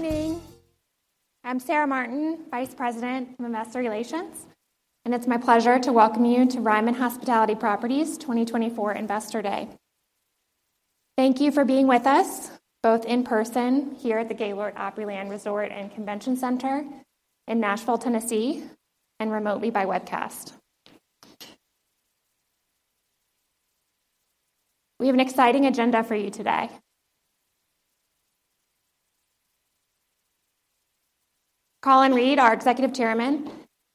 Morning! I'm Sarah Martin, Vice President of Investor Relations, and it's my pleasure to welcome you to Ryman Hospitality Properties 2024 Investor Day. Thank you for being with us, both in person here at the Gaylord Opryland Resort and Convention Center in Nashville, Tennessee, and remotely by webcast. We have an exciting agenda for you today. Colin Reed, our Executive Chairman,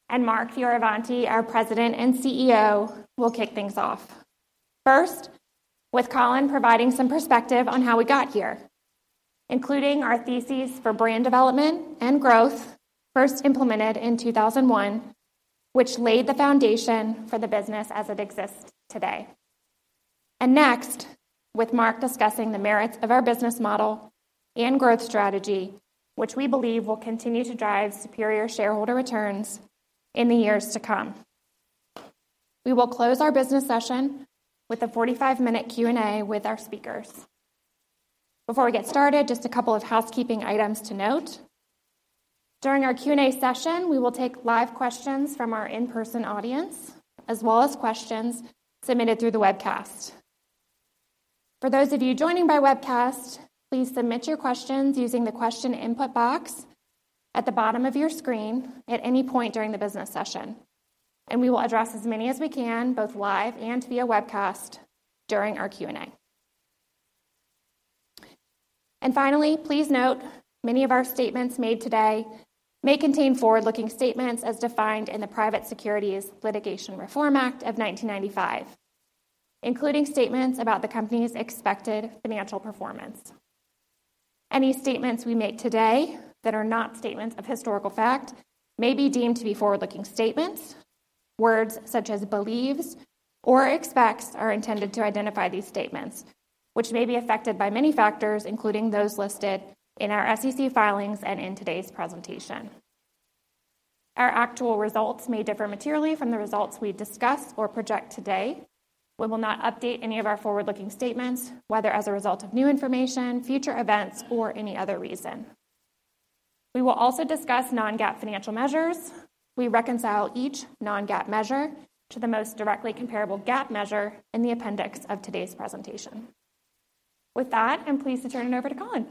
and Mark Fioravanti, our President and CEO, will kick things off. First, with Colin providing some perspective on how we got here, including our thesis for brand development and growth, first implemented in 2001, which laid the foundation for the business as it exists today. Next, with Mark discussing the merits of our business model and growth strategy, which we believe will continue to drive superior shareholder returns in the years to come. We will close our business session with a 45-minute Q&A with our speakers. Before we get started, just a couple of housekeeping items to note. During our Q&A session, we will take live questions from our in-person audience, as well as questions submitted through the webcast. For those of you joining by webcast, please submit your questions using the question input box at the bottom of your screen at any point during the business session, and we will address as many as we can, both live and via webcast, during our Q&A. And finally, please note, many of our statements made today may contain forward-looking statements as defined in the Private Securities Litigation Reform Act of 1995, including statements about the company's expected financial performance. Any statements we make today that are not statements of historical fact may be deemed to be forward-looking statements. Words such as "believes" or "expects" are intended to identify these statements, which may be affected by many factors, including those listed in our SEC filings and in today's presentation. Our actual results may differ materially from the results we discuss or project today. We will not update any of our forward-looking statements, whether as a result of new information, future events, or any other reason. We will also discuss non-GAAP financial measures. We reconcile each non-GAAP measure to the most directly comparable GAAP measure in the appendix of today's presentation. With that, I'm pleased to turn it over to Colin.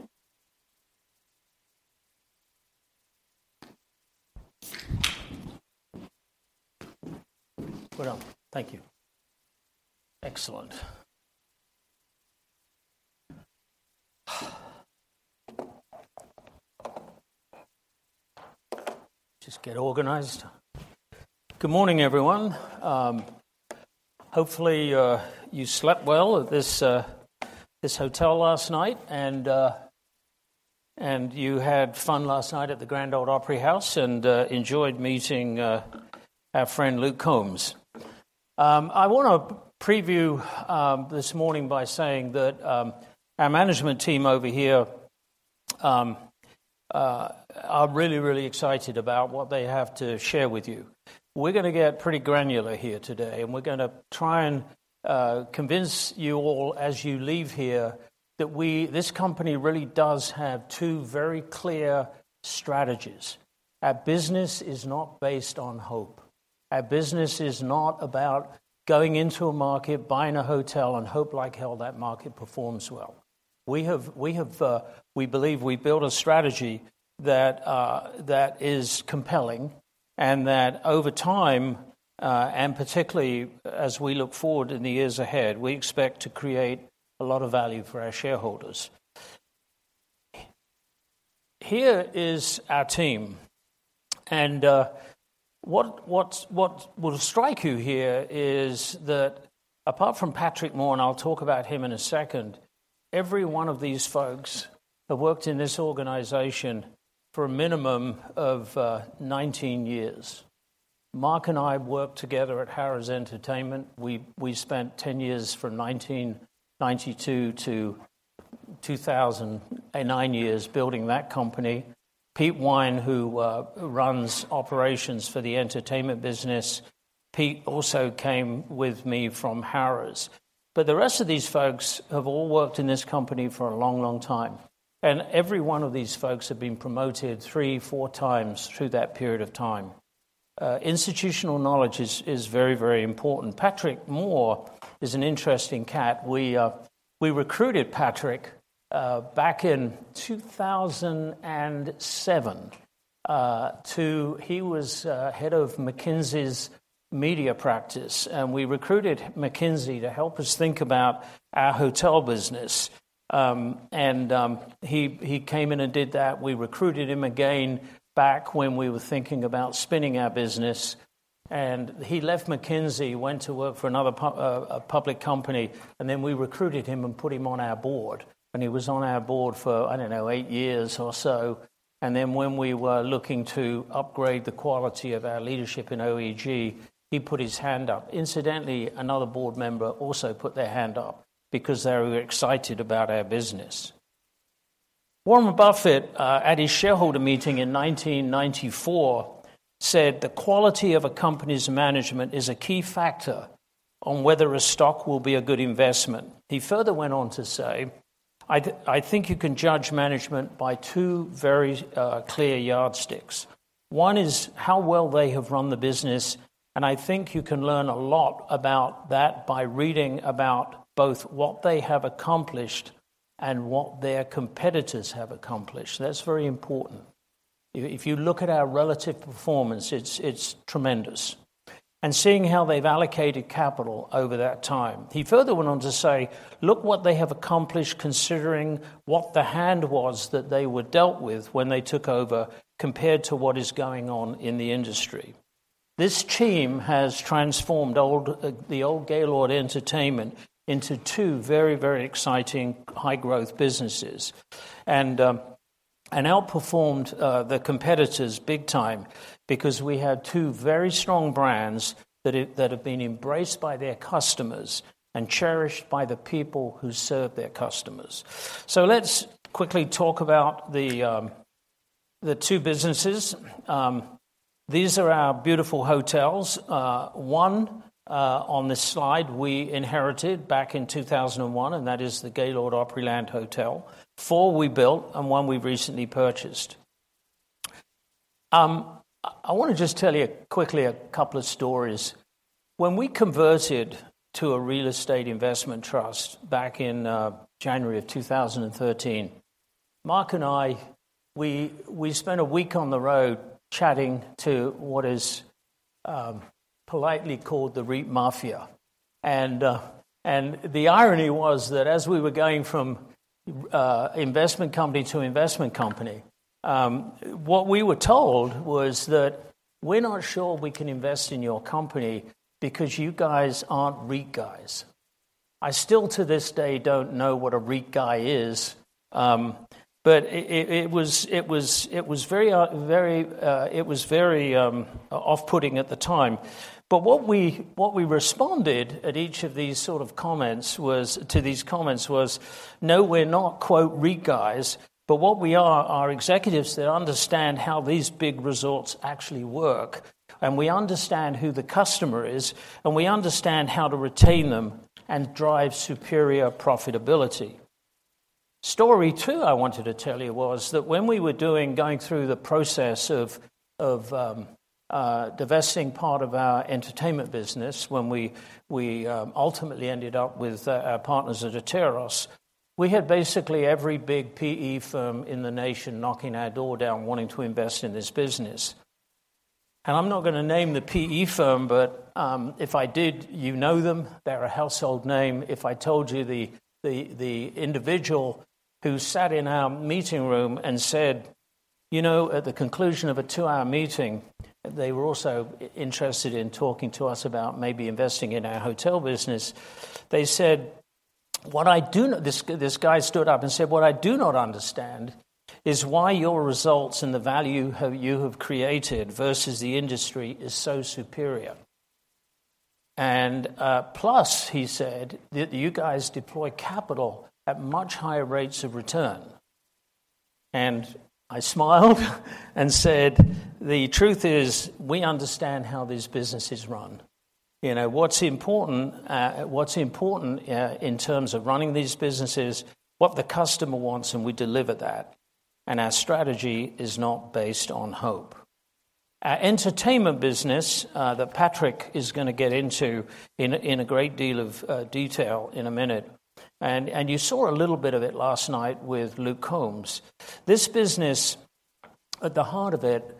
Well, thank you. Excellent. Just get organized. Good morning, everyone. Hopefully, you slept well at this hotel last night, and you had fun last night at the Grand Ole Opry House and enjoyed meeting our friend Luke Combs. I wanna preview this morning by saying that our management team over here are really, really excited about what they have to share with you. We're gonna get pretty granular here today, and we're gonna try and convince you all, as you leave here, that we, this company really does have two very clear strategies. Our business is not based on hope. Our business is not about going into a market, buying a hotel, and hope like hell that market performs well. We believe we built a strategy that is compelling, and that over time, and particularly as we look forward in the years ahead, we expect to create a lot of value for our shareholders. Here is our team, and what will strike you here is that apart from Patrick Moore, and I'll talk about him in a second, every one of these folks have worked in this organization for a minimum of 19 years. Mark and I worked together at Harrah's Entertainment. We spent 10 years, from 1992 to 2009 years, building that company. Pete Weien, who runs operations for the entertainment business, Pete also came with me from Harrah's. But the rest of these folks have all worked in this company for a long, long time, and every one of these folks have been promoted three, four times through that period of time. Institutional knowledge is very, very important. Patrick Moore is an interesting cat. We recruited Patrick back in 2007 to. He was head of McKinsey's media practice, and we recruited McKinsey to help us think about our hotel business. And he came in and did that. We recruited him again back when we were thinking about spinning our business, and he left McKinsey, went to work for another public company, and then we recruited him and put him on our board, and he was on our board for, I don't know, eight years or so. When we were looking to upgrade the quality of our leadership in OEG, he put his hand up. Incidentally, another board member also put their hand up because they were excited about our business. Warren Buffett at his shareholder meeting in 1994 said, "The quality of a company's management is a key factor on whether a stock will be a good investment." He further went on to say, "I think you can judge management by two very clear yardsticks. One is how well they have run the business, and I think you can learn a lot about that by reading about both what they have accomplished and what their competitors have accomplished." That's very important. If you look at our relative performance, it's tremendous. And seeing how they've allocated capital over that time." He further went on to say, "Look what they have accomplished, considering what the hand was that they were dealt with when they took over, compared to what is going on in the industry." This team has transformed the old Gaylord Entertainment into two very, very exciting high-growth businesses. And, and outperformed the competitors big time because we have two very strong brands that have been embraced by their customers and cherished by the people who serve their customers. So let's quickly talk about the two businesses. These are our beautiful hotels. One, on this slide, we inherited back in 2001, and that is the Gaylord Opryland Hotel. Four we built, and one we've recently purchased. I wanna just tell you quickly a couple of stories. When we converted to a real estate investment trust back in January of 2013, Mark and I spent a week on the road chatting to what is politely called the REIT Mafia. The irony was that as we were going from investment company to investment company, what we were told was that, "We're not sure we can invest in your company because you guys aren't REIT guys." I still, to this day, don't know what a REIT guy is, but it was very off-putting at the time. But what we responded to each of these sort of comments was to these comments was, "No, we're not, quote, REIT guys, but what we are, are executives that understand how these big resorts actually work, and we understand who the customer is, and we understand how to retain them and drive superior profitability." Story two I wanted to tell you was that when we were going through the process of divesting part of our entertainment business, when we ultimately ended up with our partners at Atairos, we had basically every big PE firm in the nation knocking our door down, wanting to invest in this business. And I'm not gonna name the PE firm, but if I did, you know them. They're a household name. If I told you the individual who sat in our meeting room and said, "You know," at the conclusion of a two-hour meeting, they were also interested in talking to us about maybe investing in our hotel business. They said, "What I do not understand is why your results and the value you have created versus the industry is so superior. And plus," he said, "that you guys deploy capital at much higher rates of return." And I smiled and said, "The truth is, we understand how these businesses run. You know, what's important in terms of running these businesses, what the customer wants, and we deliver that, and our strategy is not based on hope. Our entertainment business, that Patrick is gonna get into in a great deal of detail in a minute, and you saw a little bit of it last night with Luke Combs. This business, at the heart of it,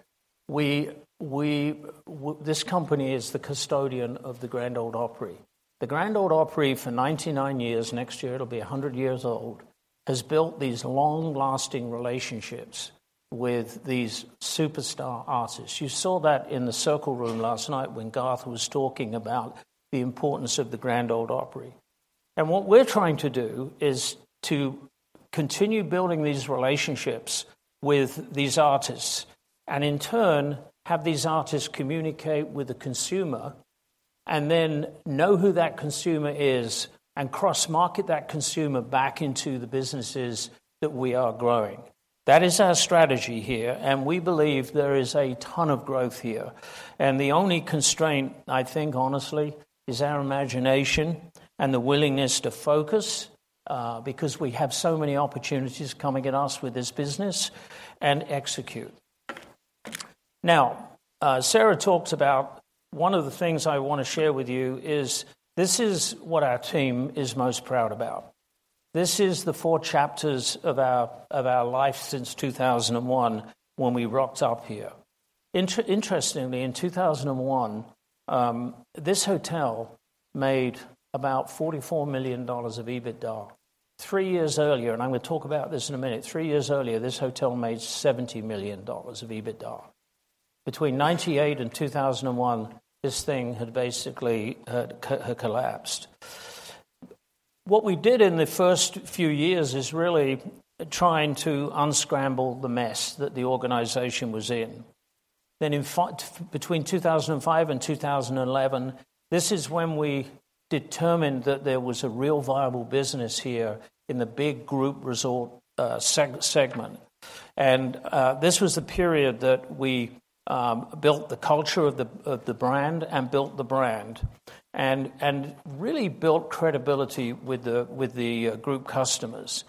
this company is the custodian of the Grand Ole Opry. The Grand Ole Opry, for 99 years, next year it'll be 100 years old, has built these long-lasting relationships with these superstar artists. You saw that in the Circle Room last night when Garth was talking about the importance of the Grand Ole Opry. What we're trying to do is to continue building these relationships with these artists and, in turn, have these artists communicate with the consumer and then know who that consumer is and cross-market that consumer back into the businesses that we are growing. That is our strategy here, and we believe there is a ton of growth here. The only constraint, I think, honestly, is our imagination and the willingness to focus because we have so many opportunities coming at us with this business, and execute. Now, Sarah talked about... One of the things I wanna share with you is, this is what our team is most proud about. This is the four chapters of our life since 2001 when we rocked up here. Interestingly, in 2001, this hotel made about $44 million of EBITDA. Three years earlier, and I'm gonna talk about this in a minute, three years earlier, this hotel made $70 million of EBITDA. Between 1998 and 2001, this thing had basically collapsed. What we did in the first few years is really trying to unscramble the mess that the organization was in. Then in fact, between 2005 and 2011, this is when we determined that there was a real viable business here in the big group resort segment. And this was the period that we built the culture of the brand and built the brand and really built credibility with the group customers.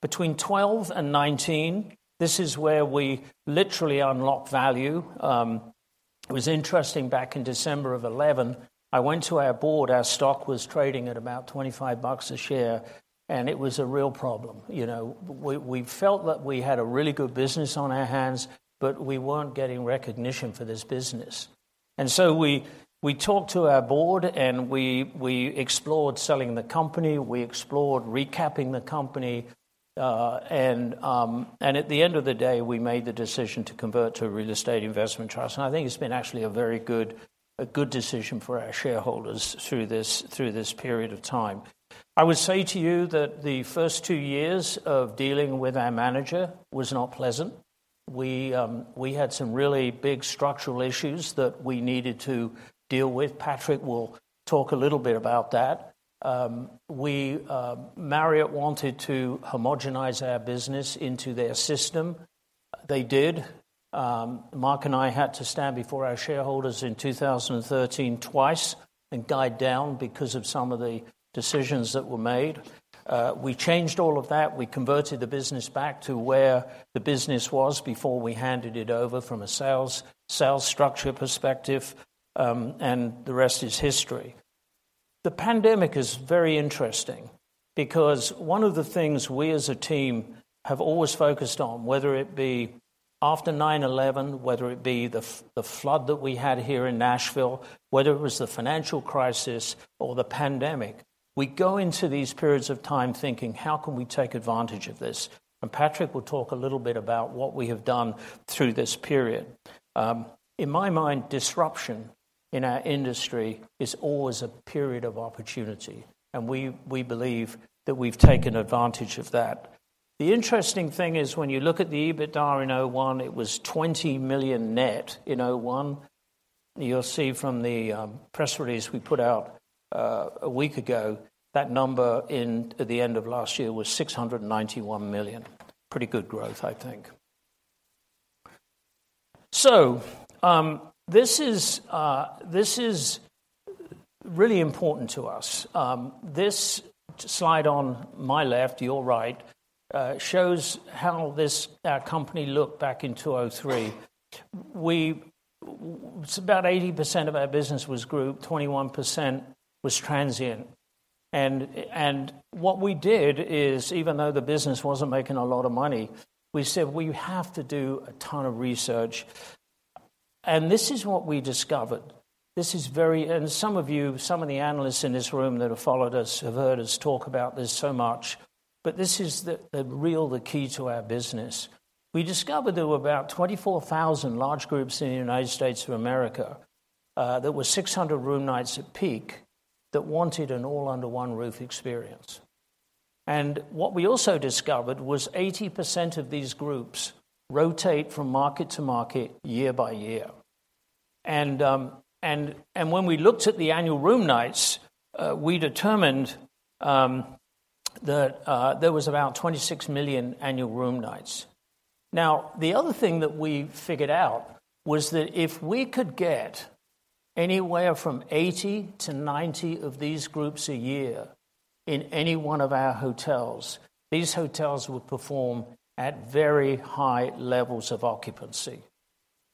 Between 12 and 19, this is where we literally unlocked value. It was interesting, back in December of 2011, I went to our board. Our stock was trading at about $25 a share, and it was a real problem. You know, we felt that we had a really good business on our hands, but we weren't getting recognition for this business. So we talked to our board, and we explored selling the company, we explored recapping the company, and at the end of the day, we made the decision to convert to a real estate investment trust. I think it's been actually a very good decision for our shareholders through this period of time. I would say to you that the first two years of dealing with our manager was not pleasant. We had some really big structural issues that we needed to deal with. Patrick will talk a little bit about that. Marriott wanted to homogenize our business into their system. They did. Mark and I had to stand before our shareholders in 2013 twice and guide down because of some of the decisions that were made. We changed all of that. We converted the business back to where the business was before we handed it over from a sales, sales structure perspective, and the rest is history. The pandemic is very interesting because one of the things we as a team have always focused on, whether it be after 9/11, whether it be the flood that we had here in Nashville, whether it was the financial crisis or the pandemic, we go into these periods of time thinking: How can we take advantage of this? And Patrick will talk a little bit about what we have done through this period. In my mind, disruption in our industry is always a period of opportunity, and we believe that we've taken advantage of that. The interesting thing is when you look at the EBITDA in 2001, it was $20 million net in 2001. You'll see from the press release we put out a week ago, that number at the end of last year was $691 million. Pretty good growth, I think. This is really important to us. This slide on my left, your right, shows how this company looked back in 2003. About 80% of our business was group, 21% was transient. What we did is, even though the business wasn't making a lot of money, we said, "We have to do a ton of research." This is what we discovered. This is very... Some of you, some of the analysts in this room that have followed us have heard us talk about this so much, but this is the real key to our business. We discovered there were about 24,000 large groups in the United States of America that were 600 room nights at peak, that wanted an all-under-one-roof experience. What we also discovered was 80% of these groups rotate from market to market, year by year. When we looked at the annual room nights, we determined that there was about 26 million annual room nights. Now, the other thing that we figured out was that if we could get anywhere from 80%-90% of these groups a year in any one of our hotels, these hotels would perform at very high levels of occupancy.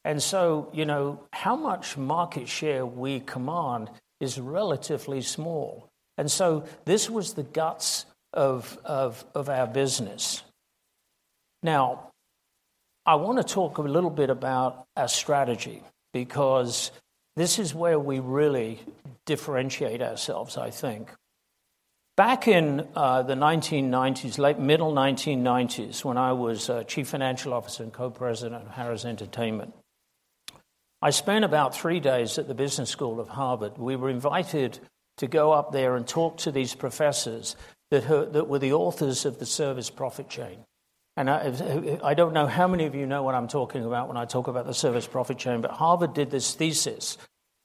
And so, you know, how much market share we command is relatively small, and so this was the guts of, of, of our business. Now, I want to talk a little bit about our strategy because this is where we really differentiate ourselves, I think. Back in, the 1990s, like middle 1990s, when I was, Chief Financial Officer and Co-president of Harrah's Entertainment, I spent about three days at the Business School of Harvard. We were invited to go up there and talk to these professors that that were the authors of The Service Profit Chain. And, I don't know how many of you know what I'm talking about when I talk about The Service Profit Chain, but Harvard did this thesis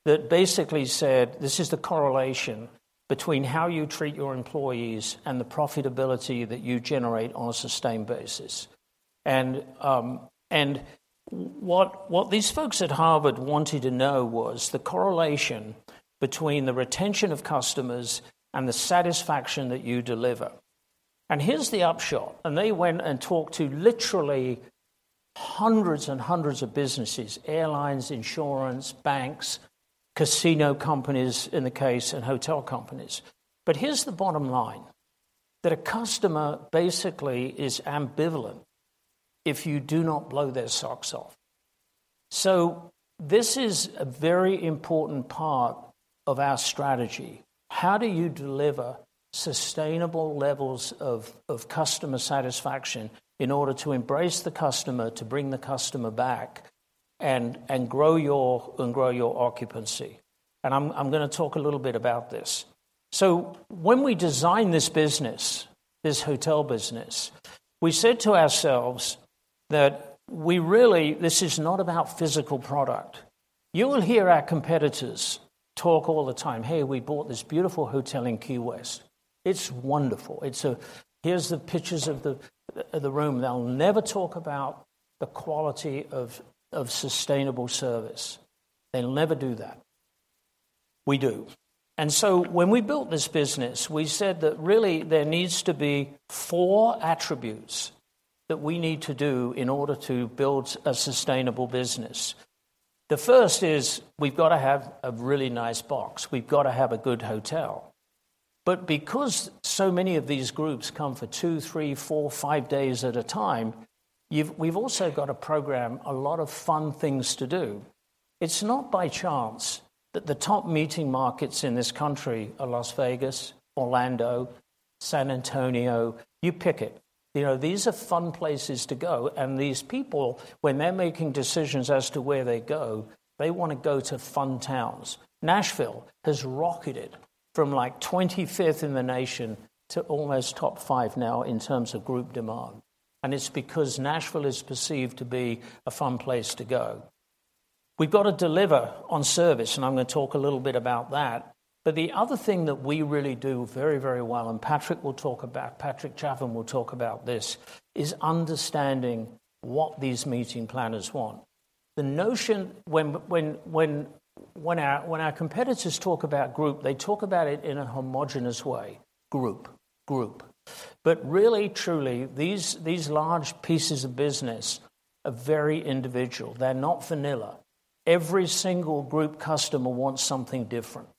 that basically said, "This is the correlation between how you treat your employees and the profitability that you generate on a sustained basis." And, what these folks at Harvard wanted to know was the correlation between the retention of customers and the satisfaction that you deliver. And here's the upshot, and they went and talked to literally hundreds and hundreds of businesses, airlines, insurance, banks, casino companies, in the case of hotel companies. But here's the bottom line, that a customer basically is ambivalent if you do not blow their socks off. So this is a very important part of our strategy. How do you deliver sustainable levels of customer satisfaction in order to embrace the customer, to bring the customer back and grow your occupancy? I'm gonna talk a little bit about this. So when we designed this business, this hotel business, we said to ourselves that we really, this is not about physical product. You will hear our competitors talk all the time, "Hey, we bought this beautiful hotel in Key West. It's wonderful. It's here's the pictures of the room." They'll never talk about the quality of sustainable service. They'll never do that. We do. So when we built this business, we said that really there needs to be four attributes that we need to do in order to build a sustainable business. The first is, we've got to have a really nice box. We've got to have a good hotel. But because so many of these groups come for two, three, four, five days at a time, we've also got to program a lot of fun things to do. It's not by chance that the top meeting markets in this country are Las Vegas, Orlando, San Antonio. You pick it. You know, these are fun places to go, and these people, when they're making decisions as to where they go, they wanna go to fun towns. Nashville has rocketed from, like, 25th in the nation to almost top five now in terms of group demand, and it's because Nashville is perceived to be a fun place to go. We've got to deliver on service, and I'm gonna talk a little bit about that. But the other thing that we really do very, very well, and Patrick will talk about, Patrick Chaffin will talk about this, is understanding what these meeting planners want. The notion when our competitors talk about group, they talk about it in a homogeneous way, group, group. But really, truly, these large pieces of business are very individual. They're not vanilla. Every single group customer wants something different.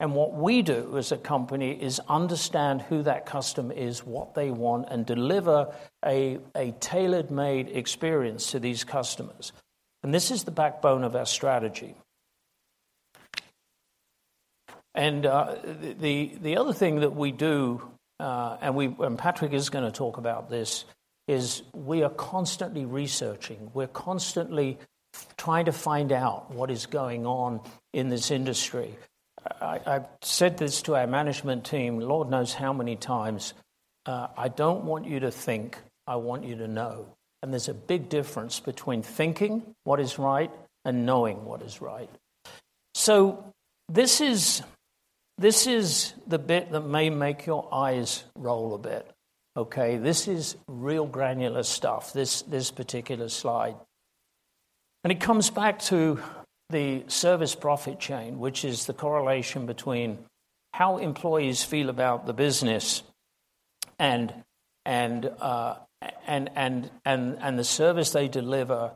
And what we do as a company is understand who that customer is, what they want, and deliver a tailor-made experience to these customers. And this is the backbone of our strategy. And the other thing that we do, and Patrick is gonna talk about this, is we are constantly researching. We're constantly trying to find out what is going on in this industry. I've said this to our management team, Lord knows how many times, "I don't want you to think, I want you to know." And there's a big difference between thinking what is right and knowing what is right. So this is the bit that may make your eyes roll a bit, okay? This is real granular stuff, this particular slide. And it comes back to the Service Profit Chain, which is the correlation between how employees feel about the business and the service they deliver,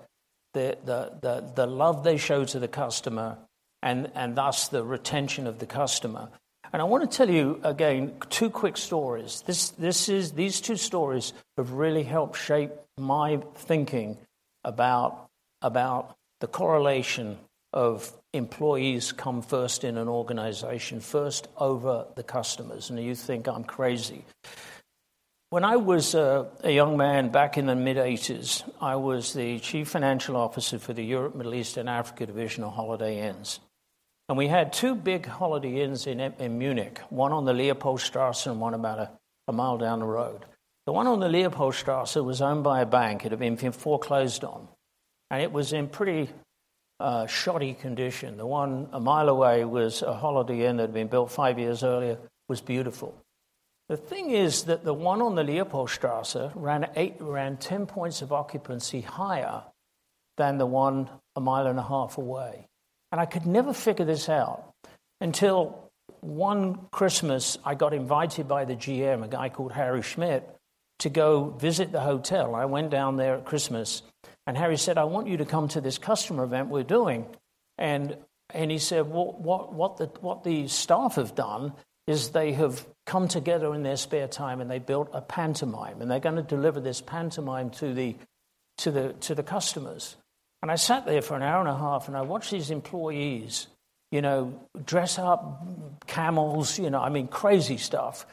the love they show to the customer, and thus, the retention of the customer. And I want to tell you again, two quick stories. This is. These two stories have really helped shape my thinking about the correlation of employees come first in an organization, first over the customers, and you think I'm crazy. When I was a young man back in the mid-eighties, I was the chief financial officer for the Europe, Middle East, and Africa division of Holiday Inns. We had two big Holiday Inns in Munich, one on the Leopoldstrasse and one about a mile down the road. The one on the Leopoldstrasse was owned by a bank. It had been foreclosed on, and it was in pretty shoddy condition. The one a mile away was a Holiday Inn that had been built five years earlier, was beautiful. The thing is that the one on the Leopoldstrasse ran ten points of occupancy higher than the one a mile and a half away. I could never figure this out until one Christmas, I got invited by the GM, a guy called Harry Schmidt, to go visit the hotel. I went down there at Christmas, and Harry said, "I want you to come to this customer event we're doing." And he said, "Well, what the staff have done is they have come together in their spare time, and they built a pantomime, and they're gonna deliver this pantomime to the customers." And I sat there for an hour and a half, and I watched these employees, you know, dress up camels, you know, I mean, crazy stuff.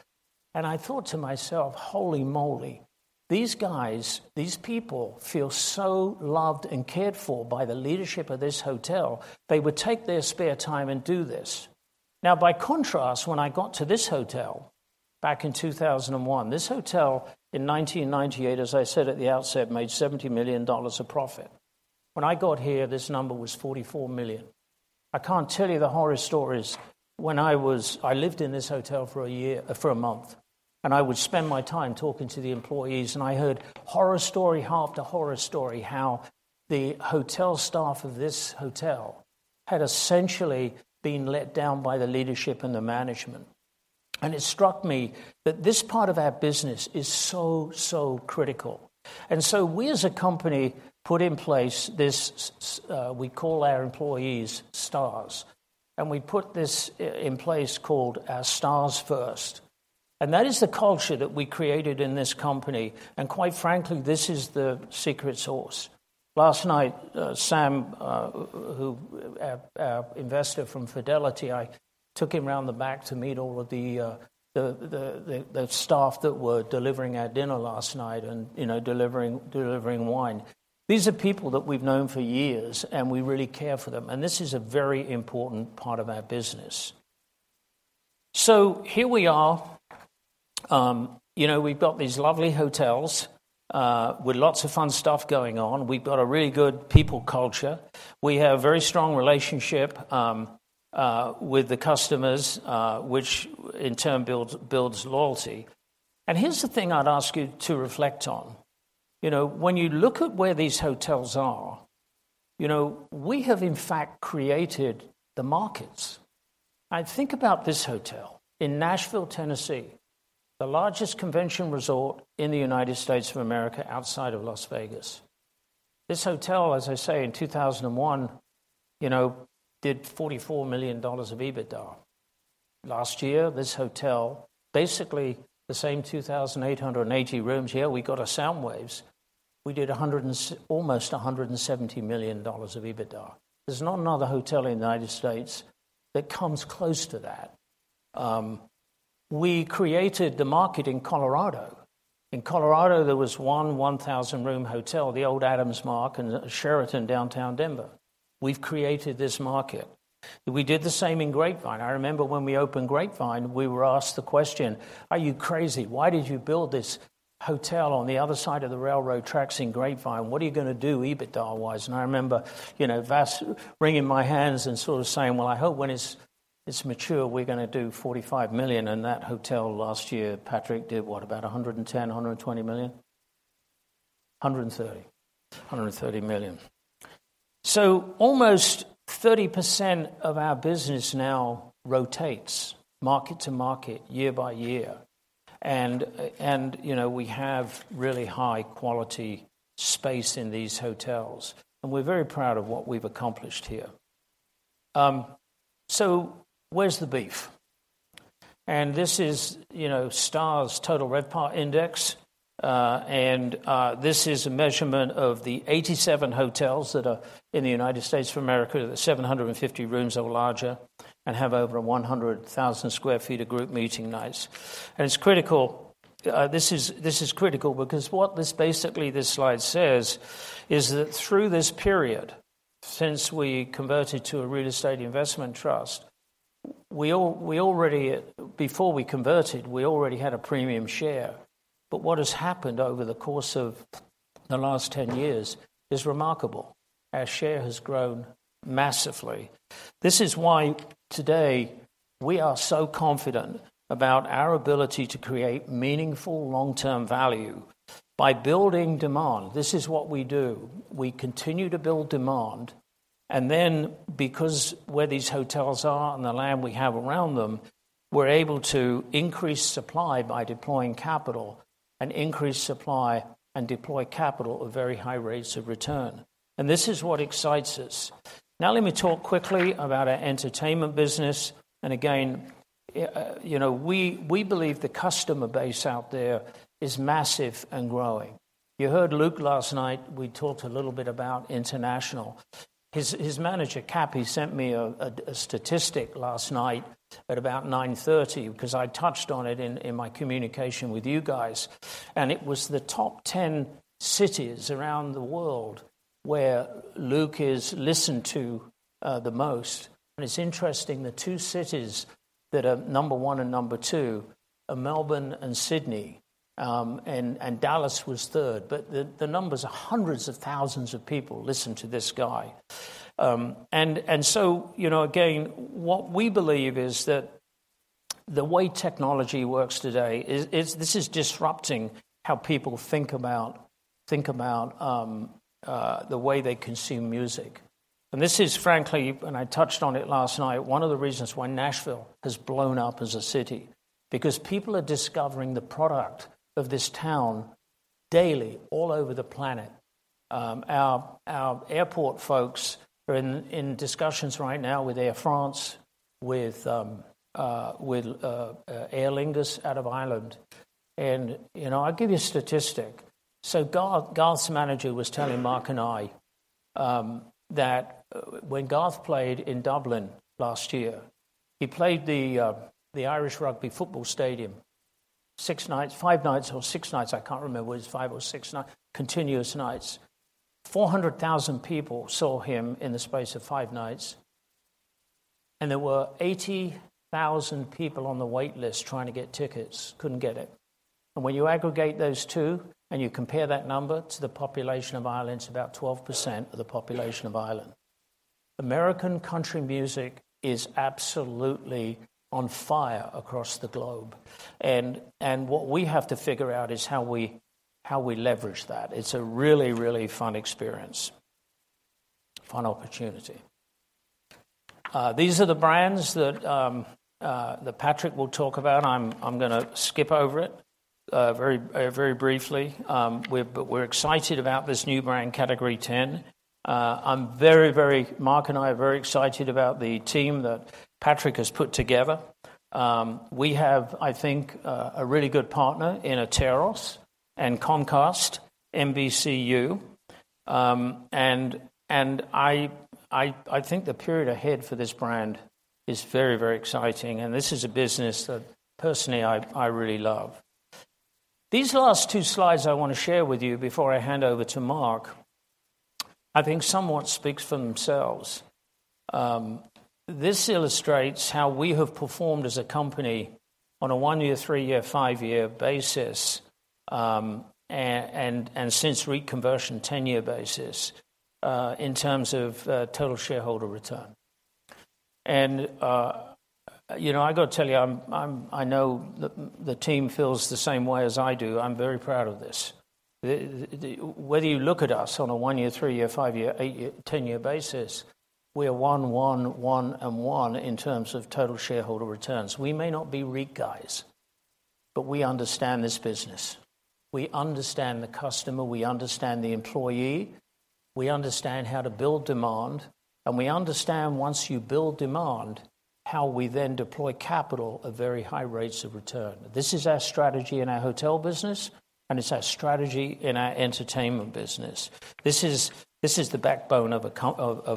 And I thought to myself: Holy moly! These guys, these people feel so loved and cared for by the leadership of this hotel. They would take their spare time and do this. Now, by contrast, when I got to this hotel back in 2001, this hotel in 1998, as I said at the outset, made $70 million of profit. When I got here, this number was $44 million. I can't tell you the horror stories when I was. I lived in this hotel for a year, for a month, and I would spend my time talking to the employees, and I heard horror story after horror story, how the hotel staff of this hotel had essentially been let down by the leadership and the management. And it struck me that this part of our business is so, so critical. And so we, as a company, put in place this, we call our employees Stars, and we put this in place called our Stars First. And that is the culture that we created in this company, and quite frankly, this is the secret sauce. Last night, Sam, who our investor from Fidelity, I took him around the back to meet all of the staff that were delivering our dinner last night and, you know, delivering wine. These are people that we've known for years, and we really care for them. And this is a very important part of our business. So here we are. You know, we've got these lovely hotels with lots of fun stuff going on. We've got a really good people culture. We have a very strong relationship with the customers, which in turn builds, builds loyalty. Here's the thing I'd ask you to reflect on. You know, when you look at where these hotels are, you know, we have in fact created the markets. I think about this hotel in Nashville, Tennessee, the largest convention resort in the United States of America, outside of Las Vegas. This hotel, as I say, in 2001, you know, did $44 million of EBITDA. Last year, this hotel, basically the same 2,880 rooms here, we got a SoundWaves. We did almost $170 million of EBITDA. There's not another hotel in the United States that comes close to that. We created the market in Colorado. In Colorado, there was one 1,000-room hotel, the old Adams Mark and the Sheraton downtown Denver. We've created this market. We did the same in Grapevine. I remember when we opened Grapevine, we were asked the question: "Are you crazy? Why did you build this hotel on the other side of the railroad tracks in Grapevine? What are you gonna do EBITDA-wise?" And I remember, you know, was wringing my hands and sort of saying, "Well, I hope when it's mature, we're gonna do $45 million." And that hotel last year, Patrick, did what? About $110 million, $120 million? $130 million. $130 million. So almost 30% of our business now rotates market to market, year by year. And, you know, we have really high quality space in these hotels, and we're very proud of what we've accomplished here. So where's the beef? And this is, you know, STR's Total RevPAR Index. And this is a measurement of the 87 hotels that are in the United States of America, that 750 rooms or larger and have over 100,000 sq ft of group meeting nights. And it's critical. This is critical because what this basically, this slide says, is that through this period, since we converted to a real estate investment trust, we already. Before we converted, we already had a premium share. But what has happened over the course of the last 10 years is remarkable. Our share has grown massively. This is why, today, we are so confident about our ability to create meaningful long-term value by building demand. This is what we do. We continue to build demand, and then because where these hotels are and the land we have around them, we're able to increase supply by deploying capital, and increase supply and deploy capital at very high rates of return. And this is what excites us. Now, let me talk quickly about our entertainment business. And again, you know, we, we believe the customer base out there is massive and growing. You heard Luke last night. We talked a little bit about international. His manager, Kappy, sent me a statistic last night at about 9:30 P.M. because I touched on it in my communication with you guys, and it was the top 10 cities around the world where Luke is listened to the most. It's interesting, the two cities that are number one and number two are Melbourne and Sydney, and Dallas was third, but the numbers are hundreds of thousands of people listen to this guy. So, you know, again, what we believe is that the way technology works today is this is disrupting how people think about the way they consume music. This is frankly, and I touched on it last night, one of the reasons why Nashville has blown up as a city, because people are discovering the product of this town daily, all over the planet. Our airport folks are in discussions right now with Air France, with Aer Lingus out of Ireland. You know, I'll give you a statistic. So Garth, Garth's manager was telling Mark and I, that when Garth played in Dublin last year, he played the Irish Rugby Football Stadium, six nights, five nights or six nights, I can't remember whether it's five or six nights, continuous nights. 400,000 people saw him in the space of five nights, and there were 80,000 people on the wait list trying to get tickets, couldn't get it. And when you aggregate those two, and you compare that number to the population of Ireland, it's about 12% of the population of Ireland. American country music is absolutely on fire across the globe. And what we have to figure out is how we leverage that. It's a really, really fun experience, fun opportunity. These are the brands that Patrick will talk about. I'm gonna skip over it very briefly. But we're excited about this new brand, Category 10. Mark and I are very excited about the team that Patrick has put together. We have, I think, a really good partner in Atairos and Comcast, NBCU. I think the period ahead for this brand is very, very exciting, and this is a business that personally, I really love. These last two slides I wanna share with you before I hand over to Mark. I think somewhat speaks for themselves. This illustrates how we have performed as a company on a one-year, three-year, five-year basis, and since REIT conversion, 10-year basis, in terms of total shareholder return. And, you know, I got to tell you, I'm. I know the team feels the same way as I do. I'm very proud of this. Whether you look at us on a one-year, three-year, five-year, eight-year, 10-year basis, we are one, one, one and one in terms of total shareholder returns. We may not be REIT guys, but we understand this business. We understand the customer, we understand the employee, we understand how to build demand, and we understand once you build demand, how we then deploy capital at very high rates of return. This is our strategy in our hotel business, and it's our strategy in our entertainment business. This is the backbone of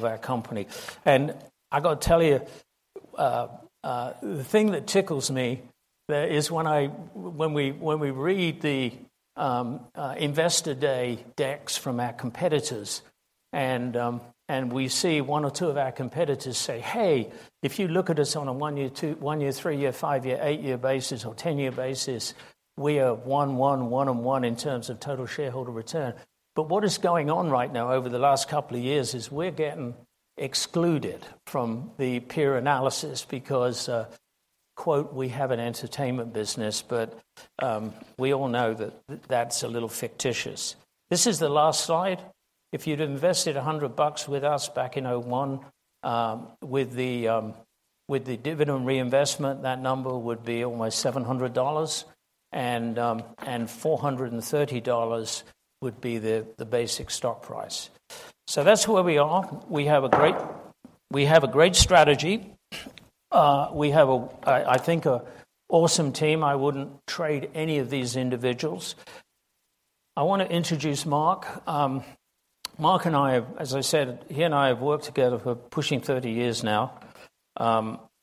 our company. And I got to tell you, the thing that tickles me is when we, when we read the investor day decks from our competitors, and we see one or two of our competitors say, "Hey, if you look at us on a one-year, two-year, one-year, three-year, five-year, eight-year basis or 10-year basis, we are one, one, one, and one in terms of total shareholder return." But what is going on right now over the last couple of years is we're getting excluded from the peer analysis because quote, "We have an entertainment business," but we all know that that's a little fictitious. This is the last slide. If you'd invested $100 with us back in 2001, with the dividend reinvestment, that number would be almost $700 and $430 would be the basic stock price. So that's where we are. We have a great strategy. We have, I think, a awesome team. I wouldn't trade any of these individuals. I want to introduce Mark. Mark and I, as I said, he and I have worked together for pushing 30 years now.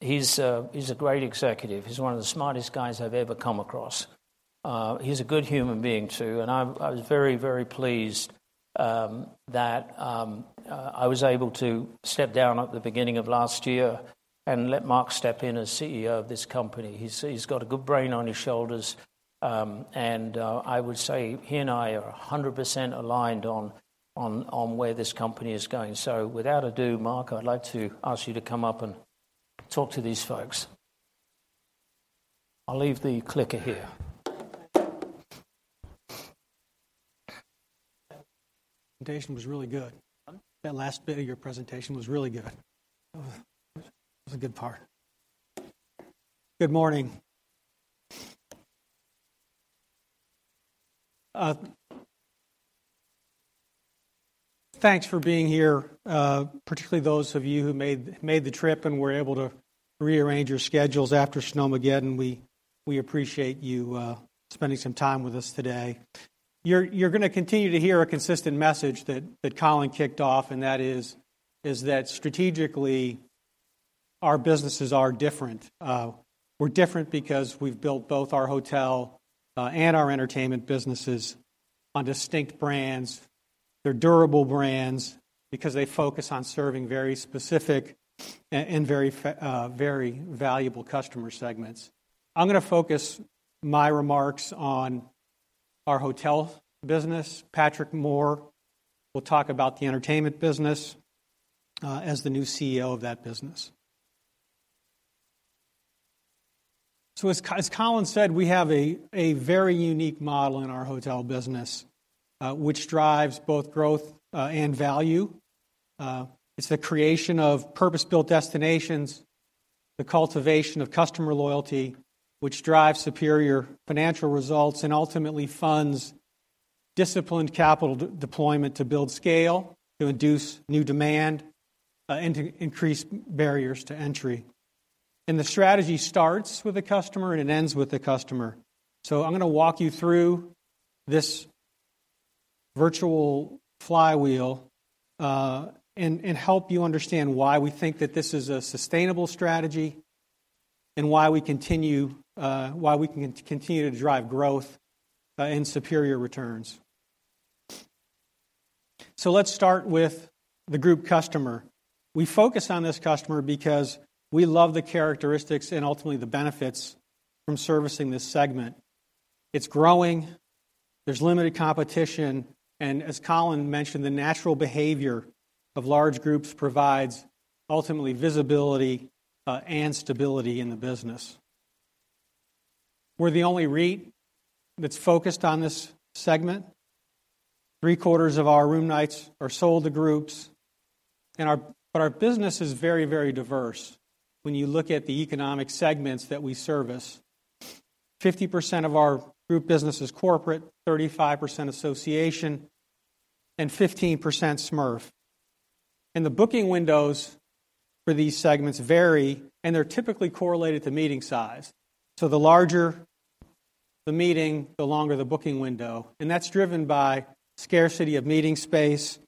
He's a great executive. He's one of the smartest guys I've ever come across. He's a good human being, too, and I was very, very pleased that I was able to step down at the beginning of last year and let Mark step in as CEO of this company. He's got a good brain on his shoulders, and I would say he and I are 100% aligned on where this company is going. So without ado, Mark, I'd like to ask you to come up and talk to these folks. I'll leave the clicker here. Presentation was really good. Huh? That last bit of your presentation was really good. It was a good part. Good morning. Thanks for being here, particularly those of you who made the trip and were able to rearrange your schedules after Snowmageddon. We appreciate you spending some time with us today. You're going to continue to hear a consistent message that Colin kicked off, and that is that strategically, our businesses are different. We're different because we've built both our hotel and our entertainment businesses on distinct brands. They're durable brands because they focus on serving very specific and very valuable customer segments. I'm going to focus my remarks on our hotel business. Patrick Moore will talk about the entertainment business as the new CEO of that business. So as Colin said, we have a very unique model in our hotel business, which drives both growth and value. It's the creation of purpose-built destinations, the cultivation of customer loyalty, which drives superior financial results and ultimately funds disciplined capital deployment to build scale, to induce new demand and to increase barriers to entry. And the strategy starts with the customer, and it ends with the customer. So I'm going to walk you through this virtual flywheel and help you understand why we think that this is a sustainable strategy and why we continue, why we can continue to drive growth and superior returns. So let's start with the group customer. We focus on this customer because we love the characteristics and ultimately the benefits from servicing this segment. It's growing, there's limited competition, and as Colin mentioned, the natural behavior of large groups provides ultimately visibility and stability in the business. We're the only REIT that's focused on this segment. Three-quarters of our room nights are sold to groups, and our-- but our business is very, very diverse when you look at the economic segments that we service. 50% of our group business is corporate, 35% association, and 15% SMERF. And the booking windows for these segments vary, and they're typically correlated to meeting size. So the larger the meeting, the longer the booking window, and that's driven by scarcity of meeting space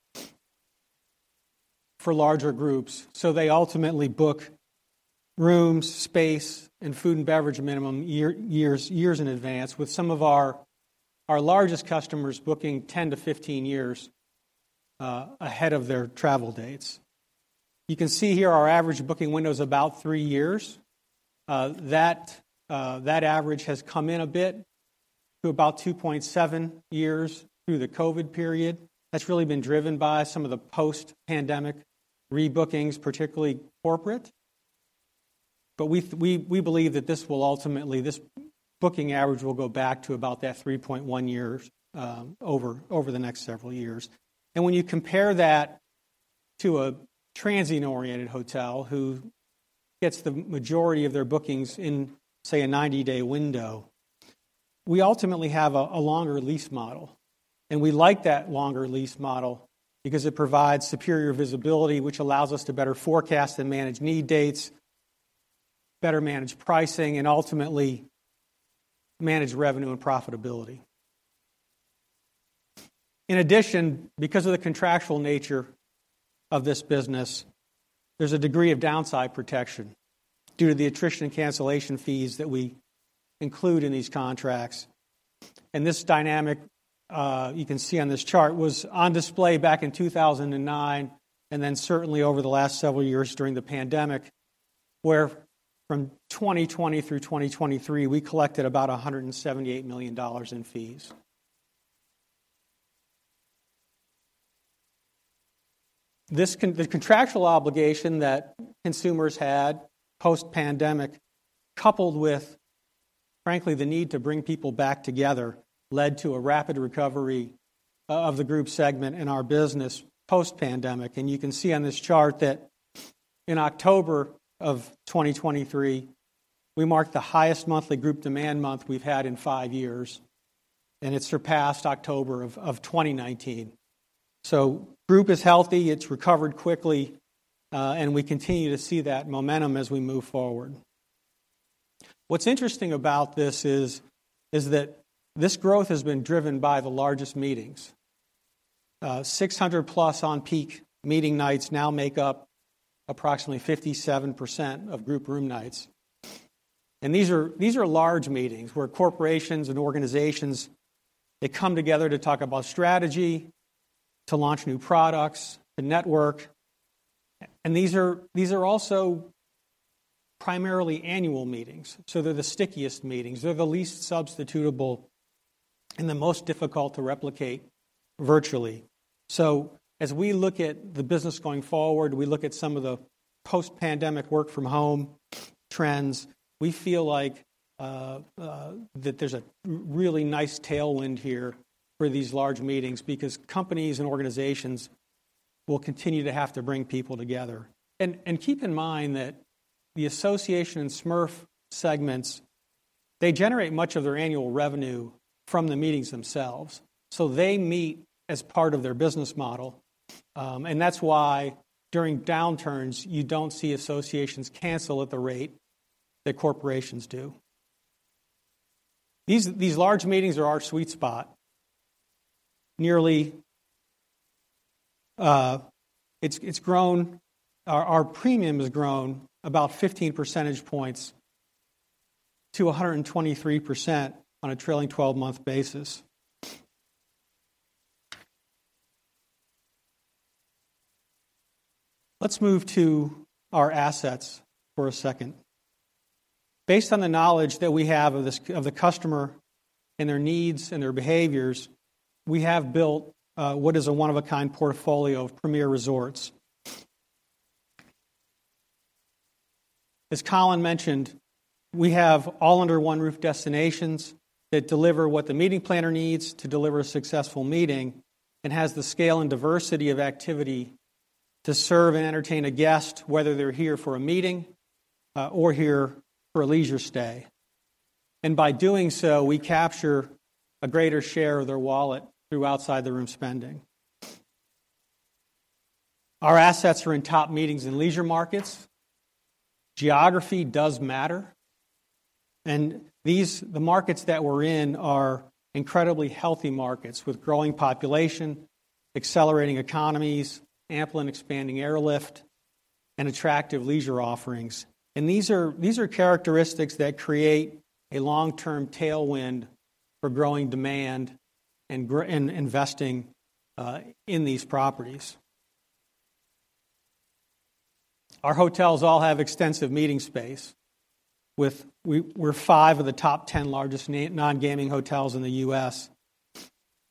for larger groups, so they ultimately book rooms, space, and food and beverage minimum year, years, years in advance, with some of our, our largest customers booking 10 years-15 years ahead of their travel dates. You can see here our average booking window is about three years. That average has come in a bit to about 2.7 years through the COVID period. That's really been driven by some of the post-pandemic rebookings, particularly corporate. But we believe that this will ultimately, this booking average will go back to about that 3.1 years, over the next several years. And when you compare that to a transient-oriented hotel, who gets the majority of their bookings in, say, a 90-day window, we ultimately have a longer lease model. And we like that longer lease model because it provides superior visibility, which allows us to better forecast and manage need dates, better manage pricing, and ultimately manage revenue and profitability. In addition, because of the contractual nature of this business, there's a degree of downside protection due to the attrition and cancellation fees that we include in these contracts. And this dynamic, you can see on this chart, was on display back in 2009, and then certainly over the last several years during the pandemic, where from 2020 through 2023, we collected about $178 million in fees. This contractual obligation that consumers had post-pandemic, coupled with, frankly, the need to bring people back together, led to a rapid recovery of the group segment in our business post-pandemic. And you can see on this chart that in October of 2023, we marked the highest monthly group demand month we've had in five years, and it surpassed October of 2019. So group is healthy, it's recovered quickly, and we continue to see that momentum as we move forward. What's interesting about this is, is that this growth has been driven by the largest meetings. 600+ on-peak meeting nights now make up approximately 57% of group room nights. And these are, these are large meetings where corporations and organizations, they come together to talk about strategy, to launch new products, and network. And these are, these are also primarily annual meetings, so they're the stickiest meetings. They're the least substitutable and the most difficult to replicate virtually. So as we look at the business going forward, we look at some of the post-pandemic work-from-home trends, we feel like that there's a really nice tailwind here for these large meetings because companies and organizations will continue to have to bring people together. Keep in mind that the association and SMERF segments, they generate much of their annual revenue from the meetings themselves, so they meet as part of their business model. And that's why during downturns, you don't see associations cancel at the rate that corporations do. These large meetings are our sweet spot. Nearly... It's grown—Our premium has grown about 15 percentage points to 123% on a trailing twelve-month basis. Let's move to our assets for a second. Based on the knowledge that we have of the customer and their needs and their behaviors, we have built what is a one-of-a-kind portfolio of premier resorts. As Colin mentioned, we have all-under-one-roof destinations that deliver what the meeting planner needs to deliver a successful meeting and has the scale and diversity of activity to serve and entertain a guest, whether they're here for a meeting, or here for a leisure stay. And by doing so, we capture a greater share of their wallet through outside-the-room spending. Our assets are in top meetings and leisure markets. Geography does matter, and the markets that we're in are incredibly healthy markets with growing population, accelerating economies, ample and expanding airlift, and attractive leisure offerings. And these are characteristics that create a long-term tailwind for growing demand and investing in these properties. Our hotels all have extensive meeting space. We're five of the top ten largest non-gaming hotels in the U.S.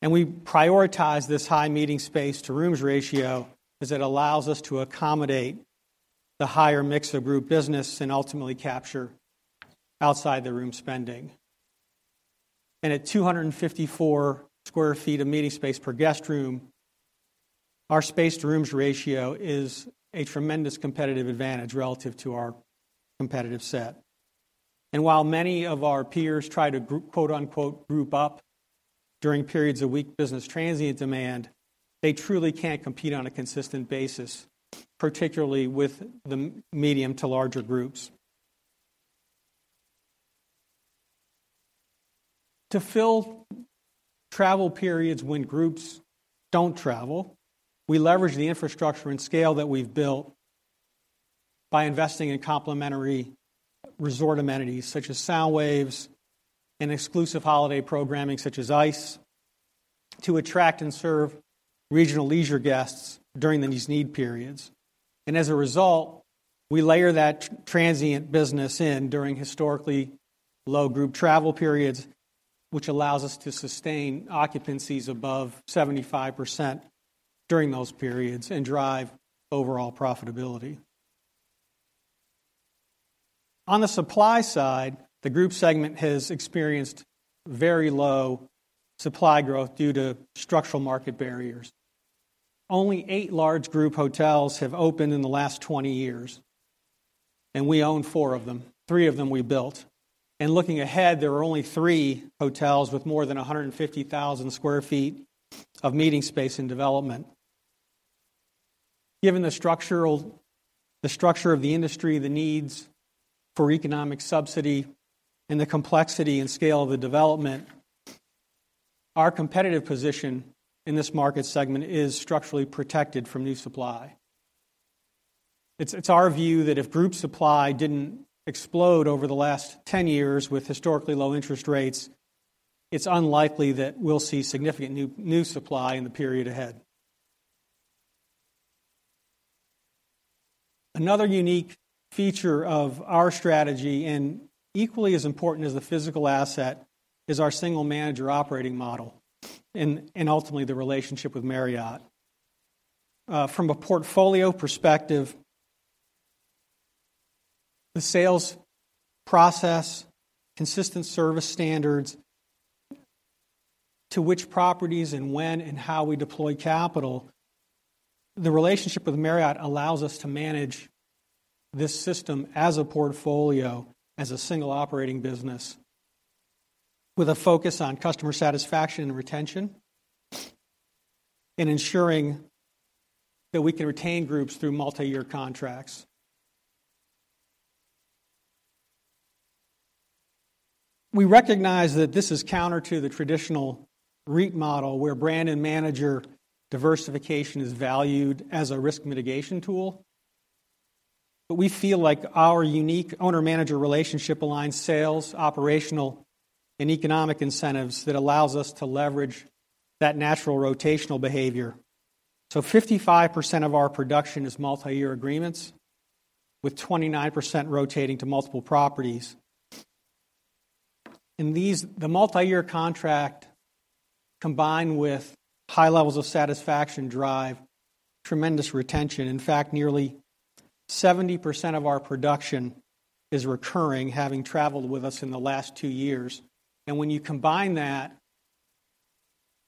We prioritize this high meeting space to rooms ratio, as it allows us to accommodate the higher mix of group business and ultimately capture outside-the-room spending. At 254 sq ft of meeting space per guest room, our space-to-rooms ratio is a tremendous competitive advantage relative to our competitive set. While many of our peers try to group, quote-unquote, "group up" during periods of weak business transient demand, they truly can't compete on a consistent basis, particularly with the medium to larger groups. To fill travel periods when groups don't travel, we leverage the infrastructure and scale that we've built by investing in complementary resort amenities, such as SoundWaves and exclusive holiday programming, such as ICE, to attract and serve regional leisure guests during these need periods. As a result, we layer that transient business in during historically low group travel periods, which allows us to sustain occupancies above 75% during those periods and drive overall profitability. On the supply side, the group segment has experienced very low supply growth due to structural market barriers. Only eight large group hotels have opened in the last 20 years, and we own four of them. Three of them we built. Looking ahead, there are only three hotels with more than 150,000 sq ft of meeting space and development. Given the structure of the industry, the needs for economic subsidy, and the complexity and scale of the development, our competitive position in this market segment is structurally protected from new supply. It's our view that if group supply didn't explode over the last 10 years with historically low interest rates, it's unlikely that we'll see significant new supply in the period ahead. Another unique feature of our strategy, and equally as important as the physical asset, is our single manager operating model, and ultimately, the relationship with Marriott. From a portfolio perspective, the sales process, consistent service standards, to which properties and when, and how we deploy capital, the relationship with Marriott allows us to manage this system as a portfolio, as a single operating business, with a focus on customer satisfaction and retention, and ensuring that we can retain groups through multi-year contracts. We recognize that this is counter to the traditional REIT model, where brand and manager diversification is valued as a risk mitigation tool. But we feel like our unique owner-manager relationship aligns sales, operational, and economic incentives that allows us to leverage that natural rotational behavior. 55% of our production is multi-year agreements, with 29% rotating to multiple properties. In these, the multi-year contract, combined with high levels of satisfaction, drive tremendous retention. In fact, nearly 70% of our production is recurring, having traveled with us in the last two years. When you combine that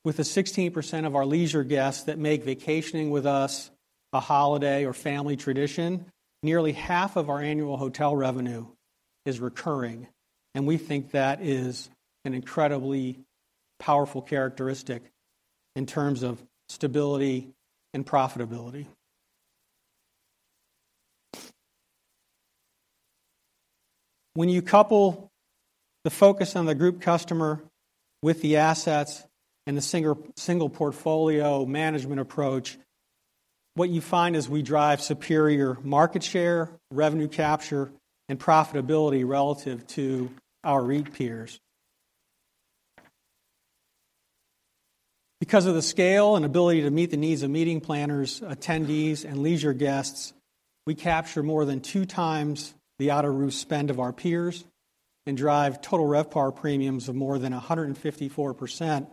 with the 16% of our leisure guests that make vacationing with us a holiday or family tradition, nearly half of our annual hotel revenue is recurring, and we think that is an incredibly powerful characteristic in terms of stability and profitability. When you couple the focus on the group customer with the assets and the single portfolio management approach, what you find is we drive superior market share, revenue capture, and profitability relative to our REIT peers. Because of the scale and ability to meet the needs of meeting planners, attendees, and leisure guests, we capture more than two times the out-of-route spend of our peers and drive total RevPAR premiums of more than 154%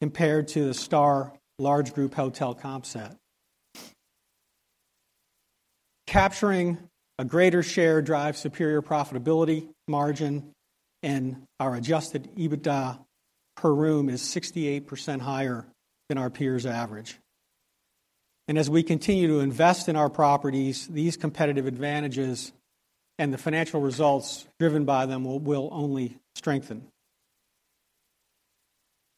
compared to the STR large group hotel comp set. Capturing a greater share drives superior profitability, margin, and our adjusted EBITDA per room is 68% higher than our peers' average. As we continue to invest in our properties, these competitive advantages and the financial results driven by them will only strengthen.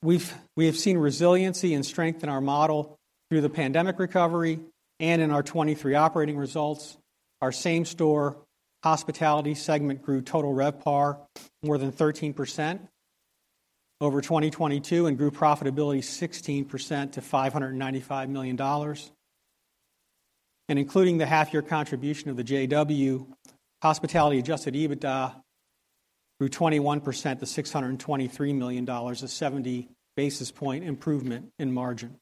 We have seen resiliency and strength in our model through the pandemic recovery and in our 2023 operating results. Our same-store hospitality segment grew total RevPAR more than 13% over 2022 and grew profitability 16% to $595 million. Including the half-year contribution of the JW, hospitality adjusted EBITDA grew 21% to $623 million, a 70 basis point improvement in margin.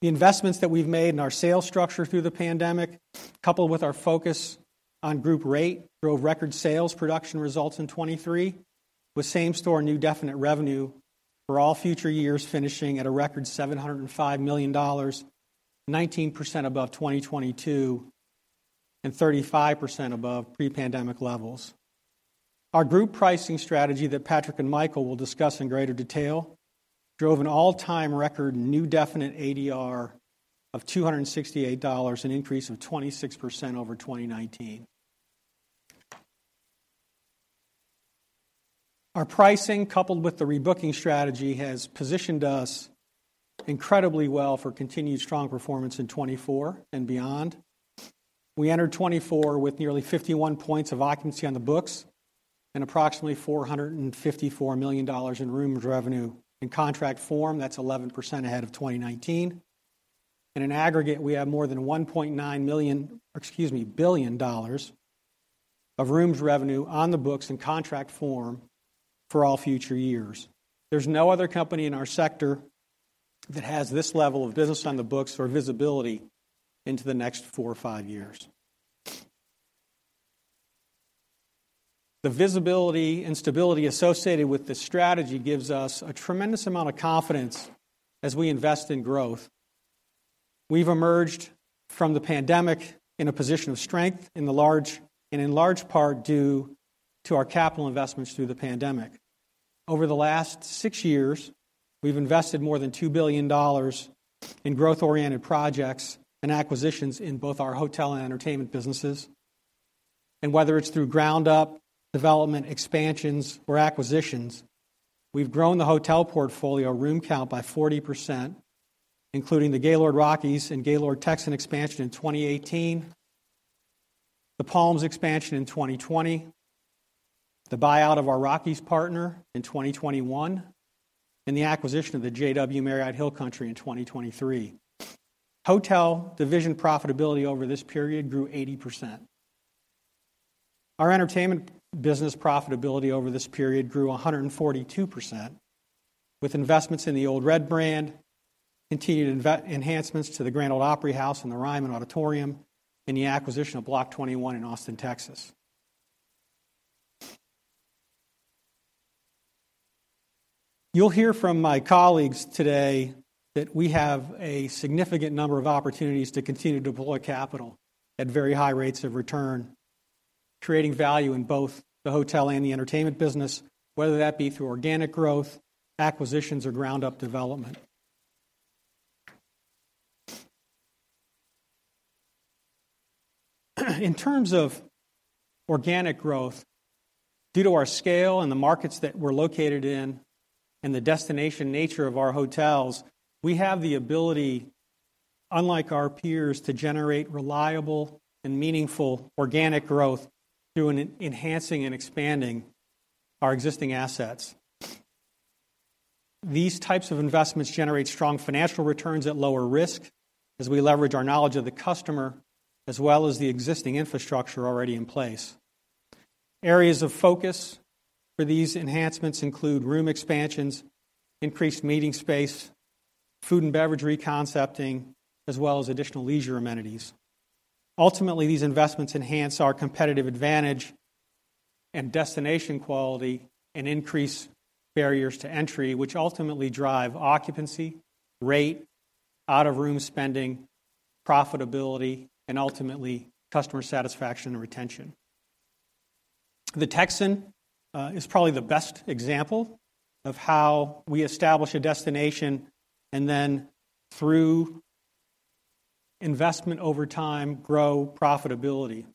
The investments that we've made in our sales structure through the pandemic, coupled with our focus on group rate, drove record sales production results in 2023, with same-store new definite revenue for all future years, finishing at a record $705 million, 19% above 2022 and 35% above pre-pandemic levels. Our group pricing strategy that Patrick and Michael will discuss in greater detail drove an all-time record new definite ADR of $268, an increase of 26% over 2019. Our pricing, coupled with the rebooking strategy, has positioned us incredibly well for continued strong performance in 2024 and beyond. We entered 2024 with nearly 51 points of occupancy on the books and approximately $454 million in rooms revenue. In contract form, that's 11% ahead of 2019. In an aggregate, we have more than $1.9 billion of rooms revenue on the books in contract form for all future years. There's no other company in our sector that has this level of business on the books or visibility into the next four or five years. The visibility and stability associated with this strategy gives us a tremendous amount of confidence as we invest in growth. We've emerged from the pandemic in a position of strength, in large part due to our capital investments through the pandemic. Over the last six years, we've invested more than $2 billion in growth-oriented projects and acquisitions in both our hotel and entertainment businesses. And whether it's through ground up development, expansions, or acquisitions, we've grown the hotel portfolio room count by 40%, including the Gaylord Rockies and Gaylord Texan expansion in 2018, the Palms expansion in 2020, the buyout of our Rockies partner in 2021, and the acquisition of the JW Marriott Hill Country in 2023. Hotel division profitability over this period grew 80%. Our entertainment business profitability over this period grew 142%, with investments in the Ole Red brand, continued enhancements to the Grand Ole Opry House and the Ryman Auditorium, and the acquisition of Block 21 in Austin, Texas. You'll hear from my colleagues today that we have a significant number of opportunities to continue to deploy capital at very high rates of return, creating value in both the hotel and the entertainment business, whether that be through organic growth, acquisitions, or ground-up development. In terms of organic growth, due to our scale and the markets that we're located in and the destination nature of our hotels, we have the ability, unlike our peers, to generate reliable and meaningful organic growth through enhancing and expanding our existing assets. These types of investments generate strong financial returns at lower risk as we leverage our knowledge of the customer, as well as the existing infrastructure already in place. Areas of focus for these enhancements include room expansions, increased meeting space, food and beverage reconcepting, as well as additional leisure amenities. Ultimately, these investments enhance our competitive advantage and destination quality and increase barriers to entry, which ultimately drive occupancy, rate, out-of-room spending, profitability, and ultimately, customer satisfaction and retention. The Texan is probably the best example of how we establish a destination and then through investment over time, grow profitability.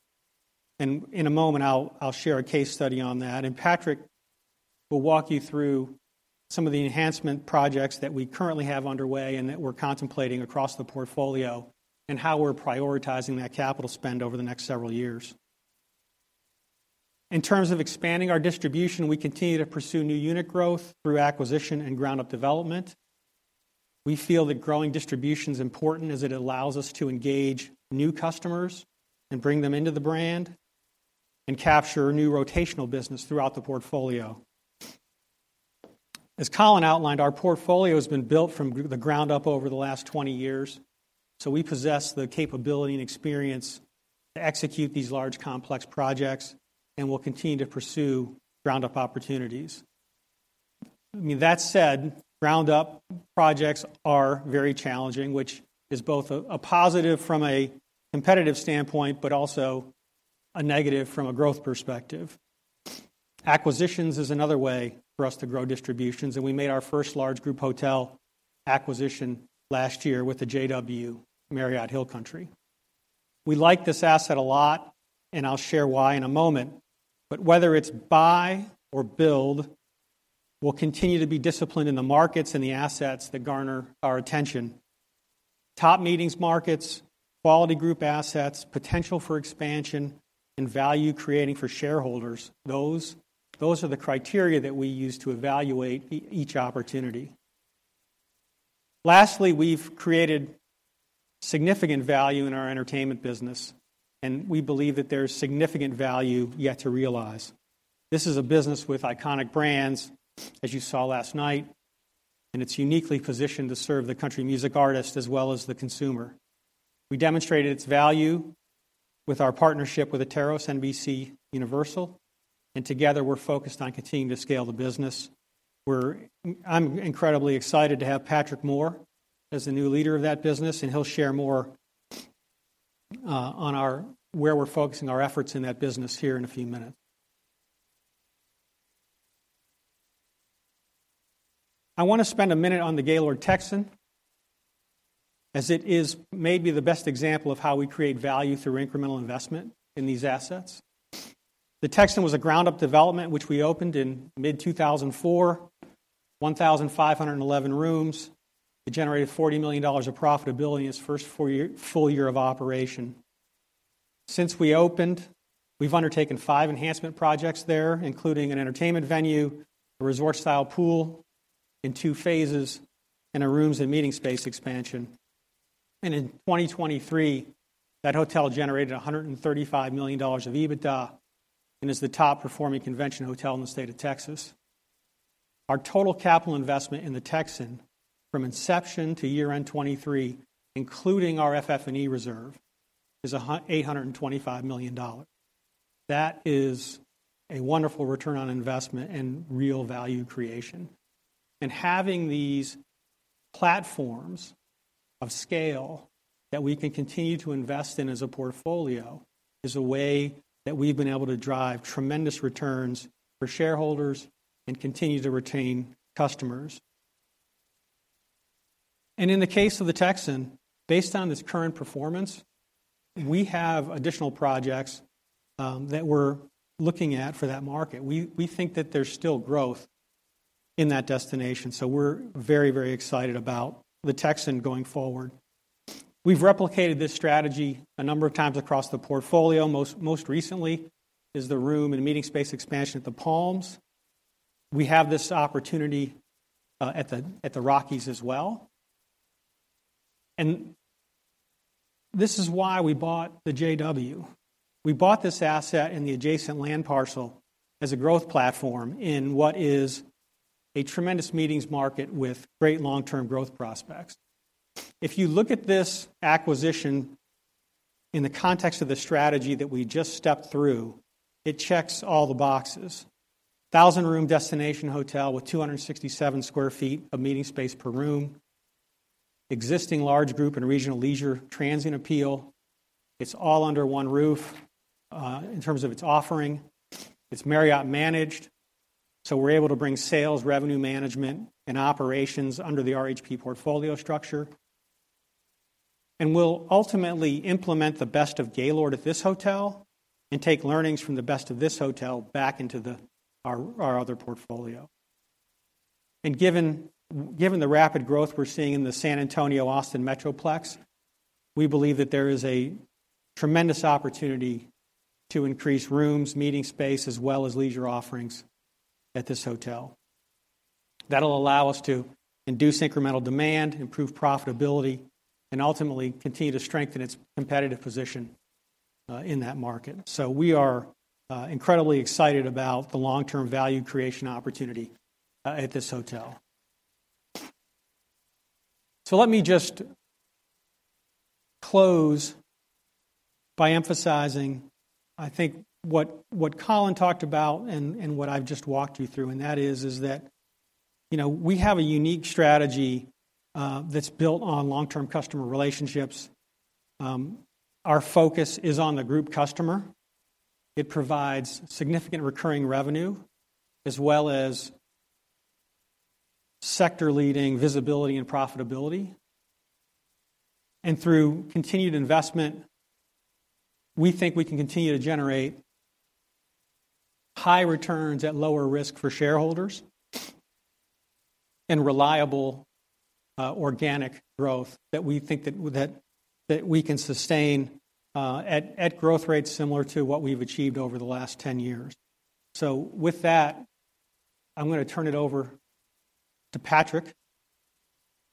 In a moment, I'll share a case study on that, and Patrick will walk you through some of the enhancement projects that we currently have underway and that we're contemplating across the portfolio, and how we're prioritizing that capital spend over the next several years. In terms of expanding our distribution, we continue to pursue new unit growth through acquisition and ground-up development. We feel that growing distribution is important as it allows us to engage new customers and bring them into the brand and capture new rotational business throughout the portfolio. As Colin outlined, our portfolio has been built from the ground up over the last 20 years, so we possess the capability and experience to execute these large, complex projects and will continue to pursue ground-up opportunities. I mean, that said, ground-up projects are very challenging, which is both a positive from a competitive standpoint, but also a negative from a growth perspective. Acquisitions is another way for us to grow distributions, and we made our first large group hotel acquisition last year with the JW Marriott Hill Country. We like this asset a lot, and I'll share why in a moment. But whether it's buy or build, we'll continue to be disciplined in the markets and the assets that garner our attention. Top meetings markets, quality group assets, potential for expansion, and value creating for shareholders, those are the criteria that we use to evaluate each opportunity. Lastly, we've created significant value in our entertainment business, and we believe that there's significant value yet to realize. This is a business with iconic brands, as you saw last night, and it's uniquely positioned to serve the country music artist as well as the consumer. We demonstrated its value with our partnership with Atairos and NBCUniversal, and together, we're focused on continuing to scale the business. I'm incredibly excited to have Patrick Moore as the new leader of that business, and he'll share more on where we're focusing our efforts in that business here in a few minutes. I want to spend a minute on the Gaylord Texan, as it is maybe the best example of how we create value through incremental investment in these assets. The Texan was a ground-up development, which we opened in mid-2004, 1,511 rooms. It generated $40 million of profitability in its first full year of operation. Since we opened, we've undertaken five enhancement projects there, including an entertainment venue, a resort-style pool in two phases, and a rooms and meeting space expansion. In 2023, that hotel generated $135 million of EBITDA, and is the top-performing convention hotel in the state of Texas. Our total capital investment in the Texan, from inception to year-end 2023, including our FF&E reserve, is $825 million. That is a wonderful return on investment and real value creation. Having these platforms of scale that we can continue to invest in as a portfolio is a way that we've been able to drive tremendous returns for shareholders and continue to retain customers. In the case of the Texan, based on its current performance, we have additional projects that we're looking at for that market. We think that there's still growth in that destination, so we're very, very excited about the Texan going forward. We've replicated this strategy a number of times across the portfolio. Most, most recently is the room and meeting space expansion at the Palms. We have this opportunity at the Rockies as well. And this is why we bought the JW. We bought this asset and the adjacent land parcel as a growth platform in what is a tremendous meetings market with great long-term growth prospects. If you look at this acquisition in the context of the strategy that we just stepped through, it checks all the boxes. 1,000-room destination hotel with 267 sq ft of meeting space per room, existing large group and regional leisure transient appeal. It's all under one roof, in terms of its offering. It's Marriott managed, so we're able to bring sales, revenue management, and operations under the RHP portfolio structure. We'll ultimately implement the best of Gaylord at this hotel and take learnings from the best of this hotel back into our other portfolio. Given the rapid growth we're seeing in the San Antonio-Austin metroplex, we believe that there is a tremendous opportunity to increase rooms, meeting space, as well as leisure offerings at this hotel. That'll allow us to induce incremental demand, improve profitability, and ultimately continue to strengthen its competitive position in that market. So we are incredibly excited about the long-term value creation opportunity at this hotel. So let me just close by emphasizing, I think, what Colin talked about and what I've just walked you through, and that is, you know, we have a unique strategy that's built on long-term customer relationships. Our focus is on the group customer. It provides significant recurring revenue, as well as sector-leading visibility and profitability. And through continued investment, we think we can continue to generate high returns at lower risk for shareholders, and reliable, organic growth that we think that we can sustain, at growth rates similar to what we've achieved over the last 10 years. So with that, I'm going to turn it over to Patrick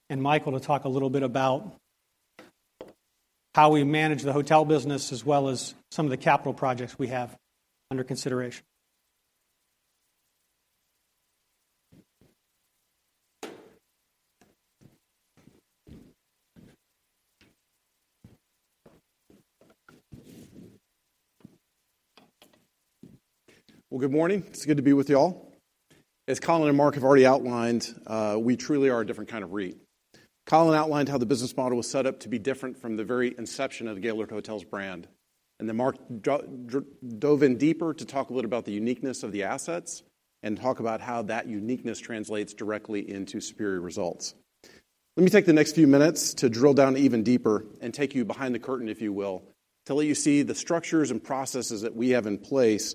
and Michael to talk a little bit about how we manage the hotel business, as well as some of the capital projects we have under consideration. Well, good morning. It's good to be with you all. As Colin and Mark have already outlined, we truly are a different kind of REIT. Colin outlined how the business model was set up to be different from the very inception of the Gaylord Hotels brand. Then Mark dove in deeper to talk a little about the uniqueness of the assets and talk about how that uniqueness translates directly into superior results. Let me take the next few minutes to drill down even deeper and take you behind the curtain, if you will, to let you see the structures and processes that we have in place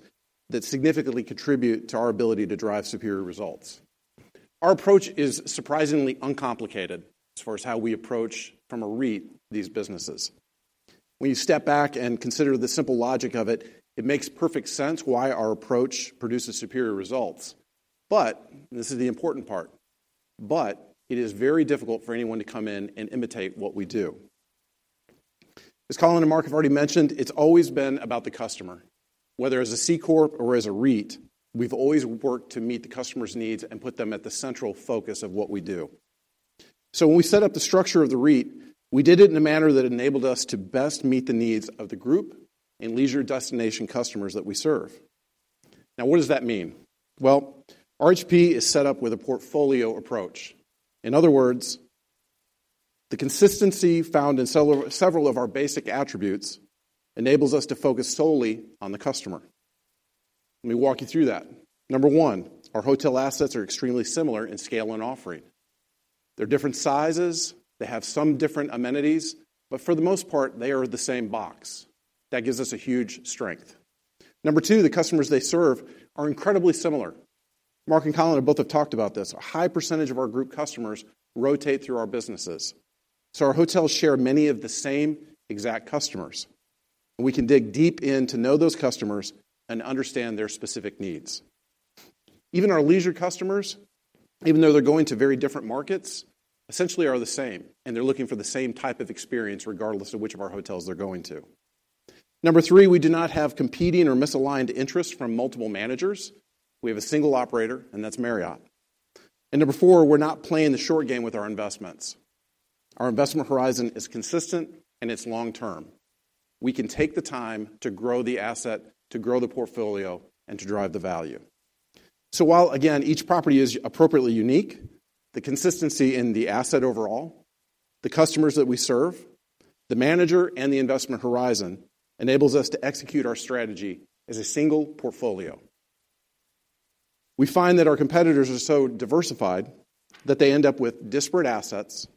that significantly contribute to our ability to drive superior results. Our approach is surprisingly uncomplicated as far as how we approach from a REIT, these businesses. When you step back and consider the simple logic of it, it makes perfect sense why our approach produces superior results. But, this is the important part, but it is very difficult for anyone to come in and imitate what we do. As Colin and Mark have already mentioned, it's always been about the customer. Whether as a C Corp or as a REIT, we've always worked to meet the customer's needs and put them at the central focus of what we do. So when we set up the structure of the REIT, we did it in a manner that enabled us to best meet the needs of the group and leisure destination customers that we serve. Now, what does that mean? Well, RHP is set up with a portfolio approach. In other words-... The consistency found in several of our basic attributes enables us to focus solely on the customer. Let me walk you through that. Number one, our hotel assets are extremely similar in scale and offering. They're different sizes, they have some different amenities, but for the most part, they are the same box. That gives us a huge strength. Number two, the customers they serve are incredibly similar. Mark and Colin both have talked about this. A high percentage of our group customers rotate through our businesses, so our hotels share many of the same exact customers, and we can dig deep into know those customers and understand their specific needs. Even our leisure customers, even though they're going to very different markets, essentially are the same, and they're looking for the same type of experience, regardless of which of our hotels they're going to. Number three, we do not have competing or misaligned interests from multiple managers. We have a single operator, and that's Marriott. And number four, we're not playing the short game with our investments. Our investment horizon is consistent and it's long term. We can take the time to grow the asset, to grow the portfolio, and to drive the value. So while again, each property is appropriately unique, the consistency in the asset overall, the customers that we serve, the manager, and the investment horizon, enables us to execute our strategy as a single portfolio. We find that our competitors are so diversified that they end up with disparate assets,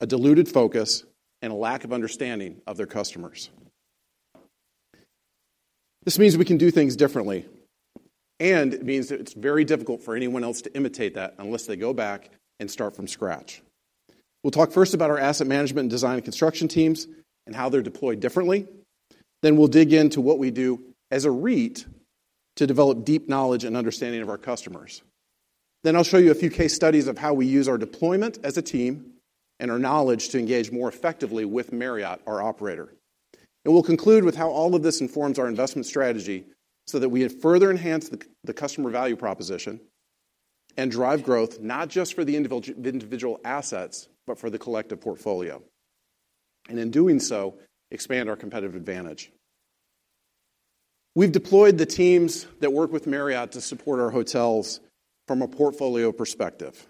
a diluted focus, and a lack of understanding of their customers. This means we can do things differently, and it means that it's very difficult for anyone else to imitate that unless they go back and start from scratch. We'll talk first about our asset management, design, and construction teams, and how they're deployed differently. Then we'll dig into what we do as a REIT to develop deep knowledge and understanding of our customers. Then I'll show you a few case studies of how we use our deployment as a team and our knowledge to engage more effectively with Marriott, our operator. And we'll conclude with how all of this informs our investment strategy, so that we further enhance the customer value proposition and drive growth, not just for the individual assets, but for the collective portfolio, and in doing so, expand our competitive advantage. We've deployed the teams that work with Marriott to support our hotels from a portfolio perspective.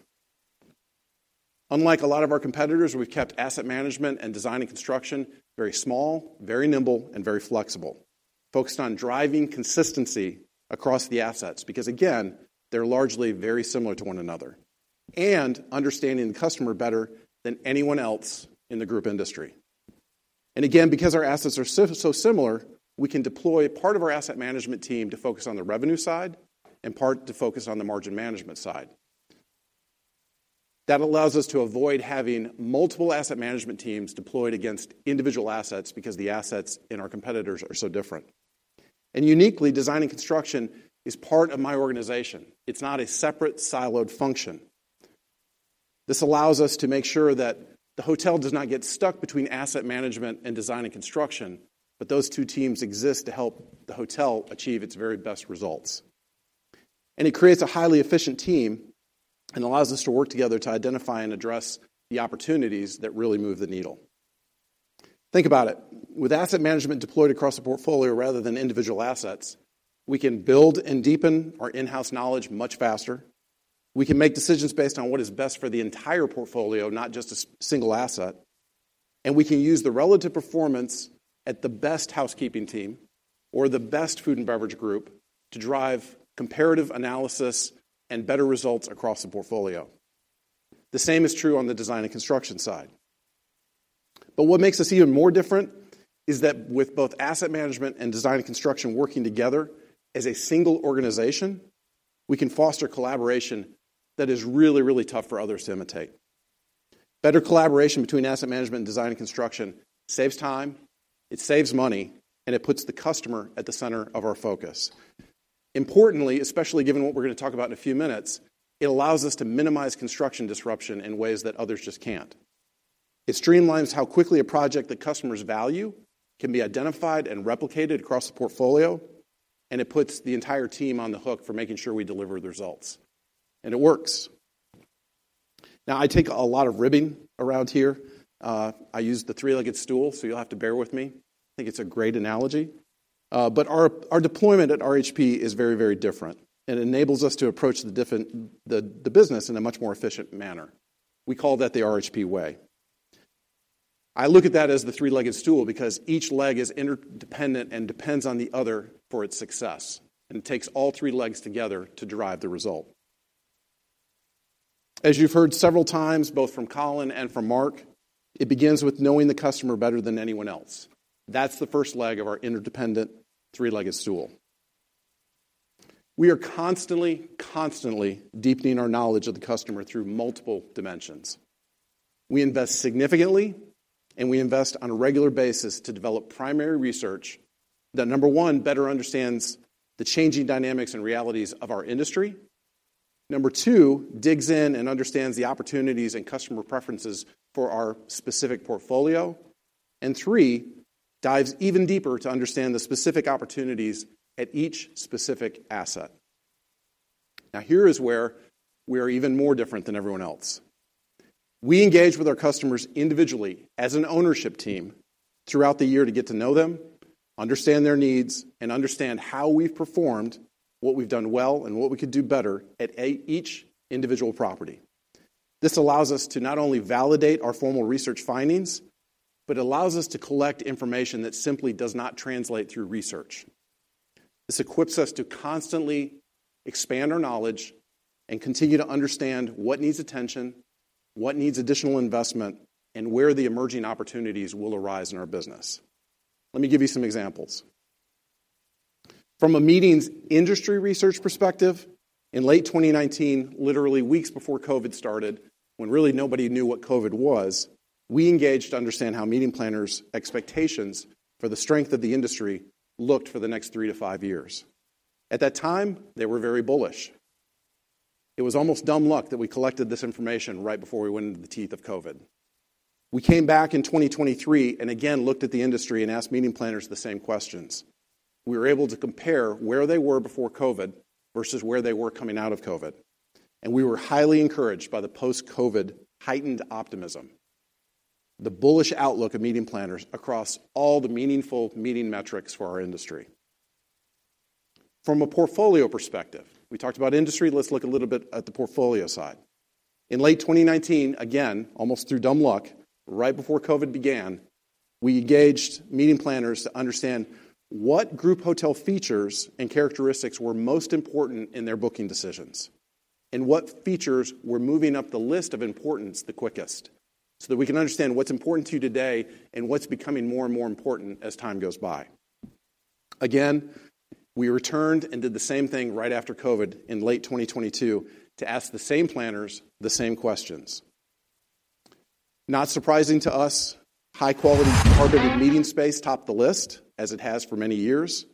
Unlike a lot of our competitors, we've kept asset management and design and construction very small, very nimble, and very flexible, focused on driving consistency across the assets, because, again, they're largely very similar to one another and understanding the customer better than anyone else in the group industry. Again, because our assets are so, so similar, we can deploy part of our asset management team to focus on the revenue side, and part to focus on the margin management side. That allows us to avoid having multiple asset management teams deployed against individual assets because the assets in our competitors are so different. Uniquely, design and construction is part of my organization. It's not a separate, siloed function. This allows us to make sure that the hotel does not get stuck between asset management and design and construction, but those two teams exist to help the hotel achieve its very best results. And it creates a highly efficient team and allows us to work together to identify and address the opportunities that really move the needle. Think about it. With asset management deployed across the portfolio rather than individual assets, we can build and deepen our in-house knowledge much faster. We can make decisions based on what is best for the entire portfolio, not just a single asset, and we can use the relative performance at the best housekeeping team or the best food and beverage group to drive comparative analysis and better results across the portfolio. The same is true on the design and construction side. But what makes us even more different is that with both asset management and design and construction working together as a single organization, we can foster collaboration that is really, really tough for others to imitate. Better collaboration between asset management and design and construction saves time, it saves money, and it puts the customer at the center of our focus. Importantly, especially given what we're going to talk about in a few minutes, it allows us to minimize construction disruption in ways that others just can't. It streamlines how quickly a project that customers value can be identified and replicated across the portfolio, and it puts the entire team on the hook for making sure we deliver the results. And it works. Now, I take a lot of ribbing around here. I use the three-legged stool, so you'll have to bear with me. I think it's a great analogy. But our deployment at RHP is very, very different and enables us to approach the business in a much more efficient manner. We call that the RHP Way. I look at that as the three-legged stool, because each leg is interdependent and depends on the other for its success, and it takes all three legs together to derive the result. As you've heard several times, both from Colin and from Mark, it begins with knowing the customer better than anyone else. That's the first leg of our interdependent three-legged stool. We are constantly, constantly deepening our knowledge of the customer through multiple dimensions. We invest significantly, and we invest on a regular basis to develop primary research that, number one, better understands the changing dynamics and realities of our industry. Number two, digs in and understands the opportunities and customer preferences for our specific portfolio. And three, dives even deeper to understand the specific opportunities at each specific asset. Now, here is where we are even more different than everyone else. We engage with our customers individually as an ownership team throughout the year to get to know them, understand their needs, and understand how we've performed, what we've done well, and what we could do better at each individual property. This allows us to not only validate our formal research findings, but allows us to collect information that simply does not translate through research. This equips us to constantly expand our knowledge and continue to understand what needs attention, what needs additional investment, and where the emerging opportunities will arise in our business. Let me give you some examples. From a meetings industry research perspective, in late 2019, literally weeks before COVID started, when really nobody knew what COVID was, we engaged to understand how meeting planners' expectations for the strength of the industry looked for the next three to five years. At that time, they were very bullish. It was almost dumb luck that we collected this information right before we went into the teeth of COVID. We came back in 2023 and again looked at the industry and asked meeting planners the same questions. We were able to compare where they were before COVID versus where they were coming out of COVID, and we were highly encouraged by the post-COVID heightened optimism, the bullish outlook of meeting planners across all the meaningful meeting metrics for our industry. From a portfolio perspective, we talked about industry. Let's look a little bit at the portfolio side. In late 2019, again, almost through dumb luck, right before COVID began, we gauged meeting planners to understand what group hotel features and characteristics were most important in their booking decisions, and what features were moving up the list of importance the quickest, so that we can understand what's important to you today and what's becoming more and more important as time goes by. Again, we returned and did the same thing right after COVID in late 2022 to ask the same planners the same questions. Not surprising to us, high-quality carpeted meeting space topped the list, as it has for many years,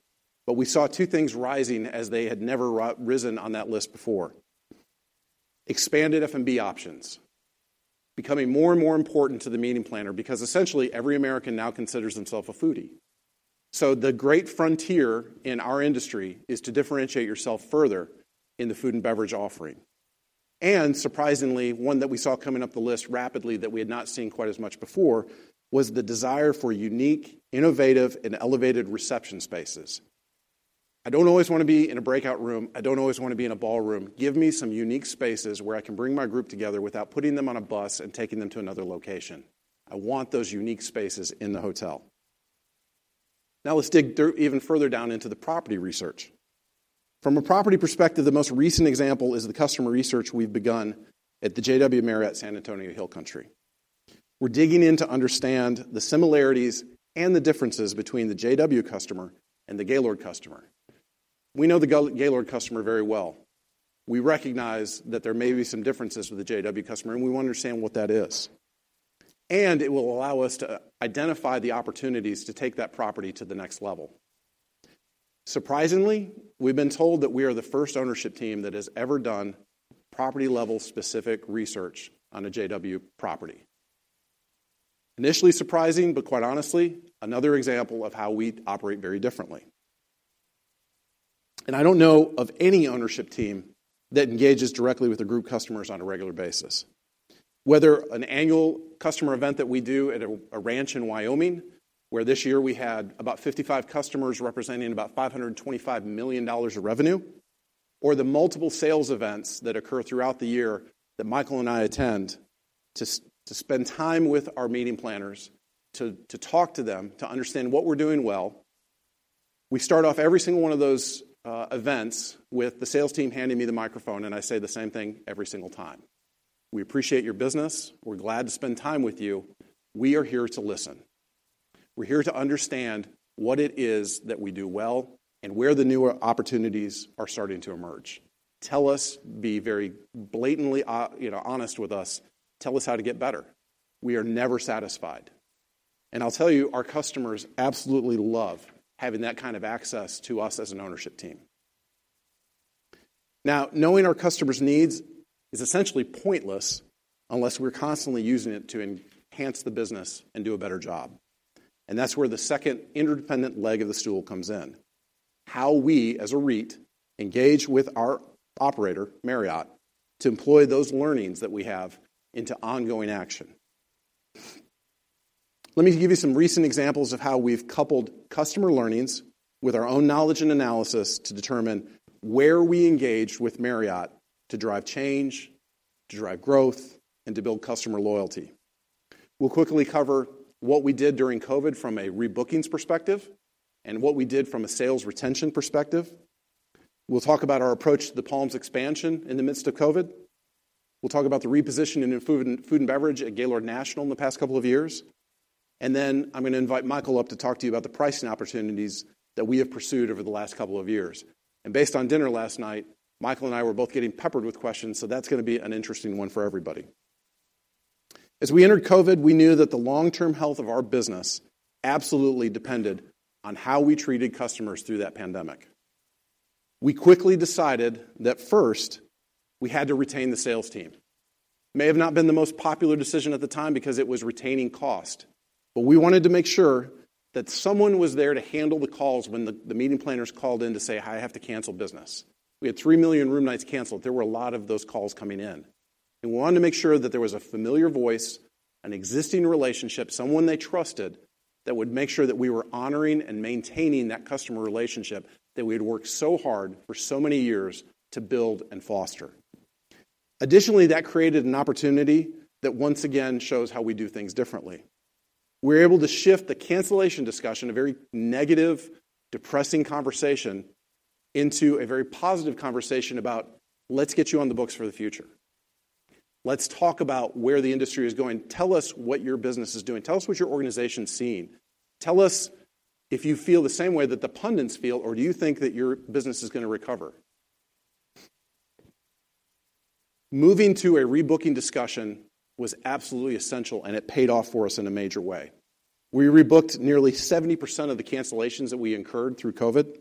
but we saw two things rising as they had never risen on that list before. Expanded F&B options, becoming more and more important to the meeting planner because essentially every American now considers themself a foodie. So the great frontier in our industry is to differentiate yourself further in the food and beverage offering. And surprisingly, one that we saw coming up the list rapidly that we had not seen quite as much before, was the desire for unique, innovative, and elevated reception spaces. I don't always want to be in a breakout room. I don't always want to be in a ballroom. Give me some unique spaces where I can bring my group together without putting them on a bus and taking them to another location. I want those unique spaces in the hotel. Now, let's dig deeper even further down into the property research. From a property perspective, the most recent example is the customer research we've begun at the JW Marriott San Antonio Hill Country Resort & Spa. We're digging in to understand the similarities and the differences between the JW customer and the Gaylord customer. We know the Gaylord customer very well. We recognize that there may be some differences with the JW customer, and we want to understand what that is. It will allow us to identify the opportunities to take that property to the next level. Surprisingly, we've been told that we are the first ownership team that has ever done property-level specific research on a JW property. Initially surprising, but quite honestly, another example of how we operate very differently. I don't know of any ownership team that engages directly with their group customers on a regular basis. Whether an annual customer event that we do at a ranch in Wyoming, where this year we had about 55 customers representing about $525 million of revenue, or the multiple sales events that occur throughout the year that Michael and I attend to spend time with our meeting planners, to talk to them, to understand what we're doing well. We start off every single one of those events with the sales team handing me the microphone, and I say the same thing every single time: "We appreciate your business. We're glad to spend time with you. We are here to listen. We're here to understand what it is that we do well and where the newer opportunities are starting to emerge. Tell us, be very blatantly, you know, honest with us. Tell us how to get better. We are never satisfied." And I'll tell you, our customers absolutely love having that kind of access to us as an ownership team. Now, knowing our customers' needs is essentially pointless unless we're constantly using it to enhance the business and do a better job. And that's where the second interdependent leg of the stool comes in: how we, as a REIT, engage with our operator, Marriott, to employ those learnings that we have into ongoing action. Let me give you some recent examples of how we've coupled customer learnings with our own knowledge and analysis to determine where we engage with Marriott to drive change, to drive growth, and to build customer loyalty. We'll quickly cover what we did during COVID from a rebookings perspective and what we did from a sales retention perspective. We'll talk about our approach to the Palms expansion in the midst of COVID. We'll talk about the reposition in food and beverage at Gaylord National in the past couple of years. Then I'm gonna invite Michael up to talk to you about the pricing opportunities that we have pursued over the last couple of years. Based on dinner last night, Michael and I were both getting peppered with questions, so that's gonna be an interesting one for everybody. As we entered COVID, we knew that the long-term health of our business absolutely depended on how we treated customers through that pandemic. We quickly decided that first, we had to retain the sales team. may have not been the most popular decision at the time because it was retaining cost, but we wanted to make sure that someone was there to handle the calls when the meeting planners called in to say, "Hi, I have to cancel business." We had $3 million room nights canceled. There were a lot of those calls coming in.... We wanted to make sure that there was a familiar voice, an existing relationship, someone they trusted, that would make sure that we were honoring and maintaining that customer relationship, that we had worked so hard for so many years to build and foster. Additionally, that created an opportunity that once again shows how we do things differently. We're able to shift the cancellation discussion, a very negative, depressing conversation, into a very positive conversation about: Let's get you on the books for the future. Let's talk about where the industry is going. Tell us what your business is doing. Tell us what your organization's seeing. Tell us if you feel the same way that the pundits feel, or do you think that your business is gonna recover? Moving to a rebooking discussion was absolutely essential, and it paid off for us in a major way. We rebooked nearly 70% of the cancellations that we incurred through COVID.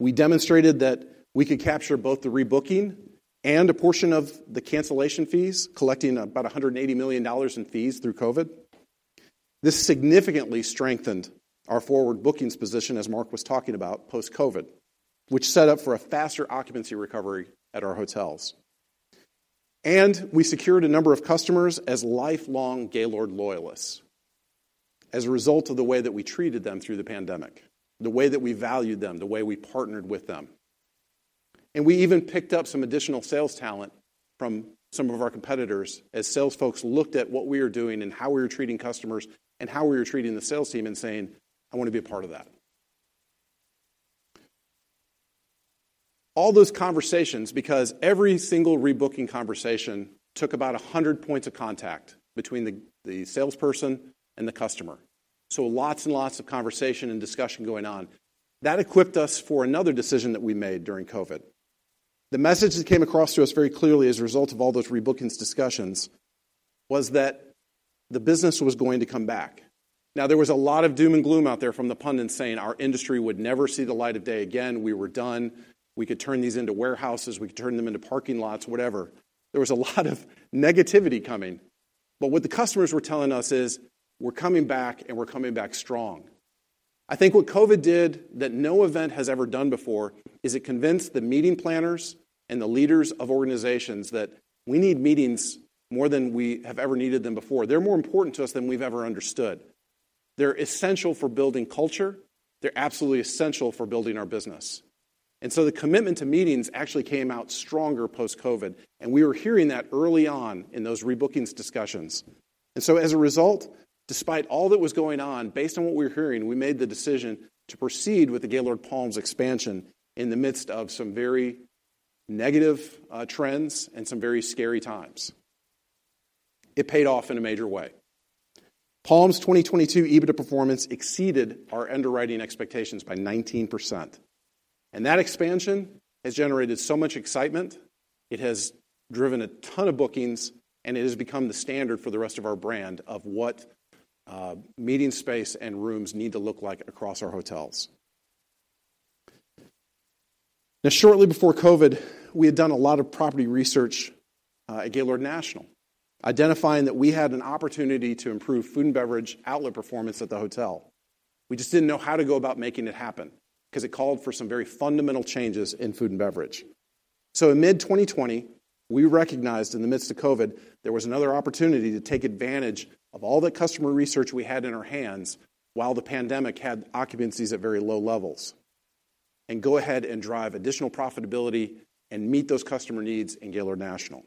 We demonstrated that we could capture both the rebooking and a portion of the cancellation fees, collecting about $180 million in fees through COVID. This significantly strengthened our forward bookings position, as Mark was talking about post-COVID, which set up for a faster occupancy recovery at our hotels. We secured a number of customers as lifelong Gaylord loyalists as a result of the way that we treated them through the pandemic, the way that we valued them, the way we partnered with them. We even picked up some additional sales talent from some of our competitors as sales folks looked at what we were doing and how we were treating customers and how we were treating the sales team and saying, "I want to be a part of that." All those conversations, because every single rebooking conversation took about 100 points of contact between the salesperson and the customer, so lots and lots of conversation and discussion going on. That equipped us for another decision that we made during COVID. The message that came across to us very clearly as a result of all those rebookings discussions was that the business was going to come back. Now, there was a lot of doom and gloom out there from the pundits saying our industry would never see the light of day again. We were done. We could turn these into warehouses. We could turn them into parking lots, whatever. There was a lot of negativity coming, but what the customers were telling us is: We're coming back, and we're coming back strong. I think what COVID did that no event has ever done before, is it convinced the meeting planners and the leaders of organizations that we need meetings more than we have ever needed them before. They're more important to us than we've ever understood. They're essential for building culture. They're absolutely essential for building our business. And so the commitment to meetings actually came out stronger post-COVID, and we were hearing that early on in those rebookings discussions. And so as a result, despite all that was going on, based on what we were hearing, we made the decision to proceed with the Gaylord Palms expansion in the midst of some very negative trends and some very scary times. It paid off in a major way. Palms 2022 EBITDA performance exceeded our underwriting expectations by 19%, and that expansion has generated so much excitement, it has driven a ton of bookings, and it has become the standard for the rest of our brand of what meeting space and rooms need to look like across our hotels. Now, shortly before COVID, we had done a lot of property research at Gaylord National, identifying that we had an opportunity to improve food and beverage outlet performance at the hotel. We just didn't know how to go about making it happen, 'cause it called for some very fundamental changes in food and beverage. So in mid-2020, we recognized in the midst of COVID, there was another opportunity to take advantage of all the customer research we had in our hands, while the pandemic had occupancies at very low levels, and go ahead and drive additional profitability and meet those customer needs in Gaylord National.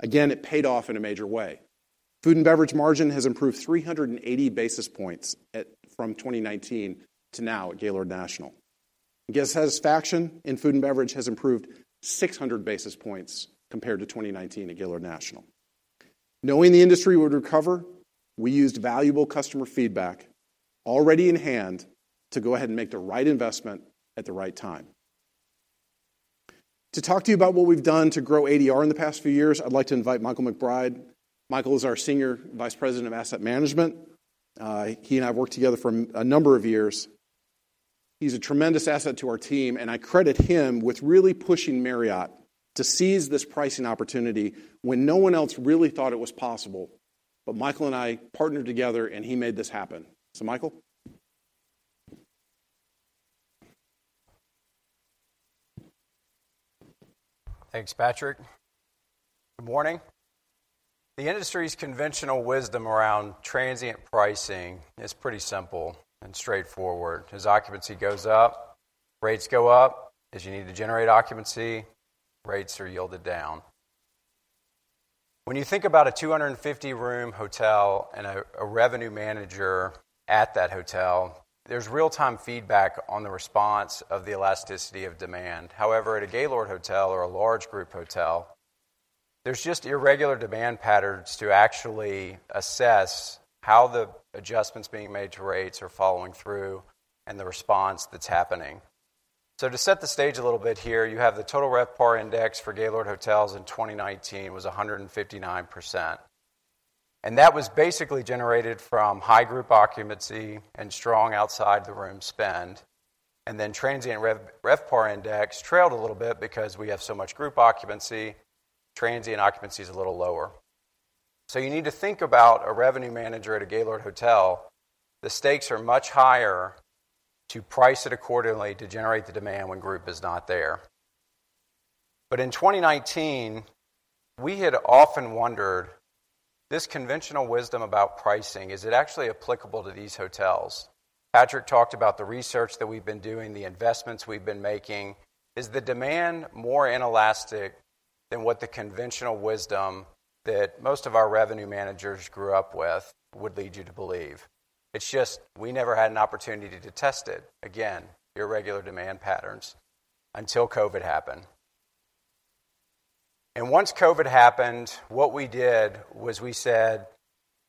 Again, it paid off in a major way. Food and beverage margin has improved 300 basis points at, from 2019 to now at Gaylord National. Guest satisfaction in food and beverage has improved 600 basis points compared to 2019 at Gaylord National. Knowing the industry would recover, we used valuable customer feedback already in hand to go ahead and make the right investment at the right time. To talk to you about what we've done to grow ADR in the past few years, I'd like to invite Michael McBride. Michael is our Senior Vice President of Asset Management. He and I have worked together for a number of years. He's a tremendous asset to our team, and I credit him with really pushing Marriott to seize this pricing opportunity when no one else really thought it was possible. But Michael and I partnered together, and he made this happen. So Michael? Thanks, Patrick. Good morning. The industry's conventional wisdom around transient pricing is pretty simple and straightforward. As occupancy goes up, rates go up. As you need to generate occupancy, rates are yielded down. When you think about a 250-room hotel and a revenue manager at that hotel, there's real-time feedback on the response of the elasticity of demand. However, at a Gaylord hotel or a large group hotel, there's just irregular demand patterns to actually assess how the adjustments being made to rates are following through and the response that's happening. So to set the stage a little bit here, you have the Total RevPAR Index for Gaylord Hotels in 2019 was 159%, and that was basically generated from high group occupancy and strong outside-the-room spend. And then Transient RevPAR Index trailed a little bit because we have so much group occupancy, transient occupancy is a little lower. So you need to think about a revenue manager at a Gaylord Hotel. The stakes are much higher to price it accordingly to generate the demand when group is not there. But in 2019, we had often wondered, this conventional wisdom about pricing, is it actually applicable to these hotels? Patrick talked about the research that we've been doing, the investments we've been making. Is the demand more inelastic than what the conventional wisdom that most of our revenue managers grew up with would lead you to believe? It's just, we never had an opportunity to test it, again, irregular demand patterns, until COVID happened. Once COVID happened, what we did was we said,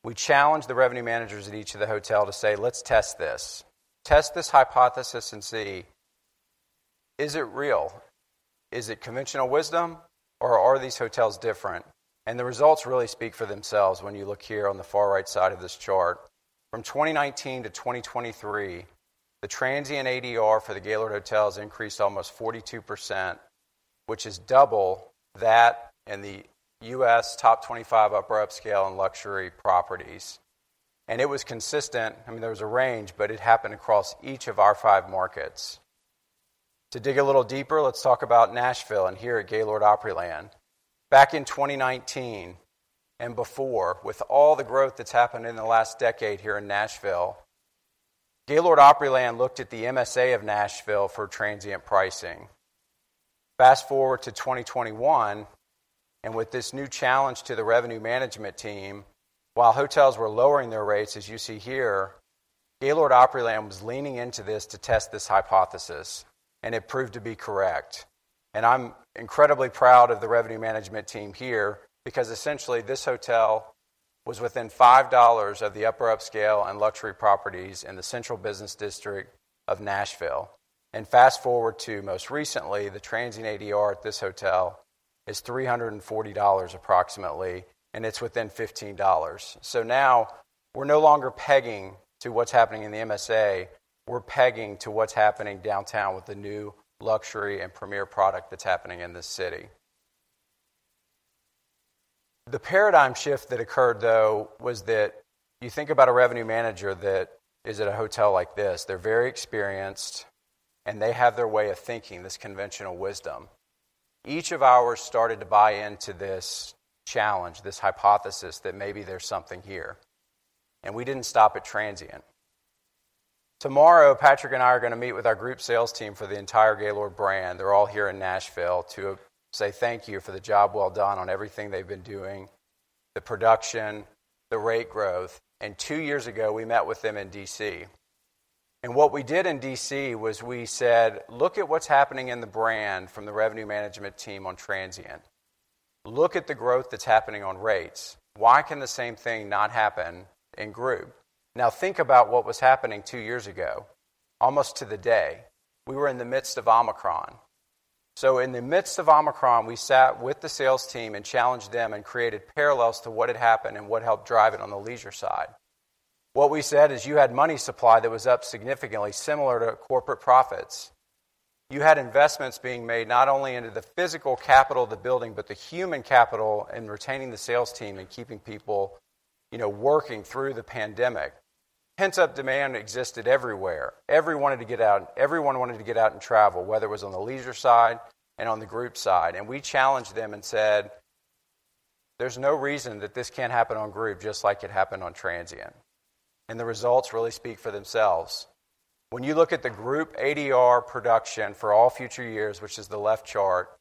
we challenged the revenue managers at each of the hotels to say, "Let's test this. Test this hypothesis and see, is it real? Is it conventional wisdom, or are these hotels different?" The results really speak for themselves when you look here on the far right side of this chart. From 2019 to 2023, the transient ADR for the Gaylord Hotels increased almost 42%, which is double that in the U.S. top 25 upper upscale and luxury properties. It was consistent. I mean, there was a range, but it happened across each of our five markets. To dig a little deeper, let's talk about Nashville and here at Gaylord Opryland. Back in 2019 and before, with all the growth that's happened in the last decade here in Nashville, Gaylord Opryland looked at the MSA of Nashville for transient pricing. Fast-forward to 2021, and with this new challenge to the revenue management team, while hotels were lowering their rates, as you see here, Gaylord Opryland was leaning into this to test this hypothesis, and it proved to be correct. And I'm incredibly proud of the revenue management team here, because essentially, this hotel was within $5 of the upper upscale and luxury properties in the central business district of Nashville. And fast-forward to most recently, the transient ADR at this hotel is $340, approximately, and it's within $15. So now we're no longer pegging to what's happening in the MSA, we're pegging to what's happening downtown with the new luxury and premier product that's happening in this city. The paradigm shift that occurred, though, was that you think about a revenue manager that is at a hotel like this. They're very experienced, and they have their way of thinking, this conventional wisdom. Each of ours started to buy into this challenge, this hypothesis, that maybe there's something here, and we didn't stop at transient. Tomorrow, Patrick and I are going to meet with our group sales team for the entire Gaylord brand. They're all here in Nashville to say thank you for the job well done on everything they've been doing, the production, the rate growth. Two years ago, we met with them in D.C. What we did in D.C. was we said, "Look at what's happening in the brand from the revenue management team on transient. Look at the growth that's happening on rates. Why can the same thing not happen in group?" Now, think about what was happening two years ago. Almost to the day, we were in the midst of Omicron. So in the midst of Omicron, we sat with the sales team and challenged them and created parallels to what had happened and what helped drive it on the leisure side. What we said is, "You had money supply that was up significantly, similar to corporate profits. You had investments being made not only into the physical capital of the building, but the human capital in retaining the sales team and keeping people, you know, working through the pandemic." Pent-up demand existed everywhere. Everyone wanted to get out and travel, whether it was on the leisure side and on the group side. And we challenged them and said, "There's no reason that this can't happen on group, just like it happened on transient." And the results really speak for themselves. When you look at the group ADR production for all future years, which is the left chart,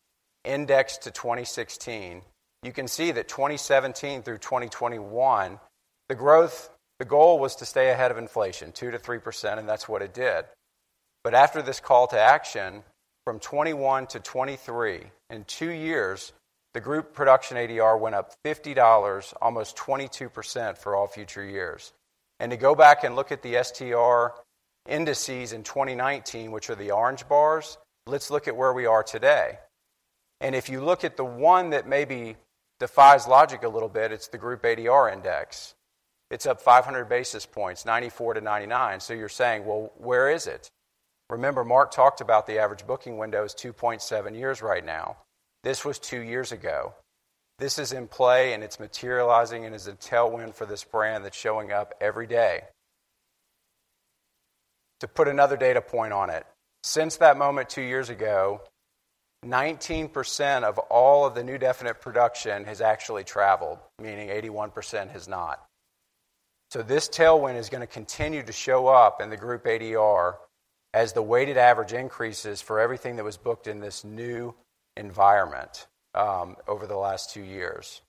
indexed to 2016, you can see that 2017 through 2021, the growth—the goal was to stay ahead of inflation, 2%-3%, and that's what it did. But after this call to action, from 2021 to 2023, in two years, the group production ADR went up $50, almost 22% for all future years. To go back and look at the STR indices in 2019, which are the orange bars, let's look at where we are today. If you look at the one that maybe defies logic a little bit, it's the group ADR index. It's up 500 basis points, 94%-99%. So you're saying: "Well, where is it?" Remember, Mark talked about the average booking window is 2.7 years right now. This was two years ago. This is in play, and it's materializing, and is a tailwind for this brand that's showing up every day. To put another data point on it, since that moment two years ago, 19% of all of the new definite production has actually traveled, meaning 81% has not. This tailwind is going to continue to show up in the group ADR as the weighted average increases for everything that was booked in this new environment over the last two years.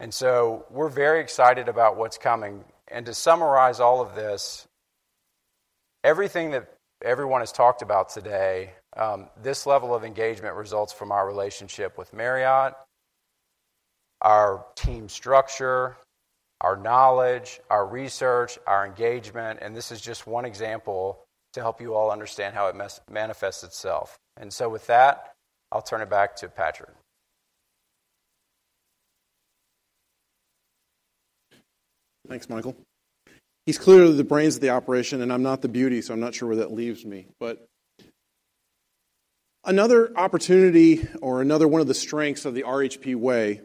We're very excited about what's coming. To summarize all of this, everything that everyone has talked about today, this level of engagement results from our relationship with Marriott, our team structure, our knowledge, our research, our engagement, and this is just one example to help you all understand how it manifests itself. With that, I'll turn it back to Patrick. Thanks, Michael. He's clearly the brains of the operation, and I'm not the beauty, so I'm not sure where that leaves me. Another opportunity or another one of the strengths of the RHP way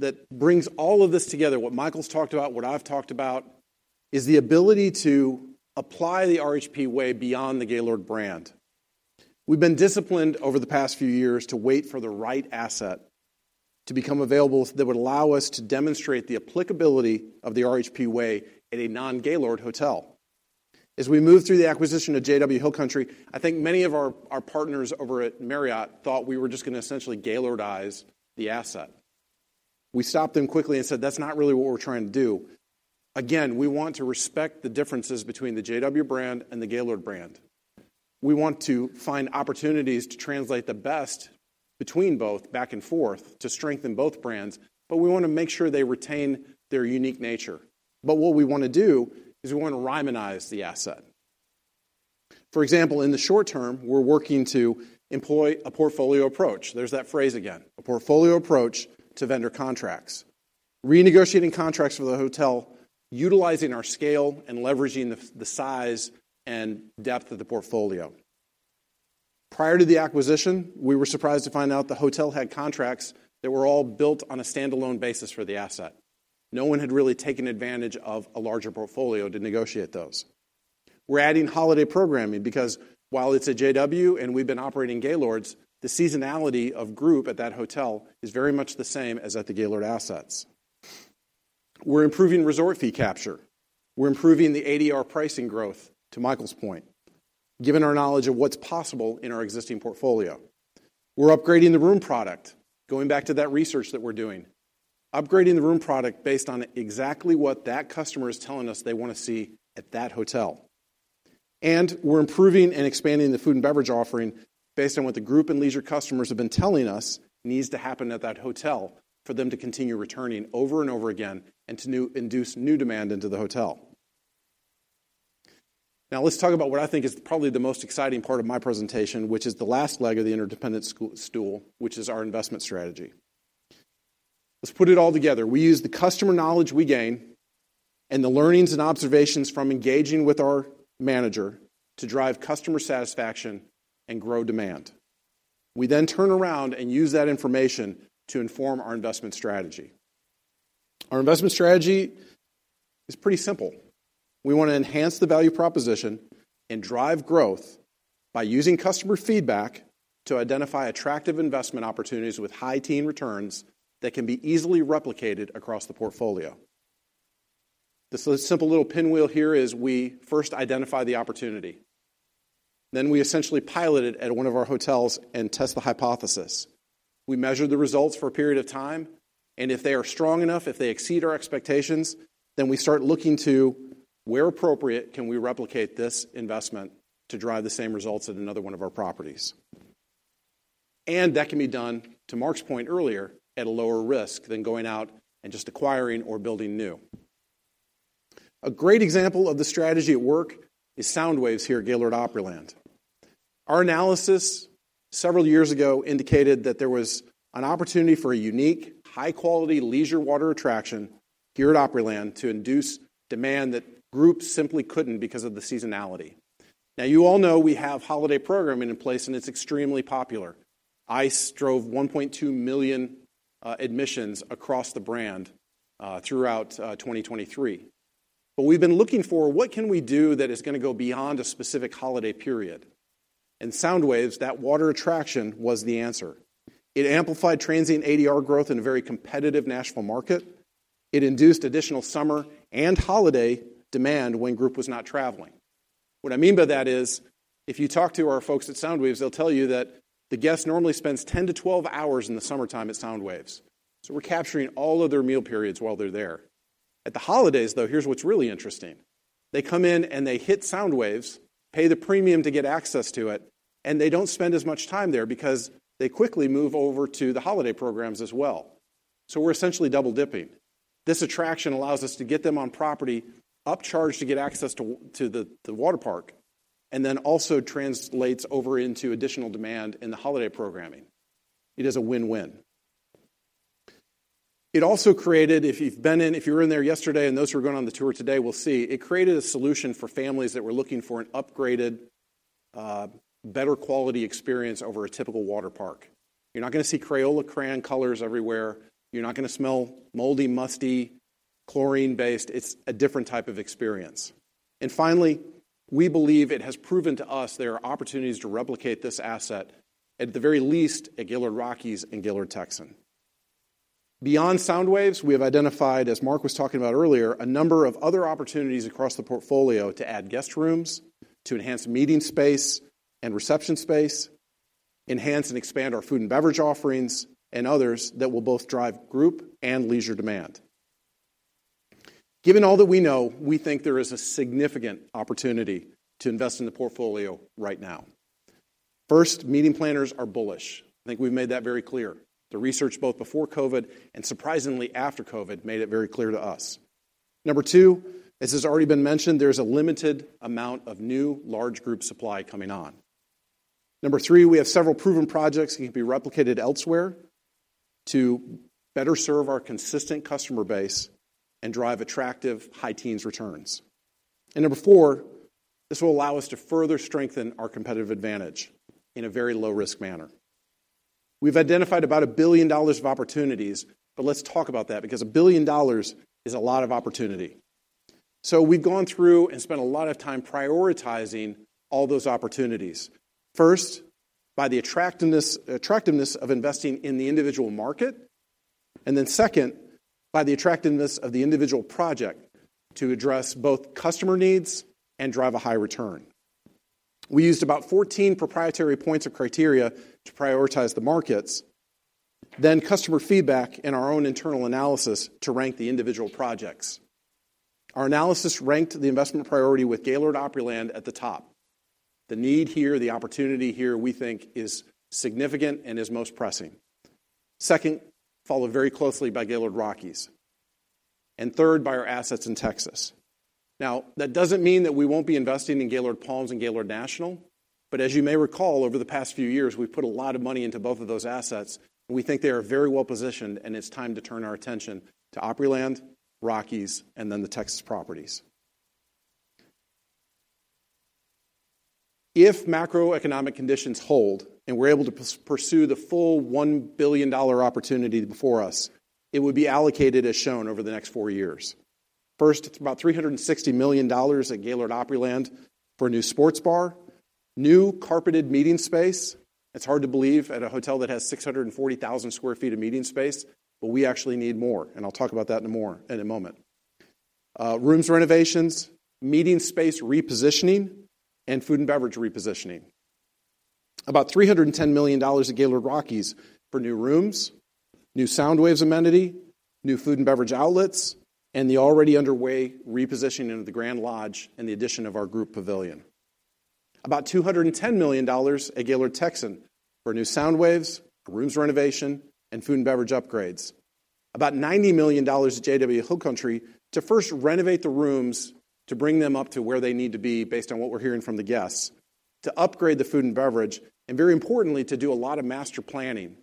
that brings all of this together, what Michael's talked about, what I've talked about, is the ability to apply the RHP way beyond the Gaylord brand. We've been disciplined over the past few years to wait for the right asset to become available, that would allow us to demonstrate the applicability of the RHP way at a non-Gaylord hotel. As we moved through the acquisition of JW Hill Country, I think many of our partners over at Marriott thought we were just gonna essentially Gaylordize the asset. We stopped them quickly and said, "That's not really what we're trying to do." Again, we want to respect the differences between the JW brand and the Gaylord brand. We want to find opportunities to translate the best between both back and forth to strengthen both brands, but we wanna make sure they retain their unique nature. But what we wanna do is we wanna Rymanize the asset. For example, in the short term, we're working to employ a portfolio approach. There's that phrase again, a portfolio approach to vendor contracts. Renegotiating contracts for the hotel, utilizing our scale and leveraging the size and depth of the portfolio. Prior to the acquisition, we were surprised to find out the hotel had contracts that were all built on a standalone basis for the asset. No one had really taken advantage of a larger portfolio to negotiate those. We're adding holiday programming because while it's a JW, and we've been operating Gaylords, the seasonality of group at that hotel is very much the same as at the Gaylord assets. We're improving resort fee capture. We're improving the ADR pricing growth, to Michael's point, given our knowledge of what's possible in our existing portfolio. We're upgrading the room product, going back to that research that we're doing. Upgrading the room product based on exactly what that customer is telling us they wanna see at that hotel. And we're improving and expanding the food and beverage offering based on what the group and leisure customers have been telling us needs to happen at that hotel for them to continue returning over and over again, and to induce new demand into the hotel. Now, let's talk about what I think is probably the most exciting part of my presentation, which is the last leg of the interdependent three-legged stool, which is our investment strategy. Let's put it all together. We use the customer knowledge we gain, and the learnings and observations from engaging with our manager, to drive customer satisfaction and grow demand. We then turn around and use that information to inform our investment strategy. Our investment strategy is pretty simple. We wanna enhance the value proposition and drive growth by using customer feedback to identify attractive investment opportunities with high-teen returns that can be easily replicated across the portfolio. This simple little pinwheel here is we first identify the opportunity, then we essentially pilot it at one of our hotels and test the hypothesis. We measure the results for a period of time, and if they are strong enough, if they exceed our expectations, then we start looking to, where appropriate, can we replicate this investment to drive the same results at another one of our properties? And that can be done, to Mark's point earlier, at a lower risk than going out and just acquiring or building new. A great example of the strategy at work is SoundWaves here at Gaylord Opryland. Our analysis several years ago indicated that there was an opportunity for a unique, high-quality leisure water attraction here at Opryland to induce demand that groups simply couldn't because of the seasonality. Now, you all know we have holiday programming in place, and it's extremely popular. ICE drove 1.2 million admissions across the brand throughout 2023. But we've been looking for what can we do that is gonna go beyond a specific holiday period? And SoundWaves, that water attraction, was the answer. It amplified transient ADR growth in a very competitive national market. It induced additional summer and holiday demand when group was not traveling. What I mean by that is, if you talk to our folks at SoundWaves, they'll tell you that the guest normally spends 10-12 hours in the summertime at SoundWaves. So we're capturing all of their meal periods while they're there. At the holidays, though, here's what's really interesting. They come in and they hit SoundWaves, pay the premium to get access to it, and they don't spend as much time there because they quickly move over to the holiday programs as well. So we're essentially double-dipping. This attraction allows us to get them on property, upcharge to get access to to the water park, and then also translates over into additional demand in the holiday programming. It is a win-win. It also created, if you were in there yesterday, and those who are going on the tour today will see, it created a solution for families that were looking for an upgraded, better quality experience over a typical water park. You're not gonna see Crayola crayon colors everywhere. You're not gonna smell moldy, musty, chlorine-based. It's a different type of experience. And finally, we believe it has proven to us there are opportunities to replicate this asset, at the very least, at Gaylord Rockies and Gaylord Texan. Beyond SoundWaves, we have identified, as Mark was talking about earlier, a number of other opportunities across the portfolio to add guest rooms, to enhance meeting space and reception space, enhance and expand our food and beverage offerings, and others that will both drive group and leisure demand. Given all that we know, we think there is a significant opportunity to invest in the portfolio right now. First, meeting planners are bullish. I think we've made that very clear. The research, both before COVID and surprisingly after COVID, made it very clear to us. Number two, as has already been mentioned, there's a limited amount of new, large group supply coming on. Number three, we have several proven projects that can be replicated elsewhere... to better serve our consistent customer base and drive attractive high teens returns. Number four, this will allow us to further strengthen our competitive advantage in a very low-risk manner. We've identified about $1 billion of opportunities, but let's talk about that because $1 billion is a lot of opportunity. So we've gone through and spent a lot of time prioritizing all those opportunities. First, by the attractiveness of investing in the individual market, and then second, by the attractiveness of the individual project to address both customer needs and drive a high return. We used about 14 proprietary points of criteria to prioritize the markets, then customer feedback and our own internal analysis to rank the individual projects. Our analysis ranked the investment priority with Gaylord Opryland at the top. The need here, the opportunity here, we think is significant and is most pressing. Second, followed very closely by Gaylord Rockies, and third by our assets in Texas. Now, that doesn't mean that we won't be investing in Gaylord Palms and Gaylord National, but as you may recall, over the past few years, we've put a lot of money into both of those assets, and we think they are very well positioned, and it's time to turn our attention to Opryland, Rockies, and then the Texas properties. If macroeconomic conditions hold and we're able to pursue the full $1 billion opportunity before us, it would be allocated as shown over the next four years. First, it's about $360 million at Gaylord Opryland for a new sports bar, new carpeted meeting space. It's hard to believe at a hotel that has 640,000 sq ft of meeting space, but we actually need more, and I'll talk about that in a more in a moment. Rooms renovations, meeting space repositioning, and food and beverage repositioning. About $310 million at Gaylord Rockies for new rooms, new SoundWaves amenity, new food and beverage outlets, and the already underway repositioning of the Grand Lodge and the addition of our group pavilion. About $210 million at Gaylord Texan for new SoundWaves, rooms renovation, and food and beverage upgrades. About $90 million at JW Hill Country to first renovate the rooms to bring them up to where they need to be, based on what we're hearing from the guests, to upgrade the food and beverage, and very importantly, to do a lot of master planning,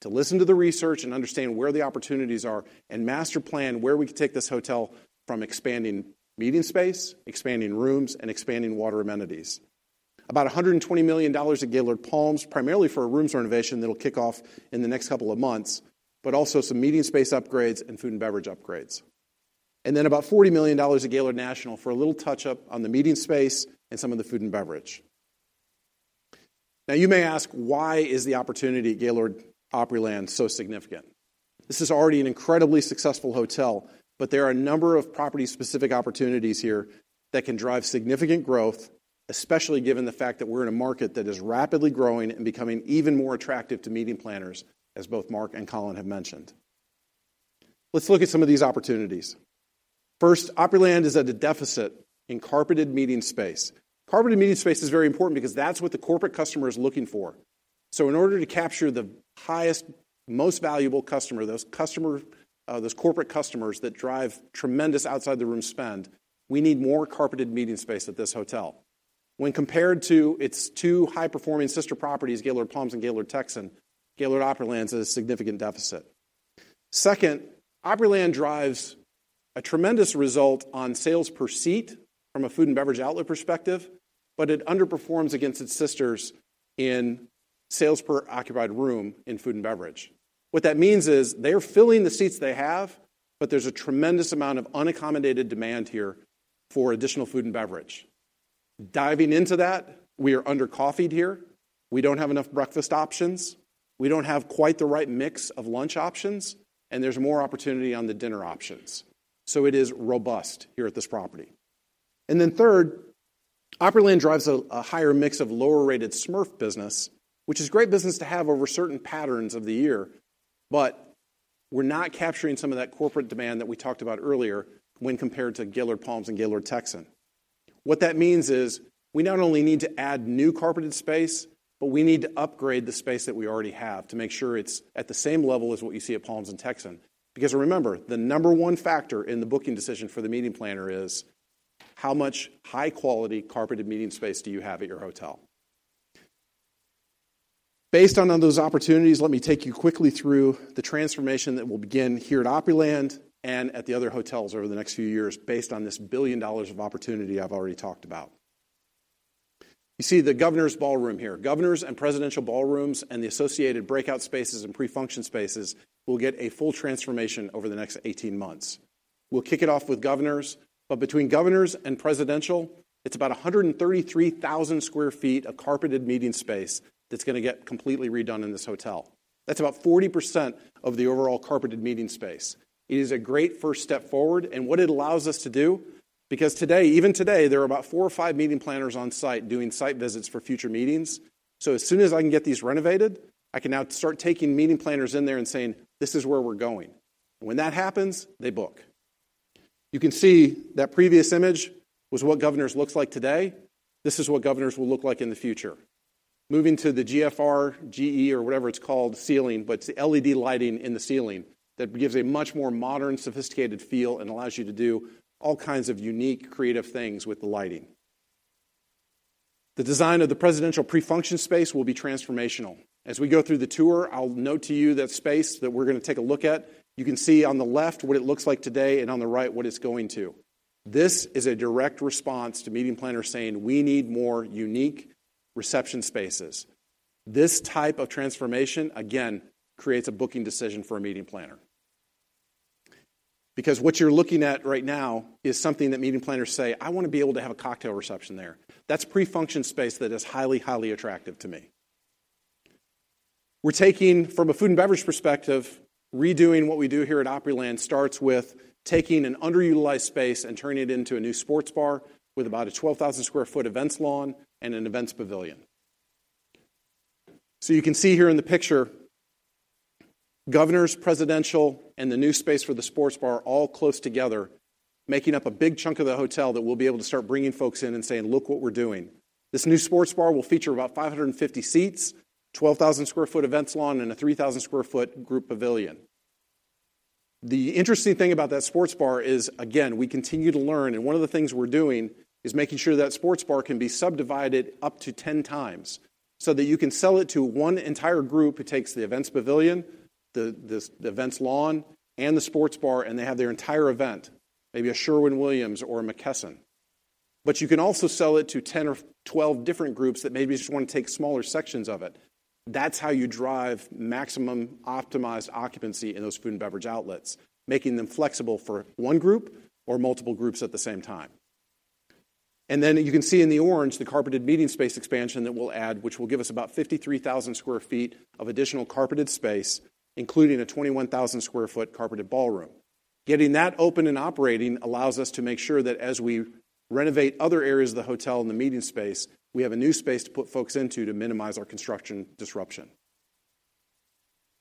to listen to the research and understand where the opportunities are and master plan where we can take this hotel from expanding meeting space, expanding rooms, and expanding water amenities. About $120 million at Gaylord Palms, primarily for a rooms renovation that'll kick off in the next couple of months, but also some meeting space upgrades and food and beverage upgrades. And then about $40 million at Gaylord National for a little touch-up on the meeting space and some of the food and beverage. Now, you may ask, why is the opportunity at Gaylord Opryland so significant? This is already an incredibly successful hotel, but there are a number of property-specific opportunities here that can drive significant growth, especially given the fact that we're in a market that is rapidly growing and becoming even more attractive to meeting planners, as both Mark and Colin have mentioned. Let's look at some of these opportunities. First, Opryland is at a deficit in carpeted meeting space. Carpeted meeting space is very important because that's what the corporate customer is looking for. So in order to capture the highest, most valuable customer, those customer, those corporate customers that drive tremendous outside-the-room spend, we need more carpeted meeting space at this hotel. When compared to its two high-performing sister properties, Gaylord Palms and Gaylord Texan, Gaylord Opryland's is a significant deficit. Second, Opryland drives a tremendous result on sales per seat from a food and beverage outlet perspective, but it underperforms against its sisters in sales per occupied room in food and beverage. What that means is they are filling the seats they have, but there's a tremendous amount of unaccommodated demand here for additional food and beverage. Diving into that, we are under-coffeed here. We don't have enough breakfast options. We don't have quite the right mix of lunch options, and there's more opportunity on the dinner options. So it is robust here at this property. And then third, Opryland drives a higher mix of lower-rated SMERF business, which is great business to have over certain patterns of the year, but we're not capturing some of that corporate demand that we talked about earlier when compared to Gaylord Palms and Gaylord Texan. What that means is, we not only need to add new carpeted space, but we need to upgrade the space that we already have to make sure it's at the same level as what you see at Palms and Texan. Because remember, the number one factor in the booking decision for the meeting planner is: How much high-quality carpeted meeting space do you have at your hotel? Based on those opportunities, let me take you quickly through the transformation that will begin here at Opryland and at the other hotels over the next few years, based on this $1 billion of opportunity I've already talked about. You see the Governor's Ballroom here. Governors and Presidential Ballrooms and the associated breakout spaces and pre-function spaces will get a full transformation over the next 18 months. We'll kick it off with Governors, but between Governors and Presidential, it's about 133,000 sq ft of carpeted meeting space that's gonna get completely redone in this hotel. That's about 40% of the overall carpeted meeting space. It is a great first step forward, and what it allows us to do, because today, even today, there are about 4 or 5 meeting planners on site doing site visits for future meetings. So as soon as I can get these renovated, I can now start taking meeting planners in there and saying, "This is where we're going." When that happens, they book. You can see that previous image was what Governors looks like today. This is what Governors will look like in the future. Moving to the GFR, GE, or whatever it's called, ceiling, but it's LED lighting in the ceiling that gives a much more modern, sophisticated feel and allows you to do all kinds of unique, creative things with the lighting. The design of the presidential pre-function space will be transformational. As we go through the tour, I'll note to you that space that we're gonna take a look at, you can see on the left what it looks like today, and on the right, what it's going to. This is a direct response to meeting planners saying, "We need more unique reception spaces." This type of transformation, again, creates a booking decision for a meeting planner. Because what you're looking at right now is something that meeting planners say, "I wanna be able to have a cocktail reception there." That's pre-function space that is highly, highly attractive to me. We're taking, from a food and beverage perspective, redoing what we do here at Opryland, starts with taking an underutilized space and turning it into a new sports bar, with about a 12,000 sq ft events lawn and an events pavilion. So you can see here in the picture, Governor's Presidential and the new space for the sports bar are all close together, making up a big chunk of the hotel that we'll be able to start bringing folks in and saying, "Look what we're doing." This new sports bar will feature about 550 seats, 12,000 sq ft events lawn, and a 3,000 sq ft group pavilion. The interesting thing about that sports bar is, again, we continue to learn, and one of the things we're doing is making sure that sports bar can be subdivided up to 10 times, so that you can sell it to one entire group who takes the events pavilion, the events lawn, and the sports bar, and they have their entire event, maybe a Sherwin-Williams or a McKesson. But you can also sell it to 10 or 12 different groups that maybe just wanna take smaller sections of it. That's how you drive maximum optimized occupancy in those food and beverage outlets, making them flexible for one group or multiple groups at the same time. And then you can see in the orange, the carpeted meeting space expansion that we'll add, which will give us about 53,000 sq ft of additional carpeted space, including a 21,000 sq ft carpeted ballroom. Getting that open and operating allows us to make sure that as we renovate other areas of the hotel and the meeting space, we have a new space to put folks into to minimize our construction disruption.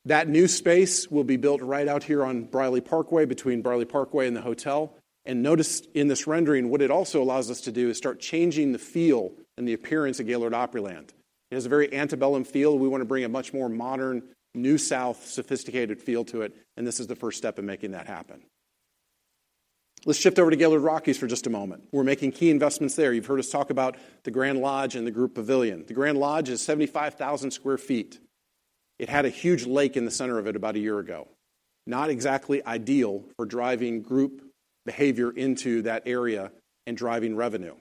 That new space will be built right out here on Briley Parkway, between Briley Parkway and the hotel. Notice in this rendering, what it also allows us to do is start changing the feel and the appearance of Gaylord Opryland. It has a very antebellum feel. We wanna bring a much more modern, New South, sophisticated feel to it, and this is the first step in making that happen. Let's shift over to Gaylord Rockies for just a moment. We're making key investments there. You've heard us talk about the Grand Lodge and the group pavilion. The Grand Lodge is 75,000 sq ft. It had a huge lake in the center of it about a year ago. Not exactly ideal for driving group behavior into that area and driving revenue.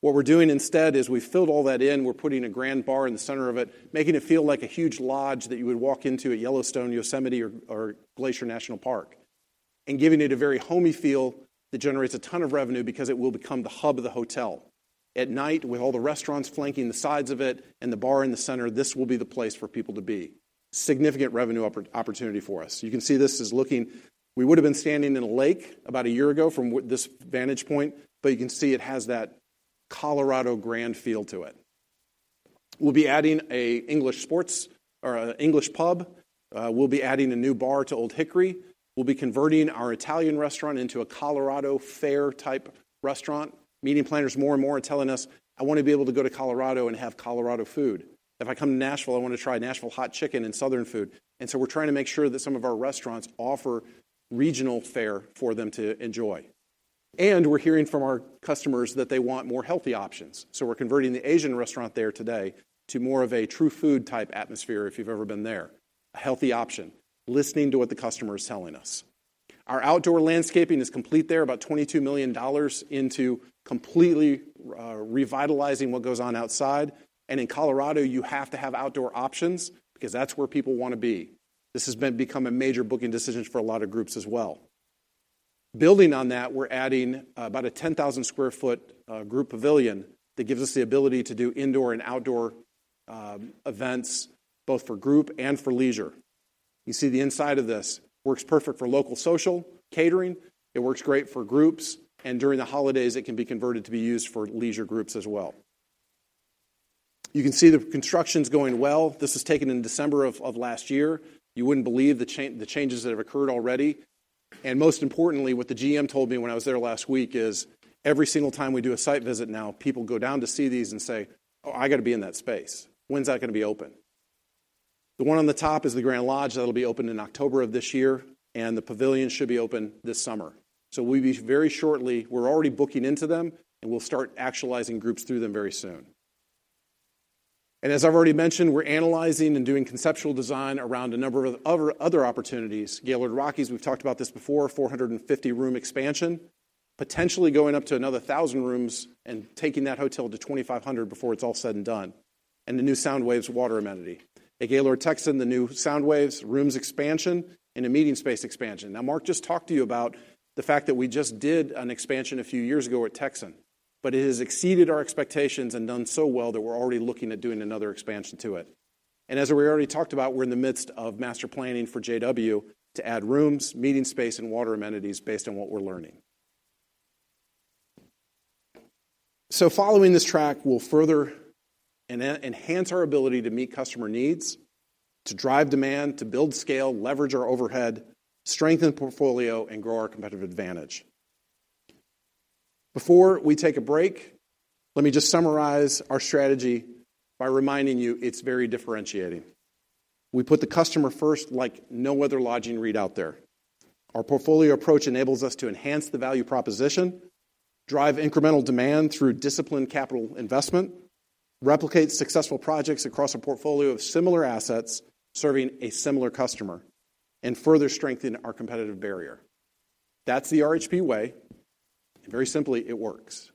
What we're doing instead is we filled all that in, we're putting a grand bar in the center of it, making it feel like a huge lodge that you would walk into at Yellowstone, Yosemite, or Glacier National Park, and giving it a very homey feel that generates a ton of revenue because it will become the hub of the hotel. At night, with all the restaurants flanking the sides of it and the bar in the center, this will be the place for people to be. Significant revenue opportunity for us. You can see this is looking... We would have been standing in a lake about a year ago from this vantage point, but you can see it has that Colorado grand feel to it. We'll be adding an English sports bar or an English pub. We'll be adding a new bar to Old Hickory. We'll be converting our Italian restaurant into a Colorado fare-type restaurant. Meeting planners more and more are telling us, "I wanna be able to go to Colorado and have Colorado food. If I come to Nashville, I wanna try Nashville hot chicken and Southern food." And so we're trying to make sure that some of our restaurants offer regional fare for them to enjoy. And we're hearing from our customers that they want more healthy options, so we're converting the Asian restaurant there today to more of a True Food-type atmosphere, if you've ever been there. A healthy option, listening to what the customer is telling us. Our outdoor landscaping is complete there, about $22 million into completely revitalizing what goes on outside. And in Colorado, you have to have outdoor options because that's where people wanna be. This has been become a major booking decisions for a lot of groups as well. Building on that, we're adding about a 10,000 sq ft group pavilion that gives us the ability to do indoor and outdoor events, both for group and for leisure. You see the inside of this. Works perfect for local social, catering, it works great for groups, and during the holidays, it can be converted to be used for leisure groups as well. You can see the construction's going well. This was taken in December of last year. You wouldn't believe the changes that have occurred already. And most importantly, what the GM told me when I was there last week is, "Every single time we do a site visit now, people go down to see these and say, 'Oh, I gotta be in that space.' When's that gonna be open?'" The one on the top is the Grand Lodge. That'll be open in October of this year, and the pavilion should be open this summer. So we'll be, very shortly, we're already booking into them, and we'll start actualizing groups through them very soon. And as I've already mentioned, we're analyzing and doing conceptual design around a number of other, other opportunities. Gaylord Rockies, we've talked about this before, 450-room expansion, potentially going up to another 1,000 rooms and taking that hotel to 2,500 before it's all said and done, and the new SoundWaves water amenity. At Gaylord Texan, the new SoundWaves rooms expansion and a meeting space expansion. Now, Mark just talked to you about the fact that we just did an expansion a few years ago at Texan, but it has exceeded our expectations and done so well that we're already looking at doing another expansion to it. And as we already talked about, we're in the midst of master planning for JW to add rooms, meeting space, and water amenities based on what we're learning. So following this track will further enhance our ability to meet customer needs, to drive demand, to build scale, leverage our overhead, strengthen the portfolio, and grow our competitive advantage. Before we take a break, let me just summarize our strategy by reminding you it's very differentiating. We put the customer first like no other lodging REIT out there. Our portfolio approach enables us to enhance the value proposition, drive incremental demand through disciplined capital investment, replicate successful projects across a portfolio of similar assets serving a similar customer, and further strengthen our competitive barrier. That's the RHP way, and very simply, it works.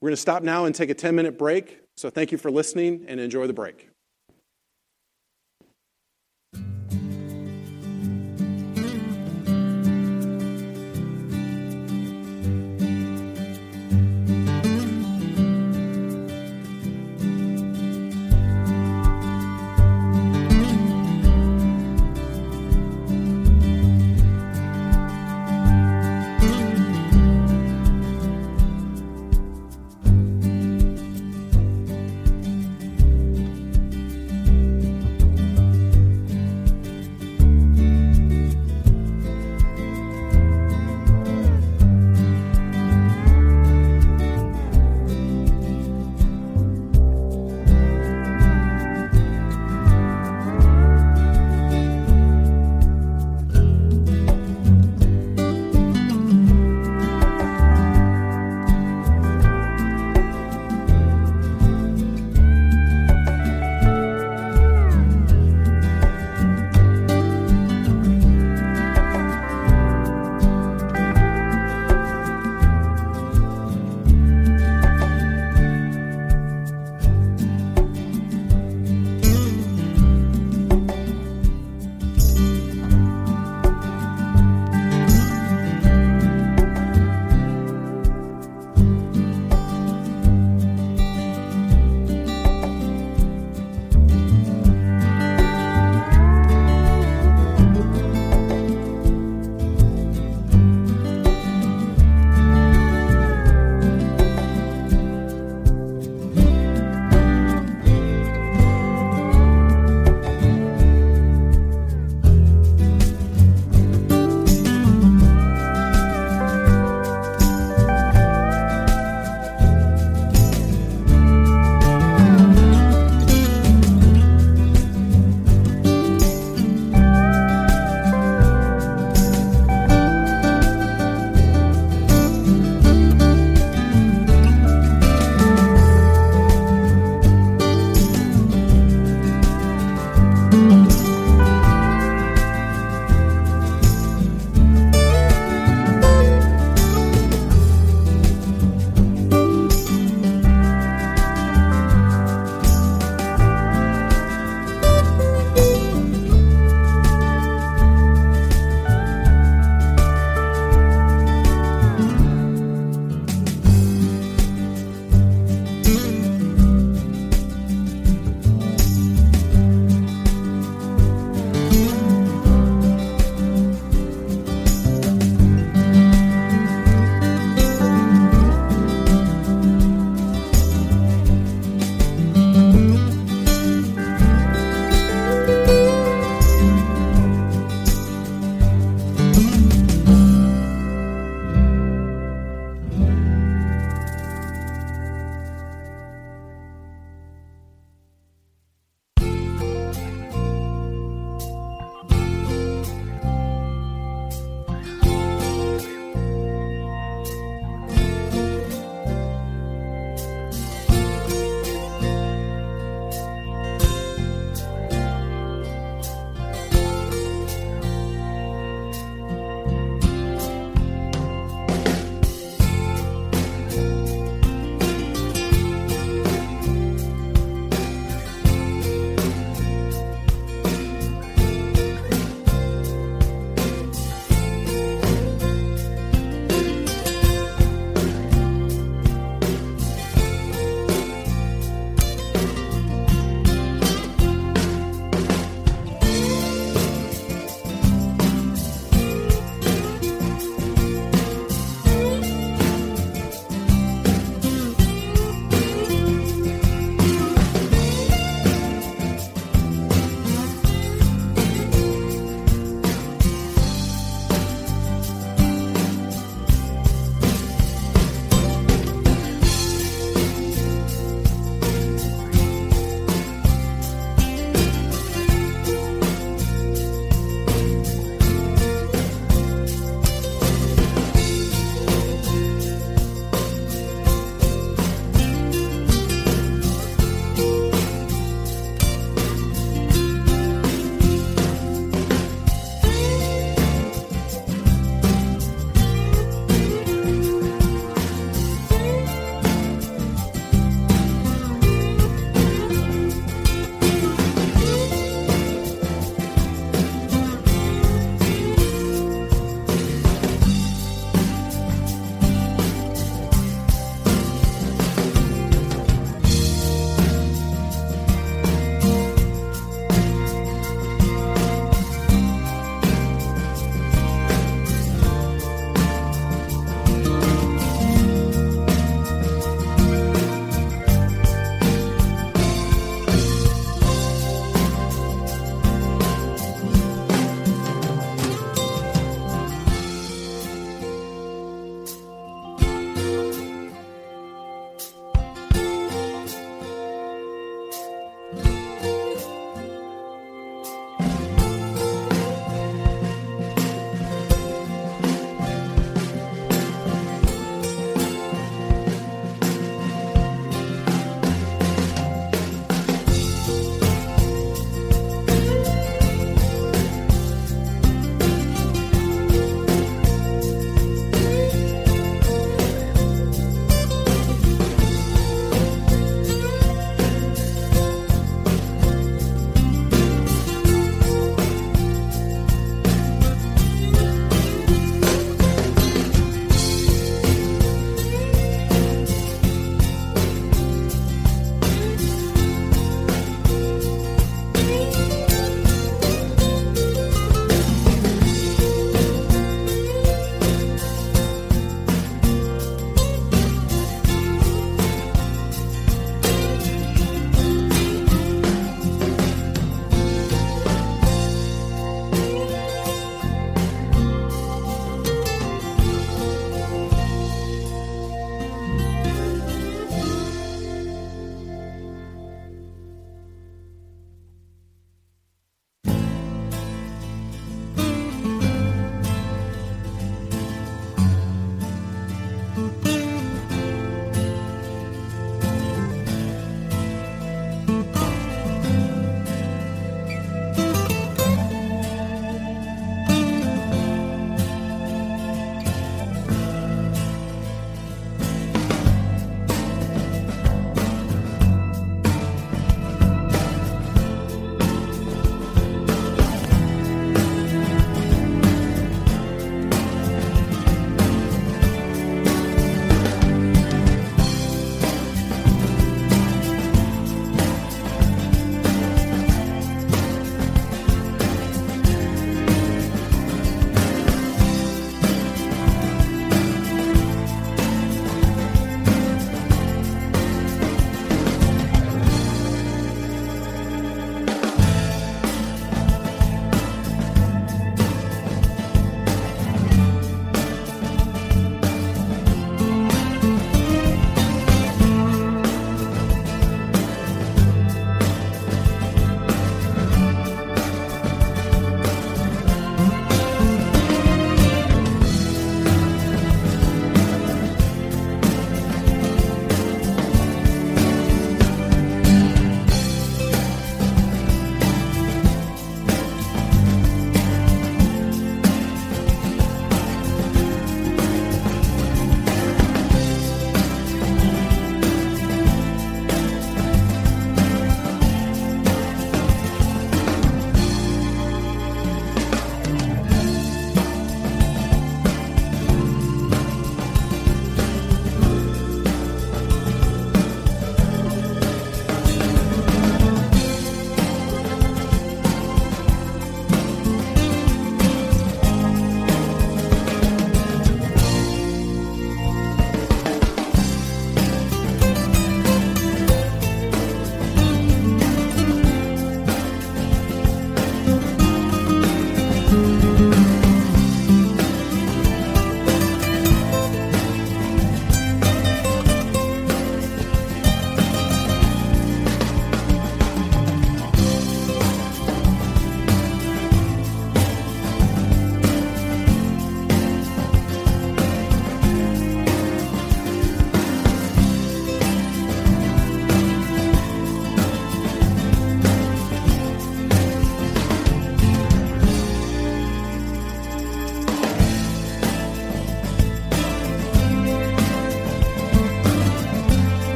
We're gonna stop now and take a 10-minute break. So thank you for listening, and enjoy the break.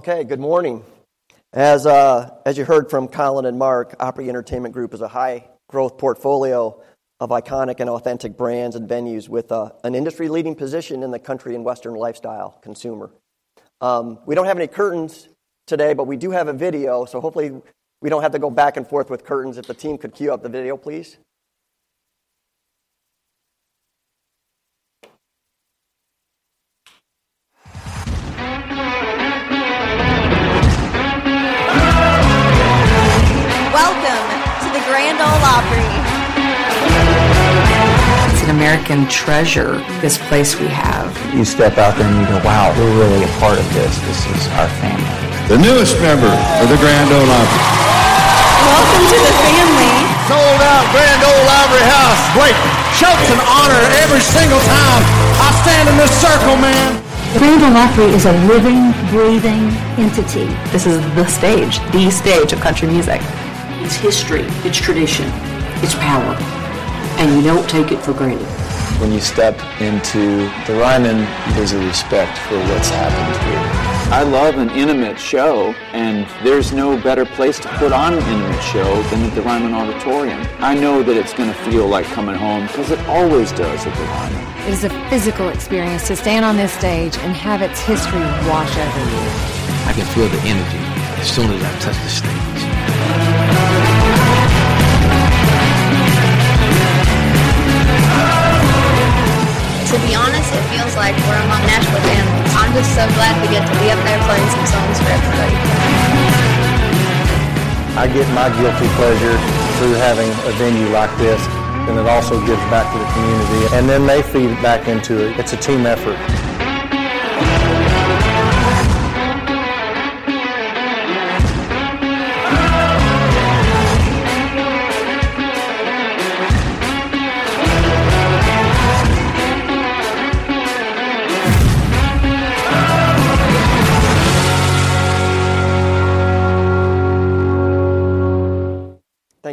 Okay, good morning. As you heard from Colin and Mark, Opry Entertainment Group is a high-growth portfolio of iconic and authentic brands and venues with an industry-leading position in the country and western lifestyle consumer. We don't have any curtains today, but we do have a video, so hopefully we don't have to go back and forth with curtains. If the team could cue up the video, please. Welcome to the Grand Ole Opry! It's an American treasure, this place we have. You step out there, and you go, "Wow, we're really a part of this. This is our family. The newest member of the Grand Ole Opry. Welcome to the family. Sold out Grand Ole Opry House. Great! Shouts and honor every single time... I stand in the circle, man! The Grand Ole Opry is a living, breathing entity. This is the stage, the stage of country music. It's history, it's tradition, it's power, and you don't take it for granted. When you step into the Ryman, there's a respect for what's happened here. I love an intimate show, and there's no better place to put on an intimate show than at the Ryman Auditorium. I know that it's gonna feel like coming home, 'cause it always does at the Ryman. It is a physical experience to stand on this stage and have its history wash over you. I can feel the energy as soon as I touch the stage. To be honest, it feels like we're among Nashville family. I'm just so glad we get to be up there playing some songs for everybody. I get my guilty pleasure through having a venue like this, and it also gives back to the community, and then they feed it back into it. It's a team effort.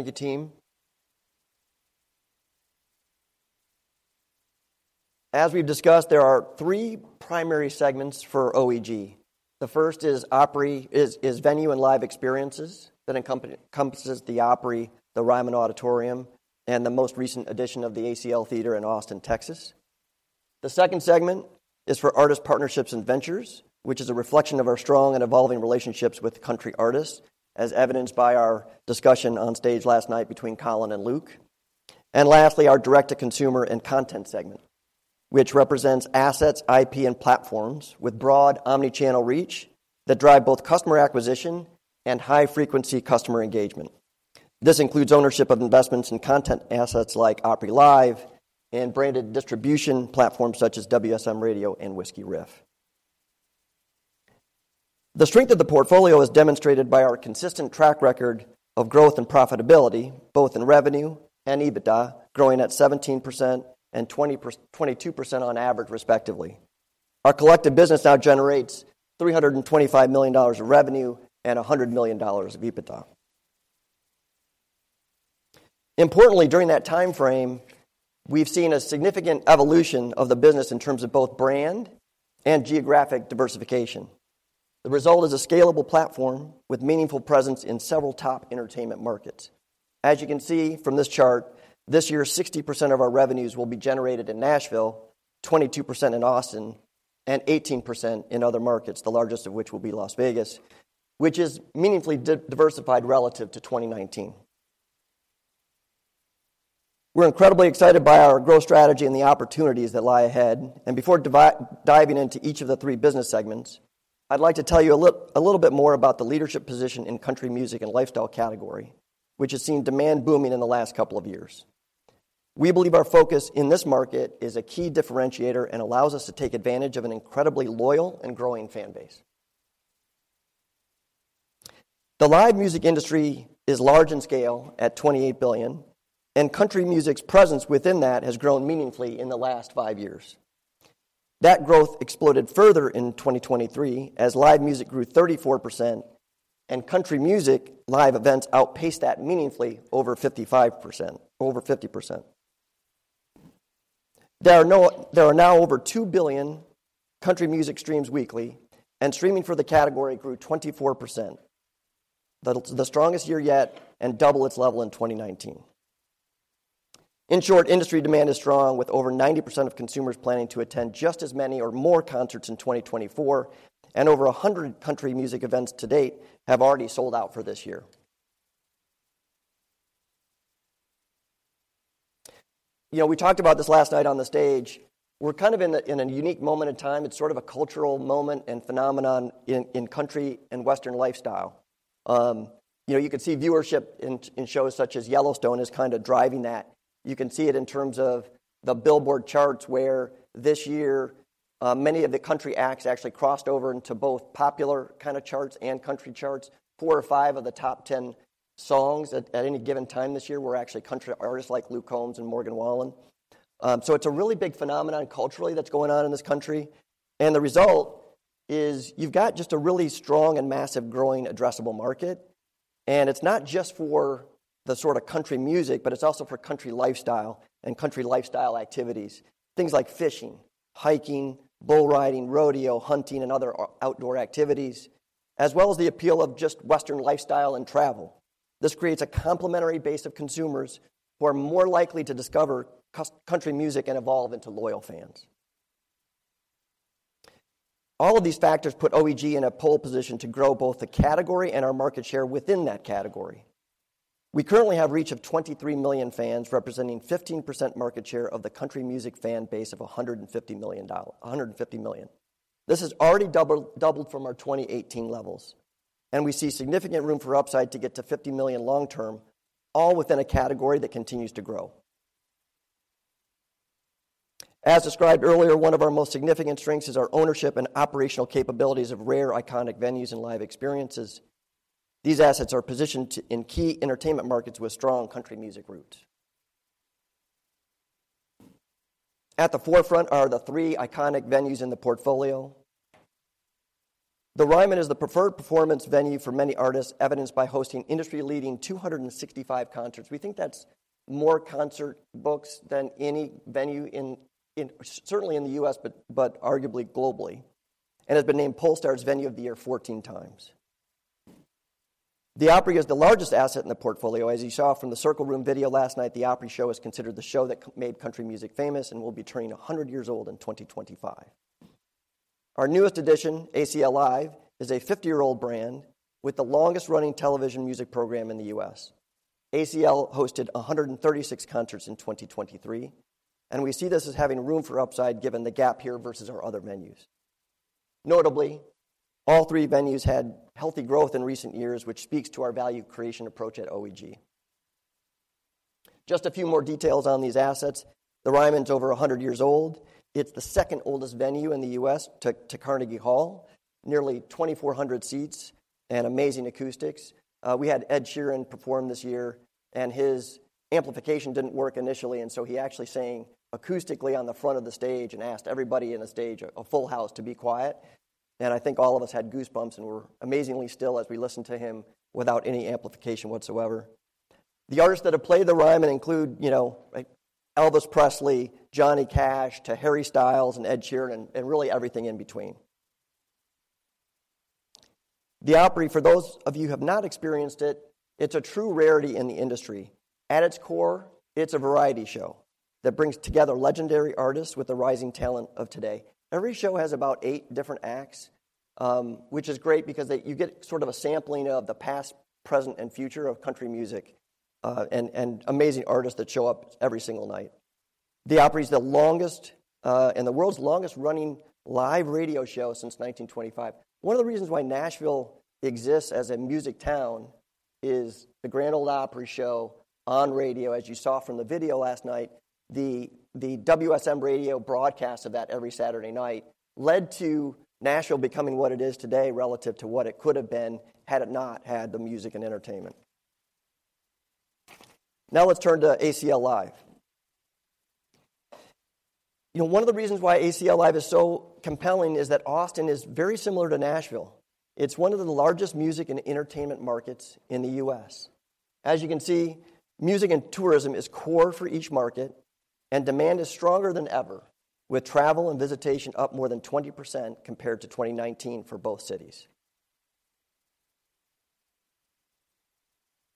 Thank you, team. As we've discussed, there are three primary segments for OEG. The first is Opry Venue and Live Experiences, that encompasses the Opry, the Ryman Auditorium, and the most recent addition of the ACL Theatre in Austin, Texas. The second segment is for Artist Partnerships and Ventures, which is a reflection of our strong and evolving relationships with country artists, as evidenced by our discussion on stage last night between Colin and Luke. And lastly, our Direct-to-Consumer and Content segment, which represents assets, IP, and platforms with broad omni-channel reach that drive both customer acquisition and high-frequency customer engagement. This includes ownership of investments in content assets like Opry Live and branded distribution platforms such as WSM Radio and Whiskey Riff. The strength of the portfolio is demonstrated by our consistent track record of growth and profitability, both in revenue and EBITDA, growing at 17% and 22% on average, respectively. Our collective business now generates $325 million of revenue and $100 million of EBITDA. Importantly, during that timeframe, we've seen a significant evolution of the business in terms of both brand and geographic diversification. The result is a scalable platform with meaningful presence in several top entertainment markets. As you can see from this chart, this year, 60% of our revenues will be generated in Nashville, 22% in Austin, and 18% in other markets, the largest of which will be Las Vegas, which is meaningfully diversified relative to 2019. We're incredibly excited by our growth strategy and the opportunities that lie ahead. Before diving into each of the three business segments, I'd like to tell you a little bit more about the leadership position in country music and lifestyle category, which has seen demand booming in the last couple of years. We believe our focus in this market is a key differentiator and allows us to take advantage of an incredibly loyal and growing fan base. The live music industry is large in scale at $28 billion, and country music's presence within that has grown meaningfully in the last five years. That growth exploded further in 2023 as live music grew 34%, and country music live events outpaced that meaningfully over 55%—over 50%. There are now over two billion country music streams weekly, and streaming for the category grew 24%, the strongest year yet and double its level in 2019. In short, industry demand is strong, with over 90% of consumers planning to attend just as many or more concerts in 2024, and over 100 country music events to date have already sold out for this year. You know, we talked about this last night on the stage. We're kind of in a unique moment in time. It's sort of a cultural moment and phenomenon in country and Western lifestyle. You know, you could see viewership in shows such as Yellowstone is kinda driving that. You can see it in terms of the Billboard charts, where this year, many of the country acts actually crossed over into both popular kinda charts and country charts. Four or five of the top 10 songs at any given time this year were actually country artists like Luke Combs and Morgan Wallen. So it's a really big phenomenon culturally that's going on in this country, and the result is you've got just a really strong and massive growing addressable market, and it's not just for the sorta country music, but it's also for country lifestyle and country lifestyle activities. Things like fishing, hiking, bull riding, rodeo, hunting, and other outdoor activities, as well as the appeal of just Western lifestyle and travel. This creates a complementary base of consumers who are more likely to discover country music and evolve into loyal fans. All of these factors put OEG in a pole position to grow both the category and our market share within that category. We currently have reach of 23 million fans, representing 15% market share of the country music fan base of 150 million. This has already doubled from our 2018 levels, and we see significant room for upside to get to 50 million long term, all within a category that continues to grow. As described earlier, one of our most significant strengths is our ownership and operational capabilities of rare, iconic venues and live experiences. These assets are positioned in key entertainment markets with strong country music roots. At the forefront are the three iconic venues in the portfolio. The Ryman is the preferred performance venue for many artists, evidenced by hosting industry-leading 265 concerts. We think that's more concert books than any venue in certainly the US, but arguably globally, and has been named Pollstar's Venue of the Year 14 times. The Opry is the largest asset in the portfolio. As you saw from the Circle Room video last night, the Opry show is considered the show that made country music famous and will be turning 100 years old in 2025. Our newest addition, ACL Live, is a 50-year-old brand with the longest-running television music program in the US. ACL hosted 136 concerts in 2023, and we see this as having room for upside, given the gap here versus our other venues. Notably, all three venues had healthy growth in recent years, which speaks to our value creation approach at OEG. Just a few more details on these assets. The Ryman's over 100 years old. It's the second oldest venue in the U.S. to Carnegie Hall. Nearly 2,400 seats and amazing acoustics. We had Ed Sheeran perform this year, and his amplification didn't work initially, and so he actually sang acoustically on the front of the stage and asked everybody in the stage, a full house, to be quiet. And I think all of us had goosebumps and were amazingly still as we listened to him without any amplification whatsoever. The artists that have played the Ryman include, you know, like Elvis Presley, Johnny Cash, to Harry Styles and Ed Sheeran, and really everything in between. The Opry, for those of you who have not experienced it, it's a true rarity in the industry. At its core, it's a variety show that brings together legendary artists with the rising talent of today. Every show has about eight different acts, which is great because they, you get sort of a sampling of the past, present, and future of country music, and amazing artists that show up every single night. The Opry is the longest and the world's longest-running live radio show since 1925. One of the reasons why Nashville exists as a music town is the Grand Ole Opry show on radio. As you saw from the video last night, the WSM Radio broadcast of that every Saturday night led to Nashville becoming what it is today relative to what it could have been had it not had the music and entertainment. Now let's turn to ACL Live. You know, one of the reasons why ACL Live is so compelling is that Austin is very similar to Nashville. It's one of the largest music and entertainment markets in the U.S. As you can see, music and tourism is core for each market, and demand is stronger than ever, with travel and visitation up more than 20% compared to 2019 for both cities.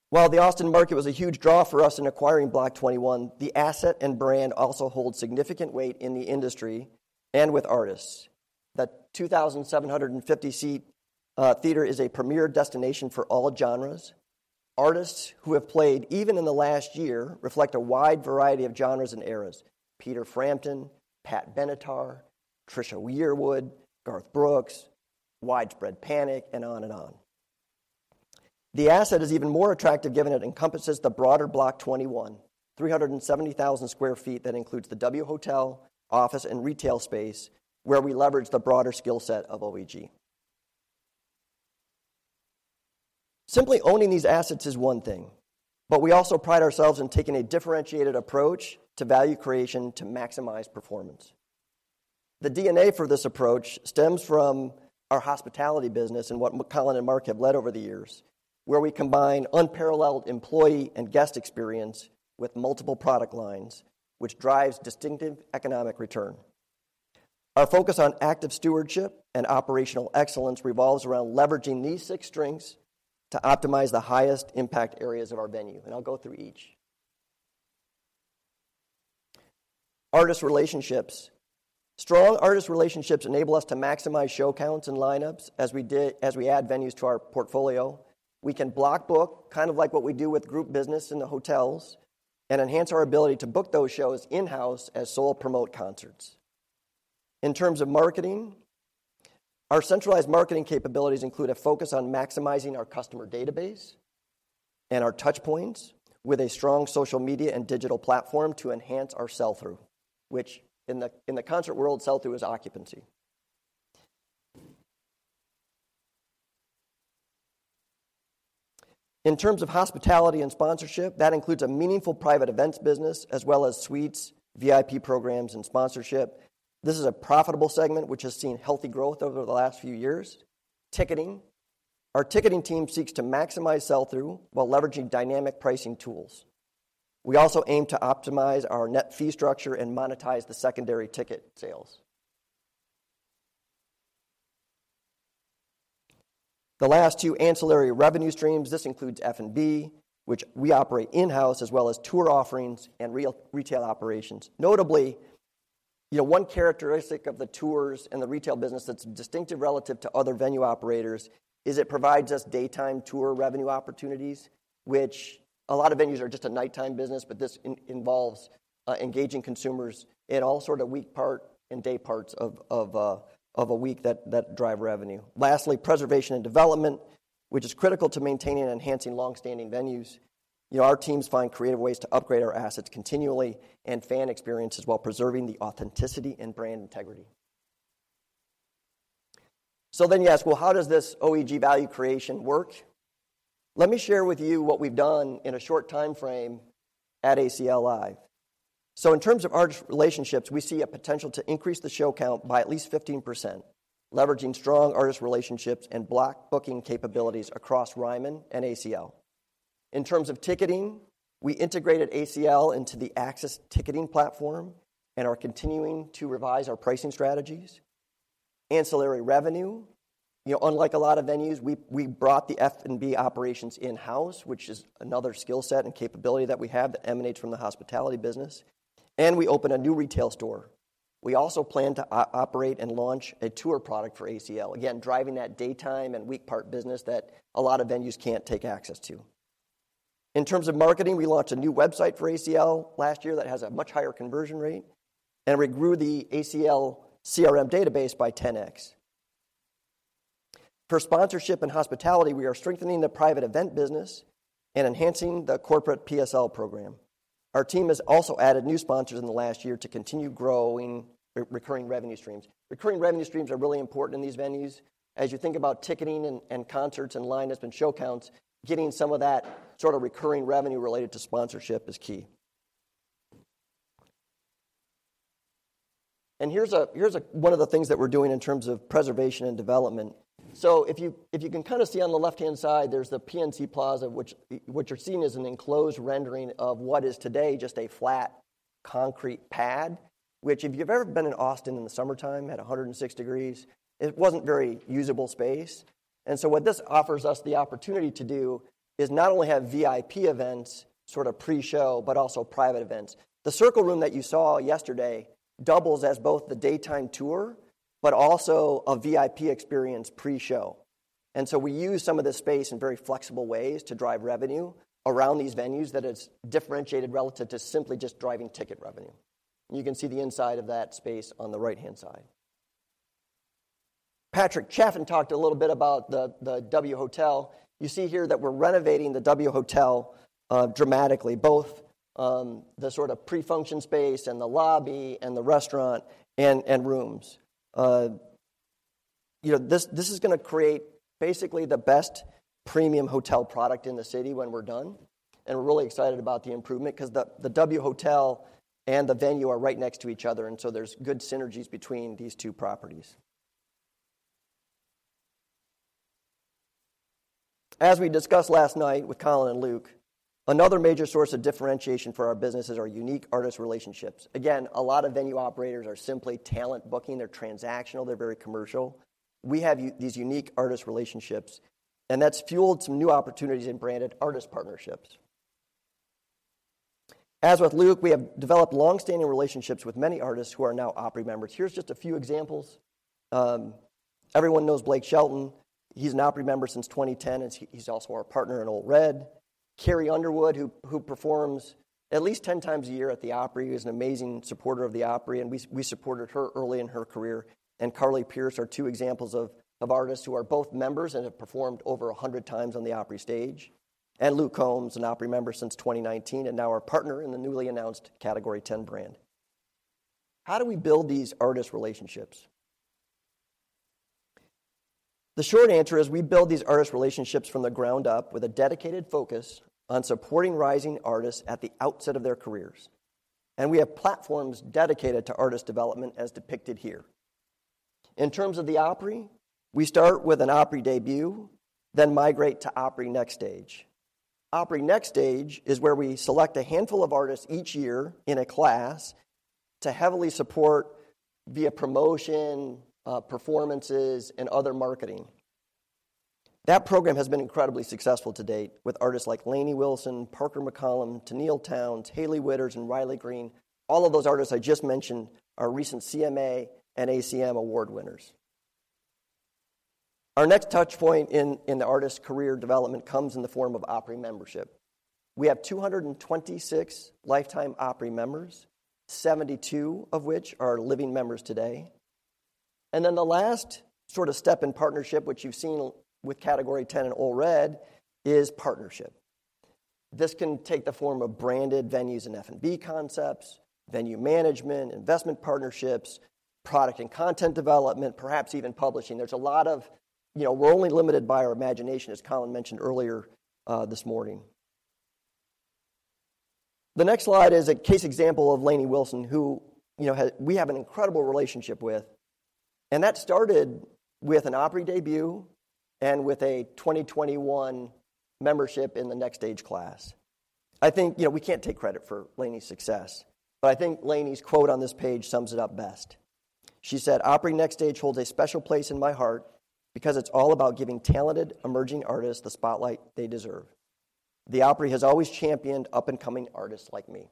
While the Austin market was a huge draw for us in acquiring Block 21, the asset and brand also hold significant weight in the industry and with artists. That 2,750-seat theater is a premier destination for all genres. Artists who have played, even in the last year, reflect a wide variety of genres and eras: Peter Frampton, Pat Benatar, Trisha Yearwood, Garth Brooks, Widespread Panic, and on and on. The asset is even more attractive, given it encompasses the broader Block 21, 370,000 sq ft that includes the W Hotel, office and retail space, where we leverage the broader skill set of OEG. Simply owning these assets is one thing, but we also pride ourselves in taking a differentiated approach to value creation to maximize performance. The DNA for this approach stems from our hospitality business and what Colin and Mark have led over the years, where we combine unparalleled employee and guest experience with multiple product lines, which drives distinctive economic return. Our focus on active stewardship and operational excellence revolves around leveraging these six strengths to optimize the highest impact areas of our venue, and I'll go through each. Artist relationships. Strong artist relationships enable us to maximize show counts and lineups as we add venues to our portfolio. We can block book, kind of like what we do with group business in the hotels, and enhance our ability to book those shows in-house as sole promote concerts. In terms of marketing, our centralized marketing capabilities include a focus on maximizing our customer database and our touchpoints with a strong social media and digital platform to enhance our sell-through, which in the, in the concert world, sell-through is occupancy. In terms of hospitality and sponsorship, that includes a meaningful private events business as well as suites, VIP programs, and sponsorship. This is a profitable segment which has seen healthy growth over the last few years. Ticketing. Our ticketing team seeks to maximize sell-through while leveraging dynamic pricing tools. We also aim to optimize our net fee structure and monetize the secondary ticket sales. The last two, ancillary revenue streams. This includes F&B, which we operate in-house, as well as tour offerings and real retail operations. Notably, you know, one characteristic of the tours and the retail business that's distinctive relative to other venue operators is it provides us daytime tour revenue opportunities, which a lot of venues are just a nighttime business, but this involves engaging consumers in all sort of week part and day parts of a week that drive revenue. Lastly, preservation and development, which is critical to maintaining and enhancing long-standing venues. You know, our teams find creative ways to upgrade our assets continually and fan experiences while preserving the authenticity and brand integrity. So then you ask, well, how does this OEG value creation work? Let me share with you what we've done in a short time frame at ACL Live. So in terms of artist relationships, we see a potential to increase the show count by at least 15%, leveraging strong artist relationships and block booking capabilities across Ryman and ACL. In terms of ticketing, we integrated ACL into the AXS ticketing platform and are continuing to revise our pricing strategies. Ancillary revenue, you know, unlike a lot of venues, we brought the F&B operations in-house, which is another skill set and capability that we have that emanates from the hospitality business. And we opened a new retail store. We also plan to operate and launch a tour product for ACL, again, driving that daytime and weekday business that a lot of venues can't take access to. In terms of marketing, we launched a new website for ACL last year that has a much higher conversion rate, and we grew the ACL CRM database by 10x. For sponsorship and hospitality, we are strengthening the private event business and enhancing the corporate PSL program. Our team has also added new sponsors in the last year to continue growing recurring revenue streams. Recurring revenue streams are really important in these venues. As you think about ticketing and concerts and lineups and show counts, getting some of that sort of recurring revenue related to sponsorship is key. Here's one of the things that we're doing in terms of preservation and development. So if you, if you can kinda see on the left-hand side, there's the PNC Plaza, which, what you're seeing is an enclosed rendering of what is today just a flat concrete pad, which if you've ever been in Austin in the summertime at 106 degrees, it wasn't very usable space. So what this offers us the opportunity to do is not only have VIP events, sorta pre-show, but also private events. The circle room that you saw yesterday doubles as both the daytime tour but also a VIP experience pre-show. So we use some of this space in very flexible ways to drive revenue around these venues that is differentiated relative to simply just driving ticket revenue. You can see the inside of that space on the right-hand side. Patrick Chaffin talked a little bit about the W Hotel. You see here that we're renovating the W Hotel dramatically, both the sorta pre-function space and the lobby and the restaurant and rooms. You know, this, this is gonna create basically the best premium hotel product in the city when we're done. And we're really excited about the improvement 'cause the W Hotel and the venue are right next to each other, and so there's good synergies between these two properties. As we discussed last night with Colin and Luke, another major source of differentiation for our business is our unique artist relationships. Again, a lot of venue operators are simply talent booking. They're transactional, they're very commercial. We have these unique artist relationships, and that's fueled some new opportunities in branded artist partnerships. As with Luke, we have developed long-standing relationships with many artists who are now Opry members. Here's just a few examples. Everyone knows Blake Shelton. He's an Opry member since 2010, and he's also our partner in Ole Red. Carrie Underwood, who performs at least 10 times a year at the Opry, who's an amazing supporter of the Opry, and we supported her early in her career, and Carly Pearce are two examples of artists who are both members and have performed over 100 times on the Opry stage. Luke Combs, an Opry member since 2019, and now our partner in the newly announced Category 10 brand. How do we build these artist relationships? The short answer is we build these artist relationships from the ground up with a dedicated focus on supporting rising artists at the outset of their careers. We have platforms dedicated to artist development, as depicted here. In terms of the Opry, we start with an Opry debut, then migrate to Opry Next Stage. Opry Next Stage is where we select a handful of artists each year in a class to heavily support via promotion, performances, and other marketing. That program has been incredibly successful to date with artists like Lainey Wilson, Parker McCollum, Tenille Townes, Hailey Whitters, and Riley Green. All of those artists I just mentioned are recent CMA and ACM Award winners. Our next touchpoint in the artist's career development comes in the form of Opry membership. We have 226 lifetime Opry members, 72 of which are living members today. Then the last sorta step in partnership, which you've seen with Category 10 and Ole Red, is partnership. This can take the form of branded venues and F&B concepts, venue management, investment partnerships, product and content development, perhaps even publishing. There's a lot of... You know, we're only limited by our imagination, as Colin mentioned earlier, this morning. The next slide is a case example of Lainey Wilson, who, you know, has- we have an incredible relationship with, and that started with an Opry debut and with a 2021 membership in the Next Stage class. I think, you know, we can't take credit for Lainey's success, but I think Lainey's quote on this page sums it up best. She said: "Opry Next Stage holds a special place in my heart because it's all about giving talented, emerging artists the spotlight they deserve. The Opry has always championed up-and-coming artists like me."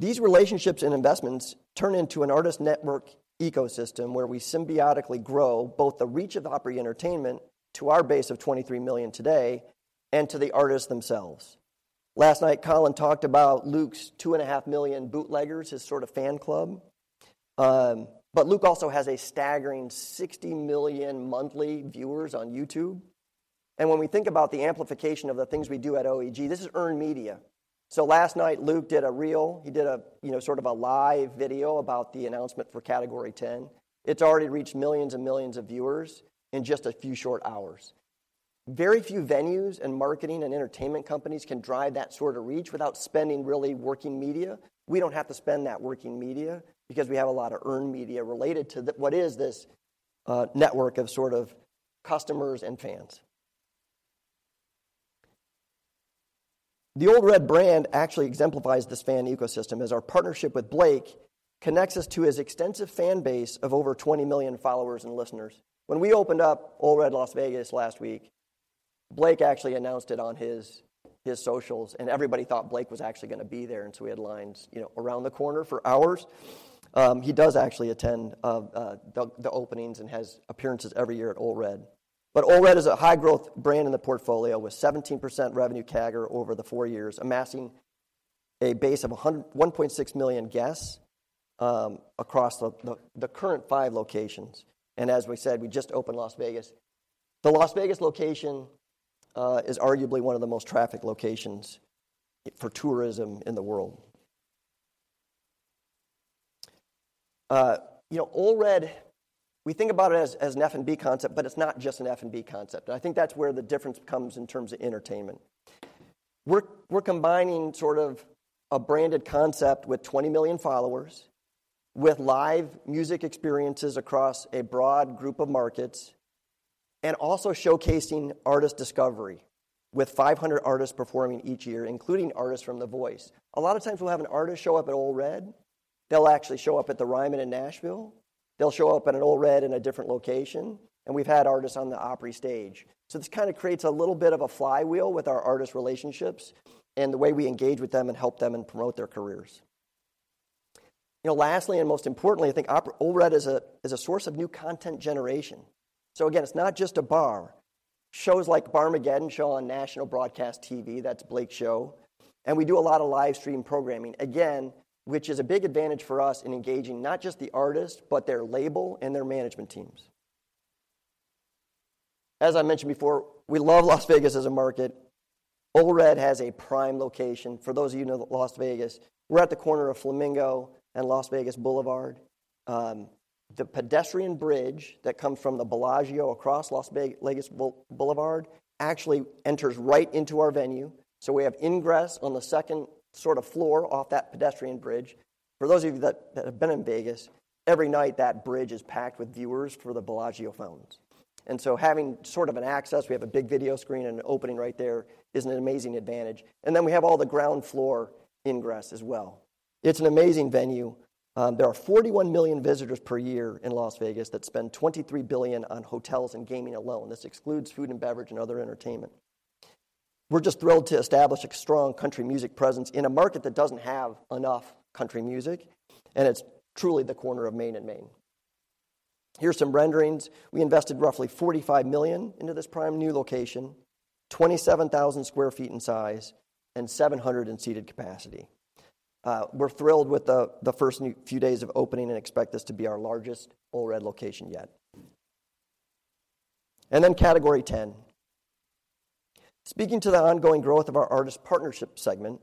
These relationships and investments turn into an artist network ecosystem where we symbiotically grow both the reach of Opry Entertainment to our base of 23 million today and to the artists themselves. Last night, Colin talked about Luke's 2.5 million Bootleggers, his sorta fan club.... But Luke also has a staggering 60 million monthly viewers on YouTube. And when we think about the amplification of the things we do at OEG, this is earned media. So last night, Luke did a reel, he did a, you know, sort of a live video about the announcement for Category 10. It's already reached millions and millions of viewers in just a few short hours. Very few venues and marketing and entertainment companies can drive that sort of reach without spending really working media. We don't have to spend that working media because we have a lot of earned media related to the-- what is this, network of sort of customers and fans. The Ole Red brand actually exemplifies this fan ecosystem, as our partnership with Blake connects us to his extensive fan base of over 20 million followers and listeners. When we opened up Ole Red, Las Vegas last week, Blake actually announced it on his socials, and everybody thought Blake was actually gonna be there, and so we had lines, you know, around the corner for hours. He does actually attend the openings and has appearances every year at Ole Red. Ole Red is a high-growth brand in the portfolio, with 17% revenue CAGR over the four years, amassing a base of 1.6 million guests across the current five locations. As we said, we just opened Las Vegas. The Las Vegas location is arguably one of the most trafficked locations for tourism in the world. You know, Ole Red, we think about it as an F&B concept, but it's not just an F&B concept. I think that's where the difference comes in terms of entertainment. We're combining sort of a branded concept with 20 million followers, with live music experiences across a broad group of markets, and also showcasing artist discovery, with 500 artists performing each year, including artists from The Voice. A lot of times we'll have an artist show up at Ole Red, they'll actually show up at the Ryman in Nashville, they'll show up at an Ole Red in a different location, and we've had artists on the Opry stage. So this kinda creates a little bit of a flywheel with our artist relationships and the way we engage with them and help them and promote their careers. You know, lastly, and most importantly, I think Ole Red is a, is a source of new content generation. So again, it's not just a bar. Shows like the Barmageddon show on national broadcast TV, that's Blake's show, and we do a lot of live stream programming, again, which is a big advantage for us in engaging not just the artist, but their label and their management teams. As I mentioned before, we love Las Vegas as a market. Ole Red has a prime location. For those of you who know Las Vegas, we're at the corner of Flamingo and Las Vegas Boulevard. The pedestrian bridge that comes from the Bellagio, across Las Vegas Boulevard, actually enters right into our venue, so we have ingress on the second sort of floor off that pedestrian bridge. For those of you that have been in Vegas, every night, that bridge is packed with viewers for the Bellagio Fountains. And so having sort of an access, we have a big video screen and an opening right there, is an amazing advantage. And then we have all the ground floor ingress as well. It's an amazing venue. There are 41 million visitors per year in Las Vegas that spend $23 billion on hotels and gaming alone. This excludes food and beverage and other entertainment. We're just thrilled to establish a strong country music presence in a market that doesn't have enough country music, and it's truly the corner of Main and Main. Here's some renderings. We invested roughly $45 million into this prime new location, 27,000 sq ft in size, and 700 in seated capacity. We're thrilled with the first few days of opening and expect this to be our largest Ole Red location yet. And then Category 10. Speaking to the ongoing growth of our artist partnership segment,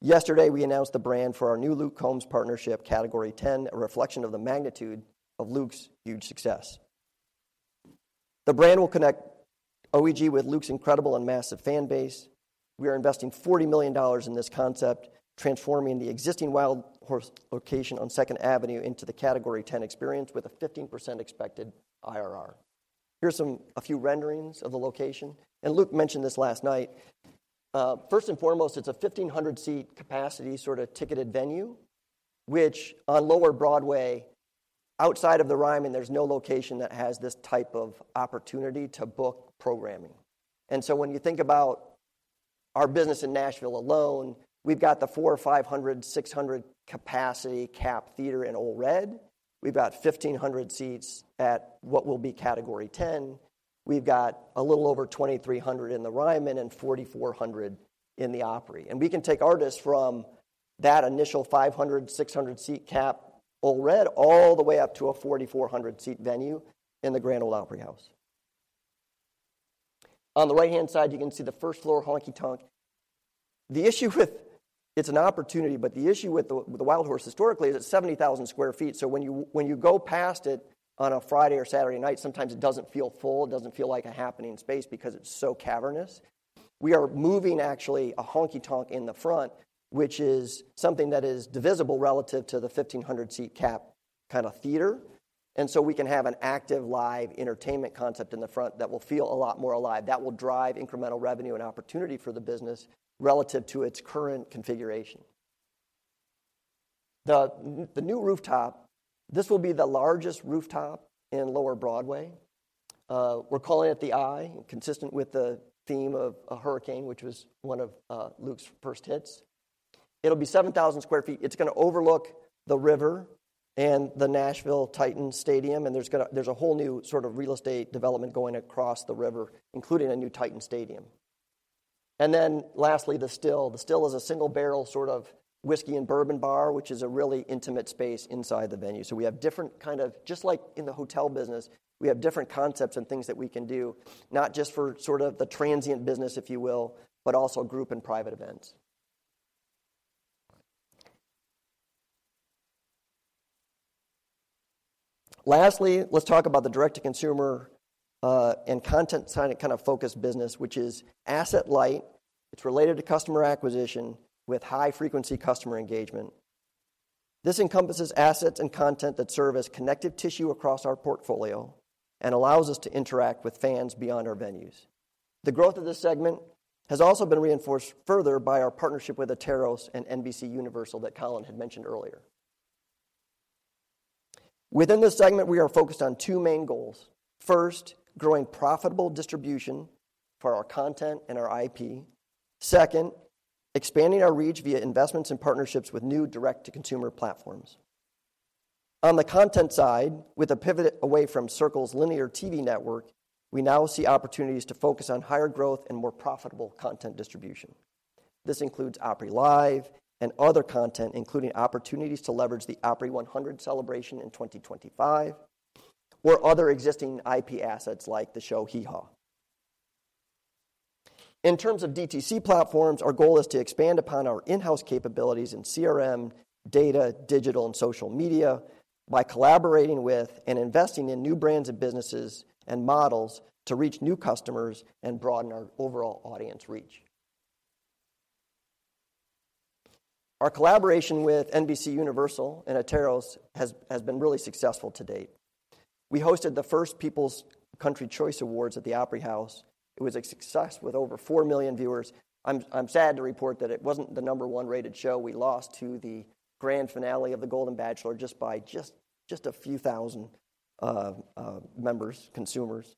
yesterday, we announced the brand for our new Luke Combs partnership, Category 10, a reflection of the magnitude of Luke's huge success. The brand will connect OEG with Luke's incredible and massive fan base. We are investing $40 million in this concept, transforming the existing Wildhorse location on Second Avenue into the Category 10 experience with a 15% expected IRR. Here are a few renderings of the location. Luke mentioned this last night, first and foremost, it's a 1,500-seat capacity, sort of ticketed venue, which on lower Broadway, outside of the Ryman, there's no location that has this type of opportunity to book programming. So when you think about our business in Nashville alone, we've got the 400 or 500, 600 capacity cap theater in Ole Red. We've got 1,500 seats at what will be Category 10. We've got a little over 2,300 in the Ryman and 4,400 in the Opry. We can take artists from that initial 500, 600 seat cap Ole Red, all the way up to a 4,400 seat venue in the Grand Ole Opry House. On the right-hand side, you can see the first-floor honky-tonk. It's an opportunity, but the issue with the Wildhorse historically is it's 70,000 sq ft, so when you go past it on a Friday or Saturday night, sometimes it doesn't feel full. It doesn't feel like a happening space because it's so cavernous. We are moving actually a honky-tonk in the front, which is something that is divisible relative to the 1,500 seat cap kinda theater, and so we can have an active live entertainment concept in the front that will feel a lot more alive. That will drive incremental revenue and opportunity for the business relative to its current configuration. The new rooftop, this will be the largest rooftop in lower Broadway. We're calling it The Eye, consistent with the theme of a hurricane, which was one of Luke's first hits. It'll be 7,000 sq ft. It's gonna overlook the river and the Nashville Titans Stadium, and there's a whole new sort of real estate development going across the river, including a new Titans stadium. And then lastly, The Still. The Still is a single barrel sort of whiskey and bourbon bar, which is a really intimate space inside the venue. So we have different kind of. Just like in the hotel business, we have different concepts and things that we can do, not just for sort of the transient business, if you will, but also group and private events. Lastly, let's talk about the direct-to-consumer and content side kind of focused business, which is asset light. It's related to customer acquisition with high-frequency customer engagement. This encompasses assets and content that serve as connective tissue across our portfolio and allows us to interact with fans beyond our venues. The growth of this segment has also been reinforced further by our partnership with Atairos and NBCUniversal that Colin had mentioned earlier. Within this segment, we are focused on two main goals: first, growing profitable distribution for our content and our IP; second, expanding our reach via investments and partnerships with new direct-to-consumer platforms. On the content side, with a pivot away from Circle's linear TV network, we now see opportunities to focus on higher growth and more profitable content distribution. This includes Opry Live and other content, including opportunities to leverage the Opry 100 celebration in 2025, or other existing IP assets like the show Hee Haw. In terms of DTC platforms, our goal is to expand upon our in-house capabilities in CRM, data, digital, and social media by collaborating with and investing in new brands and businesses and models to reach new customers and broaden our overall audience reach. Our collaboration with NBCUniversal and Atairos has been really successful to date. We hosted the first People's Country Choice Awards at the Opry House. It was a success with over four million viewers. I'm sad to report that it wasn't the number one-rated show. We lost to the grand finale of The Golden Bachelor just by a few thousand members, consumers.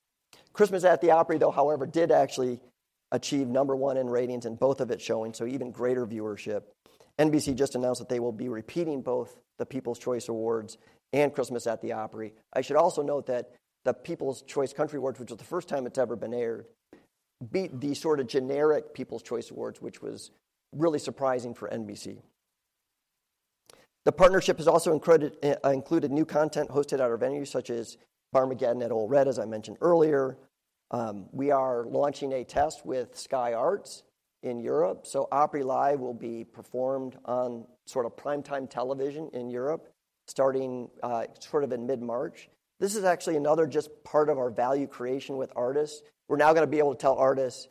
Christmas at the Opry, though, however, did actually achieve number one in ratings in both of its showing, so even greater viewership. NBC just announced that they will be repeating both the People's Choice Awards and Christmas at the Opry. I should also note that the People's Choice Country Awards, which is the first time it's ever been aired, beat the sort of generic People's Choice Awards, which was really surprising for NBC. The partnership has also increased and included new content hosted at our venues, such as Barmageddon at Ole Red, as I mentioned earlier. We are launching a test with Sky Arts in Europe, so Opry Live will be performed on sort of primetime television in Europe, starting sort of in mid-March. This is actually another just part of our value creation with artists. We're now gonna be able to tell artists,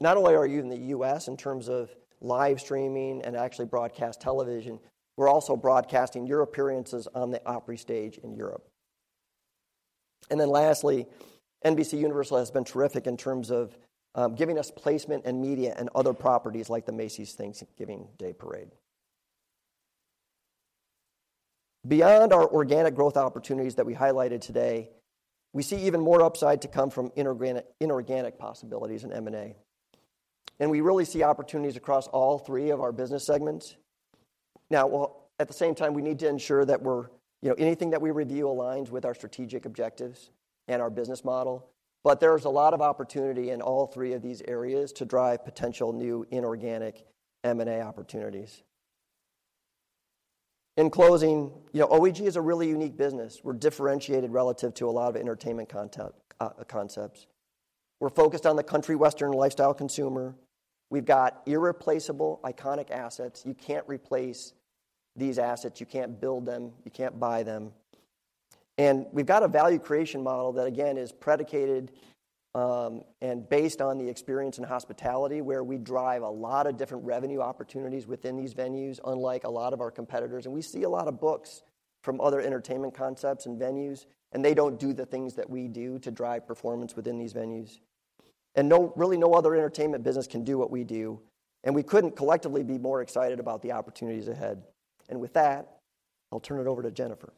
"Not only are you in the U.S. in terms of live streaming and actually broadcast television, we're also broadcasting your appearances on the Opry stage in Europe." And then lastly, NBCUniversal has been terrific in terms of giving us placement in media and other properties like the Macy's Thanksgiving Day Parade. Beyond our organic growth opportunities that we highlighted today, we see even more upside to come from inorganic possibilities in M&A. And we really see opportunities across all three of our business segments. Now, well, at the same time, we need to ensure that we're, you know, anything that we review aligns with our strategic objectives and our business model, but there's a lot of opportunity in all three of these areas to drive potential new inorganic M&A opportunities. In closing, you know, OEG is a really unique business. We're differentiated relative to a lot of entertainment content, concepts. We're focused on the country western lifestyle consumer. We've got irreplaceable, iconic assets. You can't replace these assets. You can't build them, you can't buy them. And we've got a value creation model that, again, is predicated, and based on the experience in hospitality, where we drive a lot of different revenue opportunities within these venues, unlike a lot of our competitors. And we see a lot of books from other entertainment concepts and venues, and they don't do the things that we do to drive performance within these venues. And no, really, no other entertainment business can do what we do, and we couldn't collectively be more excited about the opportunities ahead. And with that, I'll turn it over to Jennifer.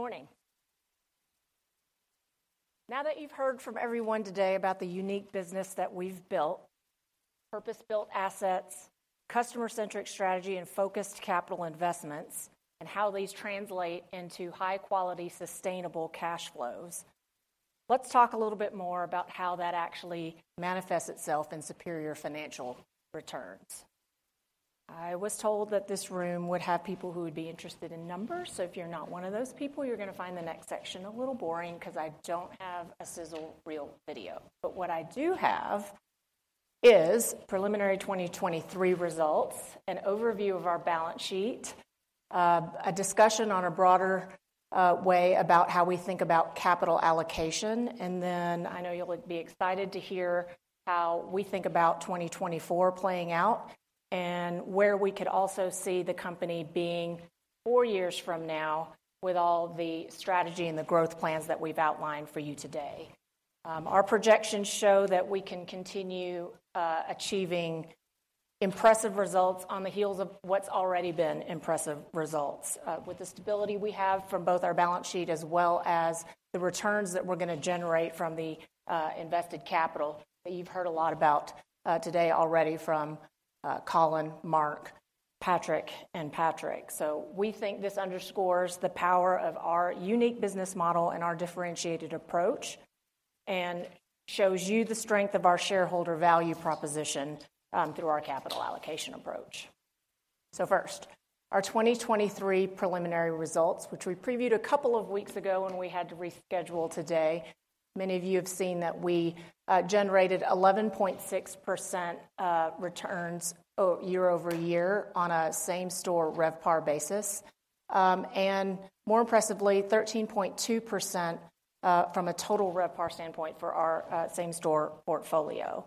Good morning. Now that you've heard from everyone today about the unique business that we've built, purpose-built assets, customer-centric strategy, and focused capital investments, and how these translate into high-quality, sustainable cash flows, let's talk a little bit more about how that actually manifests itself in superior financial returns. I was told that this room would have people who would be interested in numbers, so if you're not one of those people, you're gonna find the next section a little boring 'cause I don't have a sizzle reel video. But what I do have is preliminary 2023 results, an overview of our balance sheet, a discussion on a broader way about how we think about capital allocation. Then I know you'll, like, be excited to hear how we think about 2024 playing out, and where we could also see the company being four years from now with all the strategy and the growth plans that we've outlined for you today. Our projections show that we can continue achieving impressive results on the heels of what's already been impressive results. With the stability we have from both our balance sheet as well as the returns that we're gonna generate from the invested capital, that you've heard a lot about today already from Colin, Mark, Patrick, and Patrick. So we think this underscores the power of our unique business model and our differentiated approach, and shows you the strength of our shareholder value proposition through our capital allocation approach. So first, our 2023 preliminary results, which we previewed a couple of weeks ago when we had to reschedule today. Many of you have seen that we generated 11.6% returns year-over-year on a same-store RevPAR basis. And more impressively, 13.2% from a total RevPAR standpoint for our same-store portfolio.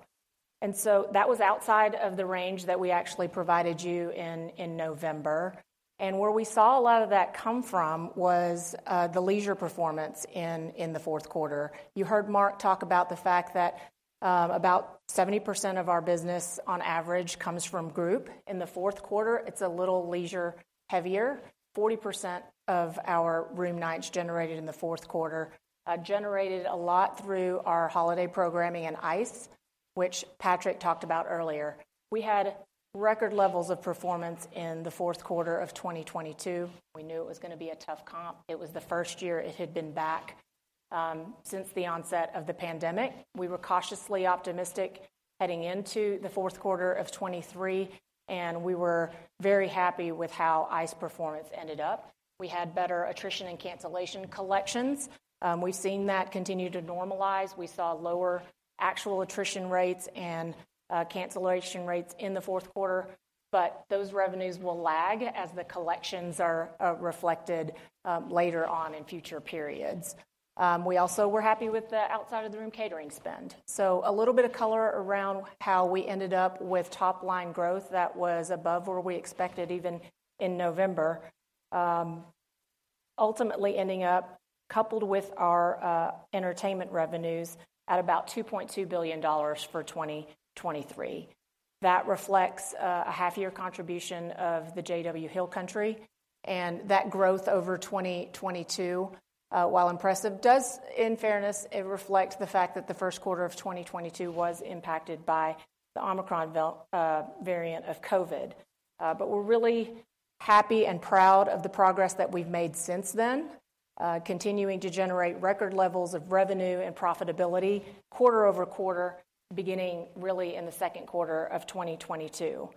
And so that was outside of the range that we actually provided you in November. And where we saw a lot of that come from was the leisure performance in the fourth quarter. You heard Mark talk about the fact that about 70% of our business on average comes from group. In the fourth quarter, it's a little leisure heavier. 40% of our room nights generated in the fourth quarter generated a lot through our holiday programming and ICE, which Patrick talked about earlier. We had record levels of performance in the fourth quarter of 2022. We knew it was gonna be a tough comp. It was the first year it had been back since the onset of the pandemic. We were cautiously optimistic heading into the fourth quarter of 2023, and we were very happy with how ICE performance ended up. We had better attrition and cancellation collections. We've seen that continue to normalize. We saw lower actual attrition rates and cancellation rates in the fourth quarter, but those revenues will lag as the collections are reflected later on in future periods. We also were happy with the outside of the room catering spend. So a little bit of color around how we ended up with top-line growth that was above where we expected, even in November. Ultimately ending up coupled with our entertainment revenues at about $2.2 billion for 2023. That reflects a half year contribution of the JW Hill Country, and that growth over 2022, while impressive, does in fairness, it reflect the fact that the first quarter of 2022 was impacted by the Omicron variant of COVID. But we're really happy and proud of the progress that we've made since then. Continuing to generate record levels of revenue and profitability quarter-over-quarter, beginning really in the second quarter of 2022.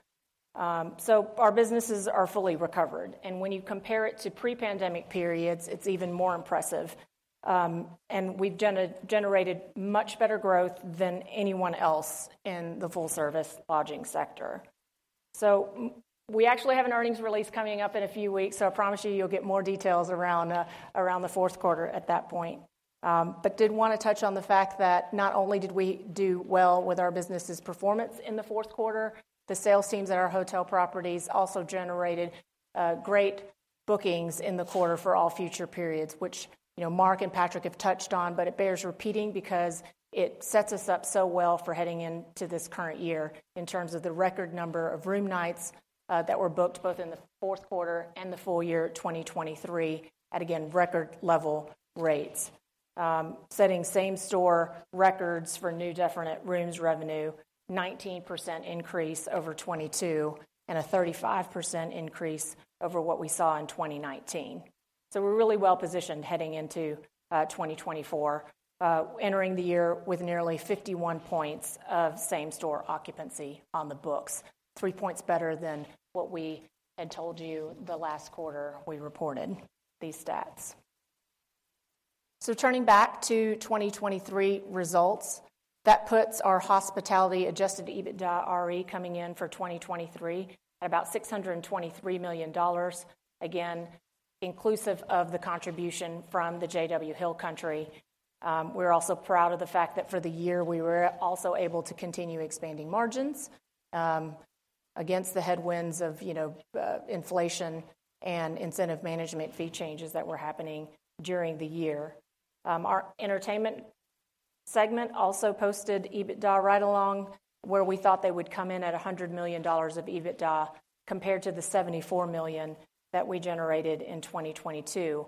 So our businesses are fully recovered, and when you compare it to pre-pandemic periods, it's even more impressive. And we've generated much better growth than anyone else in the full-service lodging sector. So we actually have an earnings release coming up in a few weeks, so I promise you, you'll get more details around the fourth quarter at that point. But did want to touch on the fact that not only did we do well with our business's performance in the fourth quarter, the sales teams at our hotel properties also generated great bookings in the quarter for all future periods, which, you know, Mark and Patrick have touched on, but it bears repeating because it sets us up so well for heading into this current year, in terms of the record number of room nights that were booked both in the fourth quarter and the full year 2023, at again, record level rates. Setting same-store records for new definite rooms revenue, 19% increase over 2022, and a 35% increase over what we saw in 2019. So we're really well positioned heading into 2024, entering the year with nearly 51 points of same-store occupancy on the books, 3 points better than what we had told you the last quarter we reported these stats. So turning back to 2023 results, that puts our hospitality adjusted EBITDAre coming in for 2023 at about $623 million, again, inclusive of the contribution from the JW Hill Country. We're also proud of the fact that for the year, we were also able to continue expanding margins, against the headwinds of, you know, inflation and incentive management fee changes that were happening during the year. Our entertainment segment also posted EBITDA right along where we thought they would come in at $100 million of EBITDA, compared to the $74 million that we generated in 2022,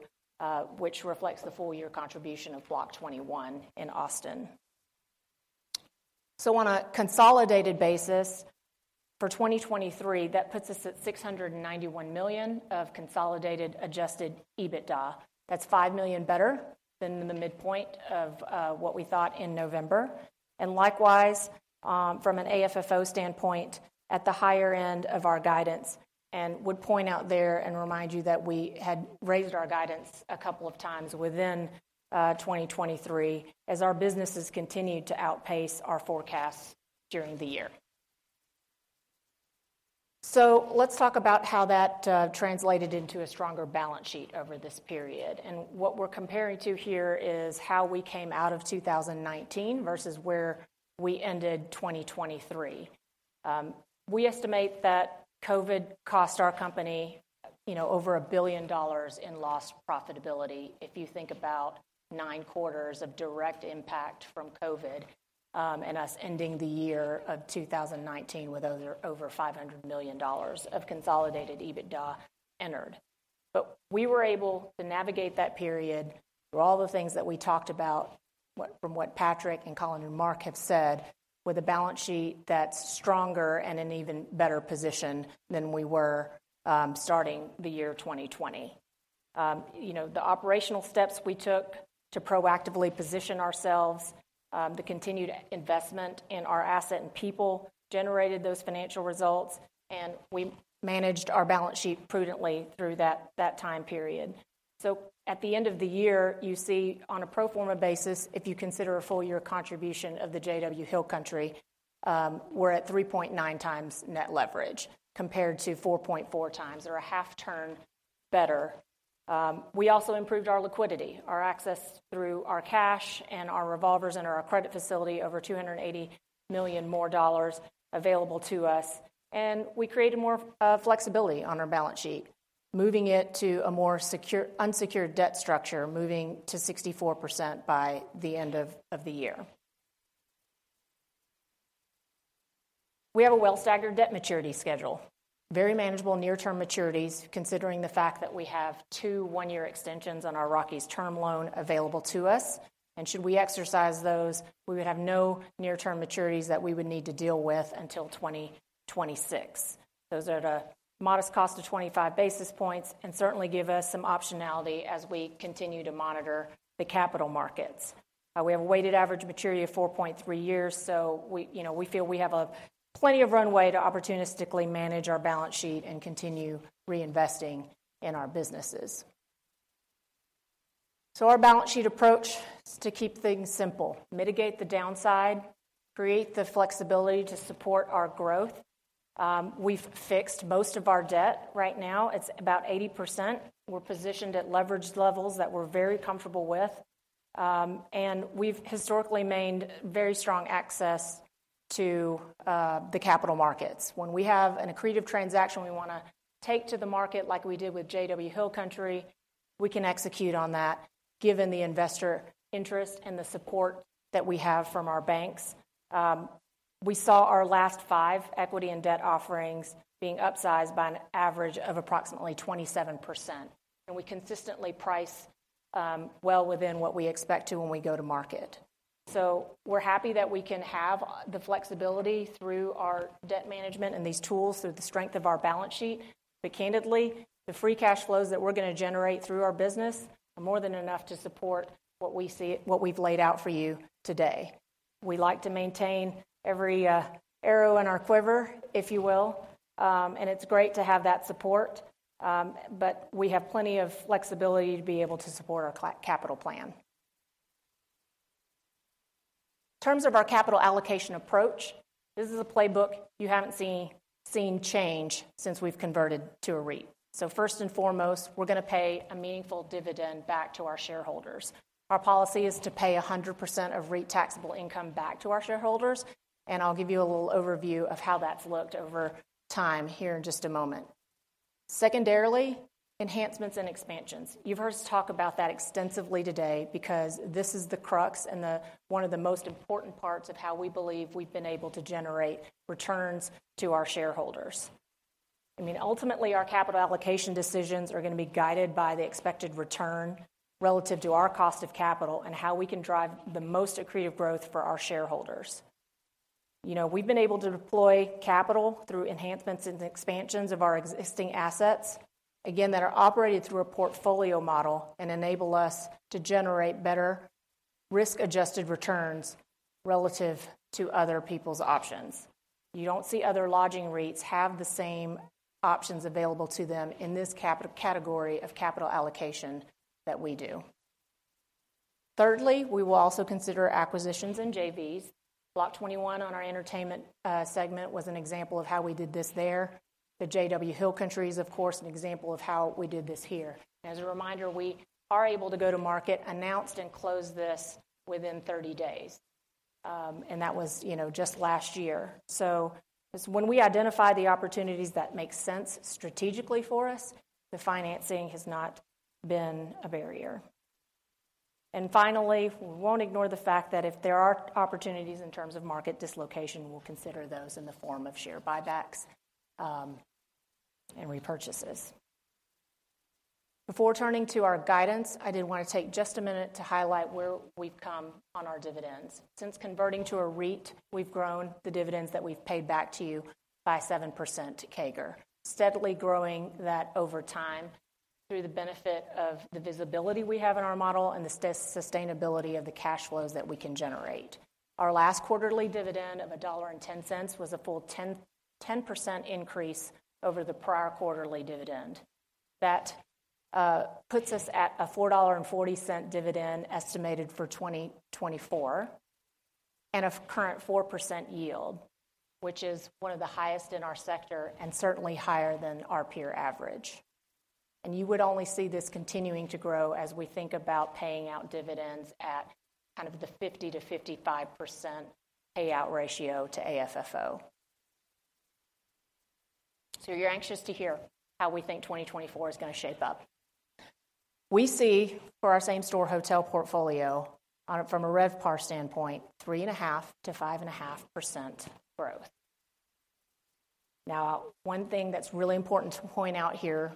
which reflects the full year contribution of Block 21 in Austin. So on a consolidated basis, for 2023, that puts us at $691 million of consolidated adjusted EBITDA. That's $5 million better than the midpoint of what we thought in November. And likewise, from an AFFO standpoint, at the higher end of our guidance, and would point out there and remind you that we had raised our guidance a couple of times within 2023, as our businesses continued to outpace our forecasts during the year. So let's talk about how that translated into a stronger balance sheet over this period. What we're comparing to here is how we came out of 2019 versus where we ended 2023. We estimate that COVID cost our company you know, over $1 billion in lost profitability, if you think about nine quarters of direct impact from COVID, and us ending the year of 2019 with over $500 million of consolidated EBITDA generated. But we were able to navigate that period through all the things that we talked about, from what Patrick, and Colin, and Mark have said, with a balance sheet that's stronger and in even better position than we were, starting the year 2020. You know, the operational steps we took to proactively position ourselves, the continued investment in our asset and people, generated those financial results, and we managed our balance sheet prudently through that time period. So at the end of the year, you see, on a pro forma basis, if you consider a full year contribution of the JW Hill Country, we're at 3.9x net leverage, compared to 4.4x, or a half turn better. We also improved our liquidity, our access through our cash and our revolvers and our credit facility, over $280 million more dollars available to us. And we created more flexibility on our balance sheet, moving it to a more secured-unsecured debt structure, moving to 64% by the end of the year. We have a well-staggered debt maturity schedule. Very manageable near-term maturities, considering the fact that we have two one-year extensions on our Rockies term loan available to us, and should we exercise those, we would have no near-term maturities that we would need to deal with until 2026. Those are at a modest cost of 25 basis points, and certainly give us some optionality as we continue to monitor the capital markets. We have a weighted average maturity of 4.3 years, so we, you know, we feel we have a plenty of runway to opportunistically manage our balance sheet and continue reinvesting in our businesses. So our balance sheet approach is to keep things simple, mitigate the downside, create the flexibility to support our growth. We've fixed most of our debt. Right now, it's about 80%. We're positioned at leverage levels that we're very comfortable with, and we've historically maintained very strong access to the capital markets. When we have an accretive transaction we wanna take to the market, like we did with JW Hill Country, we can execute on that, given the investor interest and the support that we have from our banks. We saw our last five equity and debt offerings being upsized by an average of approximately 27%, and we consistently price well within what we expect to when we go to market. So we're happy that we can have the flexibility through our debt management and these tools, through the strength of our balance sheet. But candidly, the free cash flows that we're gonna generate through our business are more than enough to support what we've laid out for you today. We like to maintain every arrow in our quiver, if you will, and it's great to have that support, but we have plenty of flexibility to be able to support our capital plan. In terms of our capital allocation approach, this is a playbook you haven't seen change since we've converted to a REIT. So first and foremost, we're gonna pay a meaningful dividend back to our shareholders. Our policy is to pay 100% of REIT taxable income back to our shareholders, and I'll give you a little overview of how that's looked over time here in just a moment. Secondarily, enhancements and expansions. You've heard us talk about that extensively today, because this is the crux and one of the most important parts of how we believe we've been able to generate returns to our shareholders. I mean, ultimately, our capital allocation decisions are gonna be guided by the expected return relative to our cost of capital and how we can drive the most accretive growth for our shareholders. You know, we've been able to deploy capital through enhancements and expansions of our existing assets, again, that are operated through a portfolio model and enable us to generate better risk-adjusted returns relative to other people's options. You don't see other lodging REITs have the same options available to them in this category of capital allocation that we do. Thirdly, we will also consider acquisitions and JVs. Block 21 on our entertainment segment was an example of how we did this there. The JW Hill Country is, of course, an example of how we did this here. As a reminder, we are able to go to market, announced, and close this within 30 days, and that was, you know, just last year. So as when we identify the opportunities that make sense strategically for us, the financing has not been a barrier. And finally, we won't ignore the fact that if there are opportunities in terms of market dislocation, we'll consider those in the form of share buybacks, and repurchases. Before turning to our guidance, I did want to take just a minute to highlight where we've come on our dividends. Since converting to a REIT, we've grown the dividends that we've paid back to you by 7% CAGR, steadily growing that over time through the benefit of the visibility we have in our model and the sustainability of the cash flows that we can generate. Our last quarterly dividend of $1.10 was a full 10% increase over the prior quarterly dividend. That puts us at a $4.40 dividend estimated for 2024, and a current 4% yield, which is one of the highest in our sector and certainly higher than our peer average.... And you would only see this continuing to grow as we think about paying out dividends at kind of the 50%-55% payout ratio to AFFO. So you're anxious to hear how we think 2024 is going to shape up. We see for our same store hotel portfolio, on a, from a RevPAR standpoint, 3.5%-5.5% growth. Now, one thing that's really important to point out here,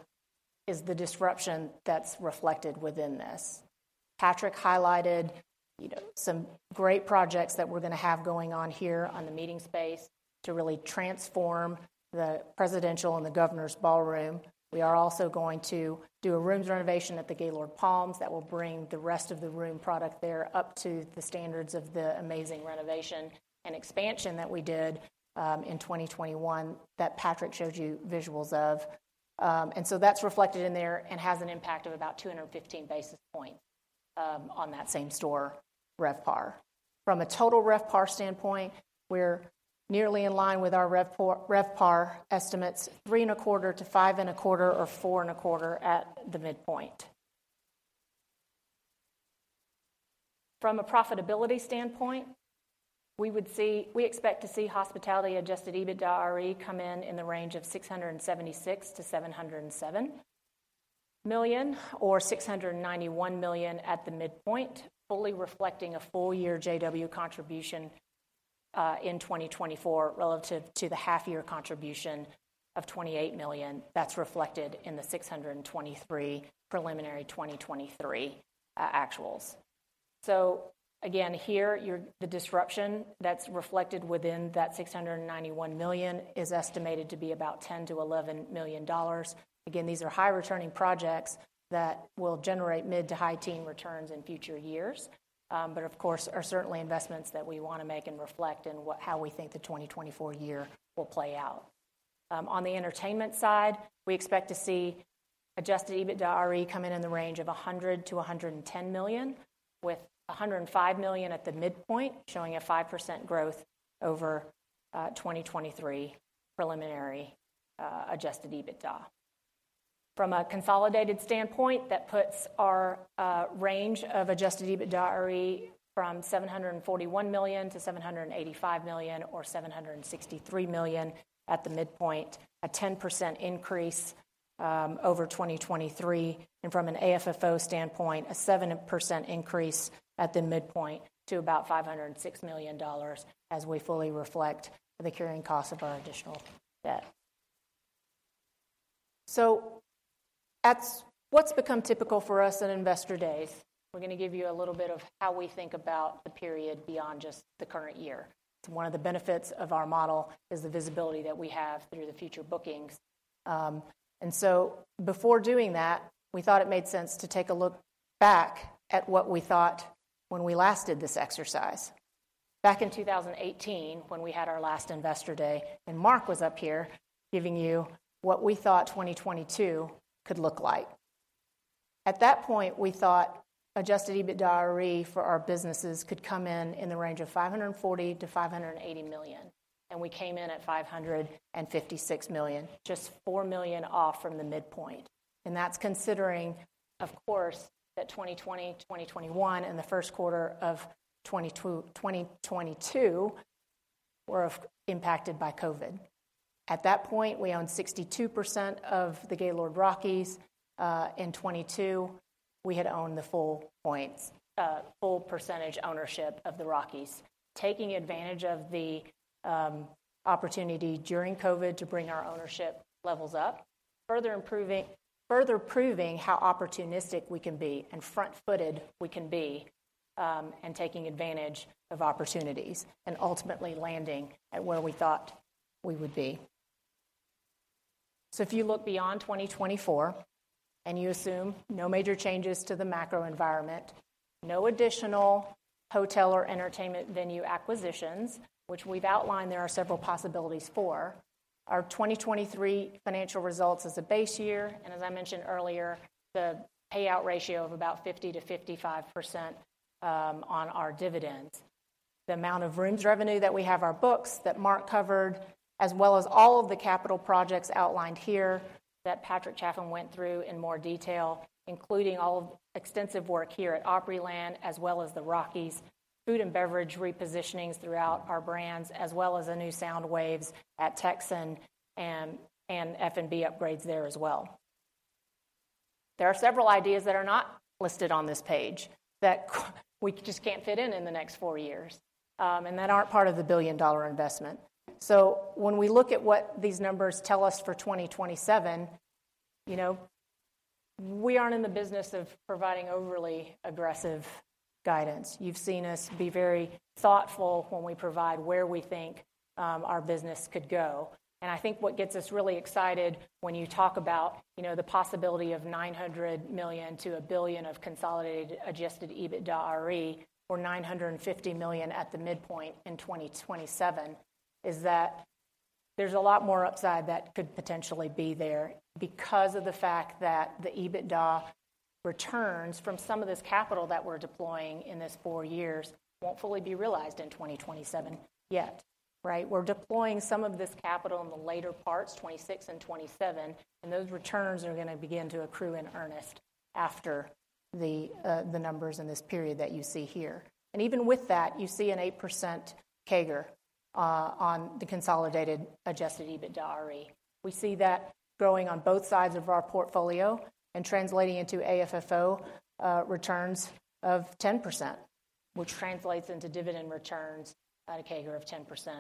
is the disruption that's reflected within this. Patrick highlighted, you know, some great projects that we're going to have going on here on the meeting space to really transform the Presidential and the Governor's Ballroom. We are also going to do a rooms renovation at the Gaylord Palms that will bring the rest of the room product there up to the standards of the amazing renovation and expansion that we did in 2021, that Patrick showed you visuals of. And so that's reflected in there and has an impact of about 215 basis points on that same store RevPAR. From a total RevPAR standpoint, we're nearly in line with our RevPAR estimates, 3.25-5.25, or 4.25 at the midpoint. From a profitability standpoint, we expect to see hospitality adjusted EBITDAre come in, in the range of $676 million-$707 million, or $691 million at the midpoint, fully reflecting a full year JW contribution in 2024, relative to the half year contribution of $28 million. That's reflected in the $623 million preliminary 2023 actuals. So again, here, the disruption that's reflected within that $691 million is estimated to be about $10 million-$11 million. Again, these are high returning projects that will generate mid to high teen returns in future years. But of course, are certainly investments that we want to make and reflect in how we think the 2024 year will play out. On the entertainment side, we expect to see adjusted EBITDAre come in in the range of $100-$110 million, with $105 million at the midpoint, showing 5% growth over 2023 preliminary adjusted EBITDA. From a consolidated standpoint, that puts our range of adjusted EBITDAre from $741 million-$785 million, or $763 million at the midpoint, 10% increase over 2023. And from an AFFO standpoint, 7% increase at the midpoint to about $506 million, as we fully reflect the carrying cost of our additional debt. That's what's become typical for us at Investor Day. We're going to give you a little bit of how we think about the period beyond just the current year. It's one of the benefits of our model, is the visibility that we have through the future bookings. And so before doing that, we thought it made sense to take a look back at what we thought when we last did this exercise. Back in 2018, when we had our last Investor Day, and Mark was up here giving you what we thought 2022 could look like. At that point, we thought adjusted EBITDAre for our businesses could come in, in the range of $540 million-$580 million, and we came in at $556 million, just $4 million off from the midpoint. And that's considering, of course, that 2020, 2021, and the first quarter of 2022 were impacted by COVID. At that point, we owned 62% of the Gaylord Rockies. In 2022, we had owned the full points, full percentage ownership of the Rockies. Taking advantage of the opportunity during COVID to bring our ownership levels up, further proving how opportunistic we can be and front-footed we can be, in taking advantage of opportunities and ultimately landing at where we thought we would be. So if you look beyond 2024, and you assume no major changes to the macro environment, no additional hotel or entertainment venue acquisitions, which we've outlined there are several possibilities for, our 2023 financial results as a base year, and as I mentioned earlier, the payout ratio of about 50%-55%, on our dividends. The amount of rooms revenue that we have on our books, that Mark covered, as well as all of the capital projects outlined here, that Patrick Chaffin went through in more detail, including all of extensive work here at Opryland, as well as the Rockies, food and beverage repositionings throughout our brands, as well as the new SoundWaves at Texan and F&B upgrades there as well. There are several ideas that are not listed on this page, that we just can't fit in in the next four years, and that aren't part of the billion-dollar investment. So when we look at what these numbers tell us for 2027, you know, we aren't in the business of providing overly aggressive guidance. You've seen us be very thoughtful when we provide where we think our business could go. I think what gets us really excited when you talk about, you know, the possibility of $900 million-$1 billion of consolidated adjusted EBITDAre, or $950 million at the midpoint in 2027, is that there's a lot more upside that could potentially be there because of the fact that the returns from some of this capital that we're deploying in this four years won't fully be realized in 2027 yet, right? We're deploying some of this capital in the later parts, 2026 and 2027, and those returns are gonna begin to accrue in earnest after the numbers in this period that you see here. And even with that, you see an 8% CAGR on the consolidated adjusted EBITDAre. We see that growing on both sides of our portfolio and translating into AFFO returns of 10%, which translates into dividend returns at a CAGR of 10%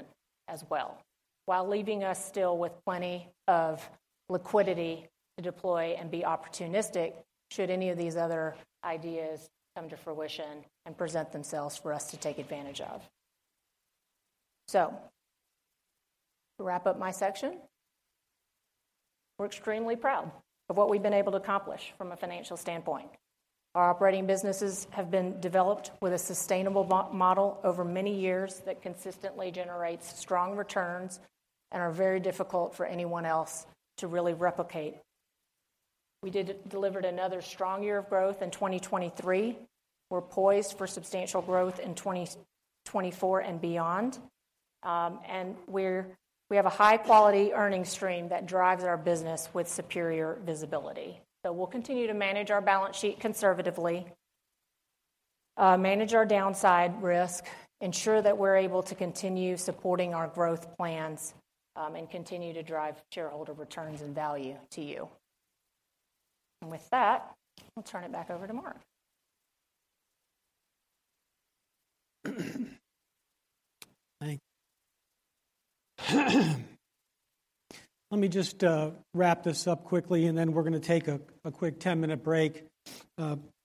as well. While leaving us still with plenty of liquidity to deploy and be opportunistic, should any of these other ideas come to fruition and present themselves for us to take advantage of. So to wrap up my section, we're extremely proud of what we've been able to accomplish from a financial standpoint. Our operating businesses have been developed with a sustainable model over many years that consistently generates strong returns and are very difficult for anyone else to really replicate. We delivered another strong year of growth in 2023. We're poised for substantial growth in 2024 and beyond. And we have a high-quality earning stream that drives our business with superior visibility. So we'll continue to manage our balance sheet conservatively, manage our downside risk, ensure that we're able to continue supporting our growth plans, and continue to drive shareholder returns and value to you. With that, I'll turn it back over to Mark. Thank you. Let me just wrap this up quickly, and then we're gonna take a quick 10-minute break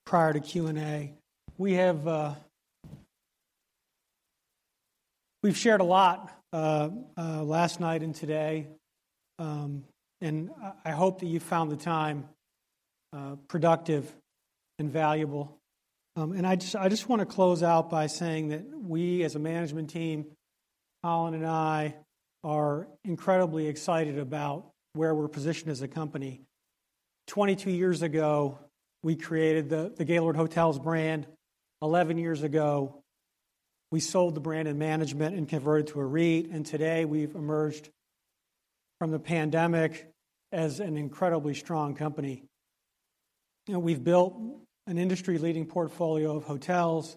prior to Q&A. We have. We've shared a lot last night and today, and I hope that you found the time productive and valuable. And I just wanna close out by saying that we, as a management team, Colin and I, are incredibly excited about where we're positioned as a company. 22 years ago, we created the Gaylord Hotels brand. Eleven years ago, we sold the brand and management and converted to a REIT, and today, we've emerged from the pandemic as an incredibly strong company. You know, we've built an industry-leading portfolio of hotels.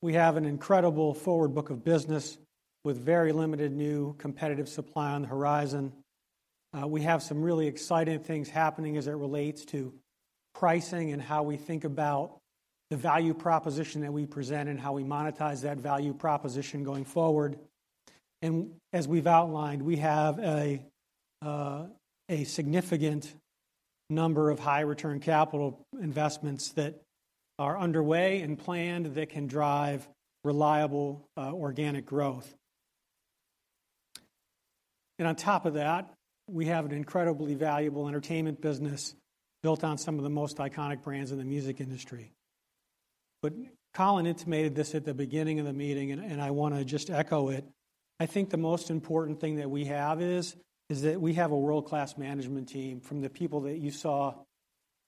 We have an incredible forward book of business with very limited new competitive supply on the horizon. We have some really exciting things happening as it relates to pricing and how we think about the value proposition that we present and how we monetize that value proposition going forward. And as we've outlined, we have a significant number of high-return capital investments that are underway and planned that can drive reliable organic growth. And on top of that, we have an incredibly valuable entertainment business built on some of the most iconic brands in the music industry. But Colin intimated this at the beginning of the meeting, and, and I wanna just echo it. I think the most important thing that we have is, is that we have a world-class management team, from the people that you saw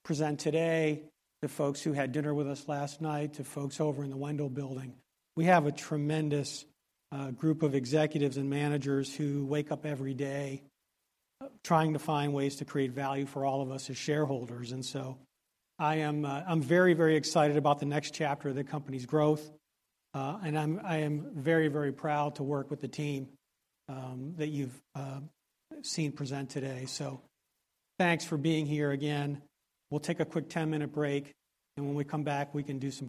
present today, the folks who had dinner with us last night, to folks over in the Wendell Building. We have a tremendous group of executives and managers who wake up every day trying to find ways to create value for all of us as shareholders. And so I am, I'm very, very excited about the next chapter of the company's growth, and I'm, I am very, very proud to work with the team that you've seen present today. So thanks for being here again. We'll take a quick 10-minute break, and when we come back, we can do some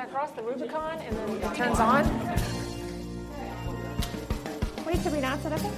Q&A. Oh! Did I cross, did I cross the Rubicon, and then it turns on? Wait, so we're not set up yet?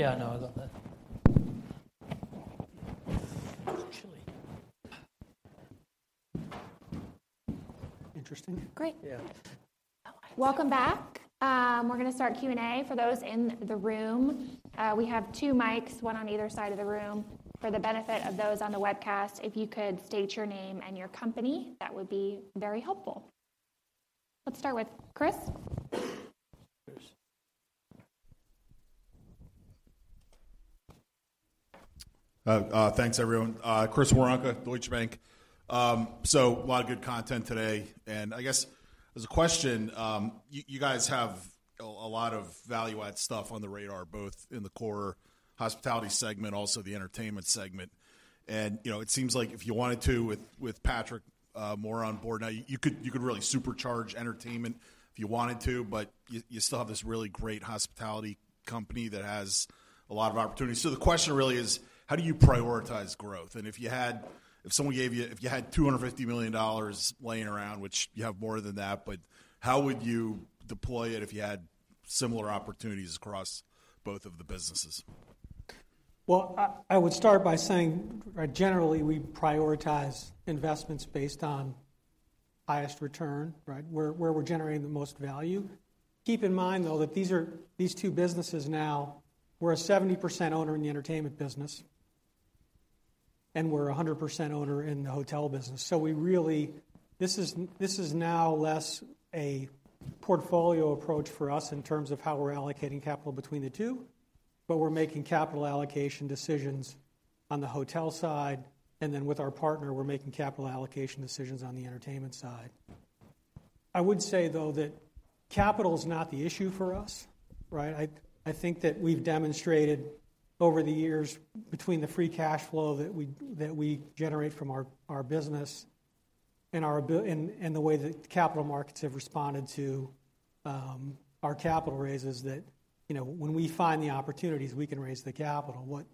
Yeah, I know, I love that. Interesting. Great. Yeah. Welcome back. We're going to start Q&A. For those in the room, we have two mics, one on either side of the room. For the benefit of those on the webcast, if you could state your name and your company, that would be very helpful. Let's start with Chris. Chris. Thanks, everyone. Chris Woronka, Deutsche Bank. So a lot of good content today, and I guess as a question, you, you guys have a, a lot of value add stuff on the radar, both in the core hospitality segment, also the entertainment segment. And, you know, it seems like if you wanted to, with, with Patrick Moore on board now, you could, you could really supercharge entertainment if you wanted to, but you, you still have this really great hospitality company that has a lot of opportunities. So the question really is: how do you prioritize growth? And if you had $250 million laying around, which you have more than that, but how would you deploy it if you had similar opportunities across both of the businesses? Well, I, I would start by saying, generally, we prioritize investments based on highest return, right? Where, where we're generating the most value. Keep in mind, though, that these are, these two businesses now, we're a 70% owner in the entertainment business, and we're a 100% owner in the hotel business. So we really... This is, this is now less a portfolio approach for us in terms of how we're allocating capital between the two, but we're making capital allocation decisions on the hotel side, and then with our partner, we're making capital allocation decisions on the entertainment side. I would say, though, that capital is not the issue for us, right? I think that we've demonstrated over the years between the free cash flow that we generate from our business and our ability and the way that capital markets have responded to our capital raises, that you know, when we find the opportunities, we can raise the capital.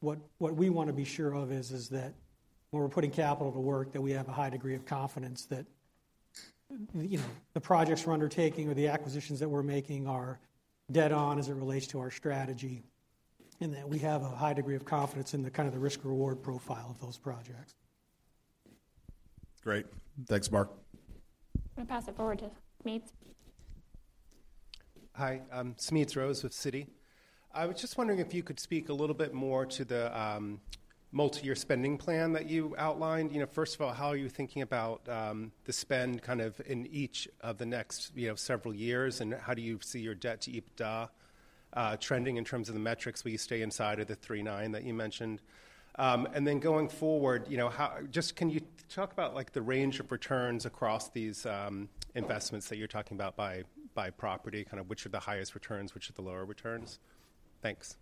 What we want to be sure of is that when we're putting capital to work, that we have a high degree of confidence that you know, the projects we're undertaking or the acquisitions that we're making are dead on as it relates to our strategy, and that we have a high degree of confidence in the kind of the risk-reward profile of those projects. Great. Thanks, Mark. I'm going to pass it forward to Smedes. Hi, I'm Smedes Rose with Citi. I was just wondering if you could speak a little bit more to the multi-year spending plan that you outlined. You know, first of all, how are you thinking about the spend kind of in each of the next, you know, several years, and how do you see your debt to EBITDA trending in terms of the metrics? Will you stay inside of the 3.9% that you mentioned? And then going forward, you know, just can you talk about, like, the range of returns across these investments that you're talking about by property, kind of which are the highest returns, which are the lower returns? Thanks.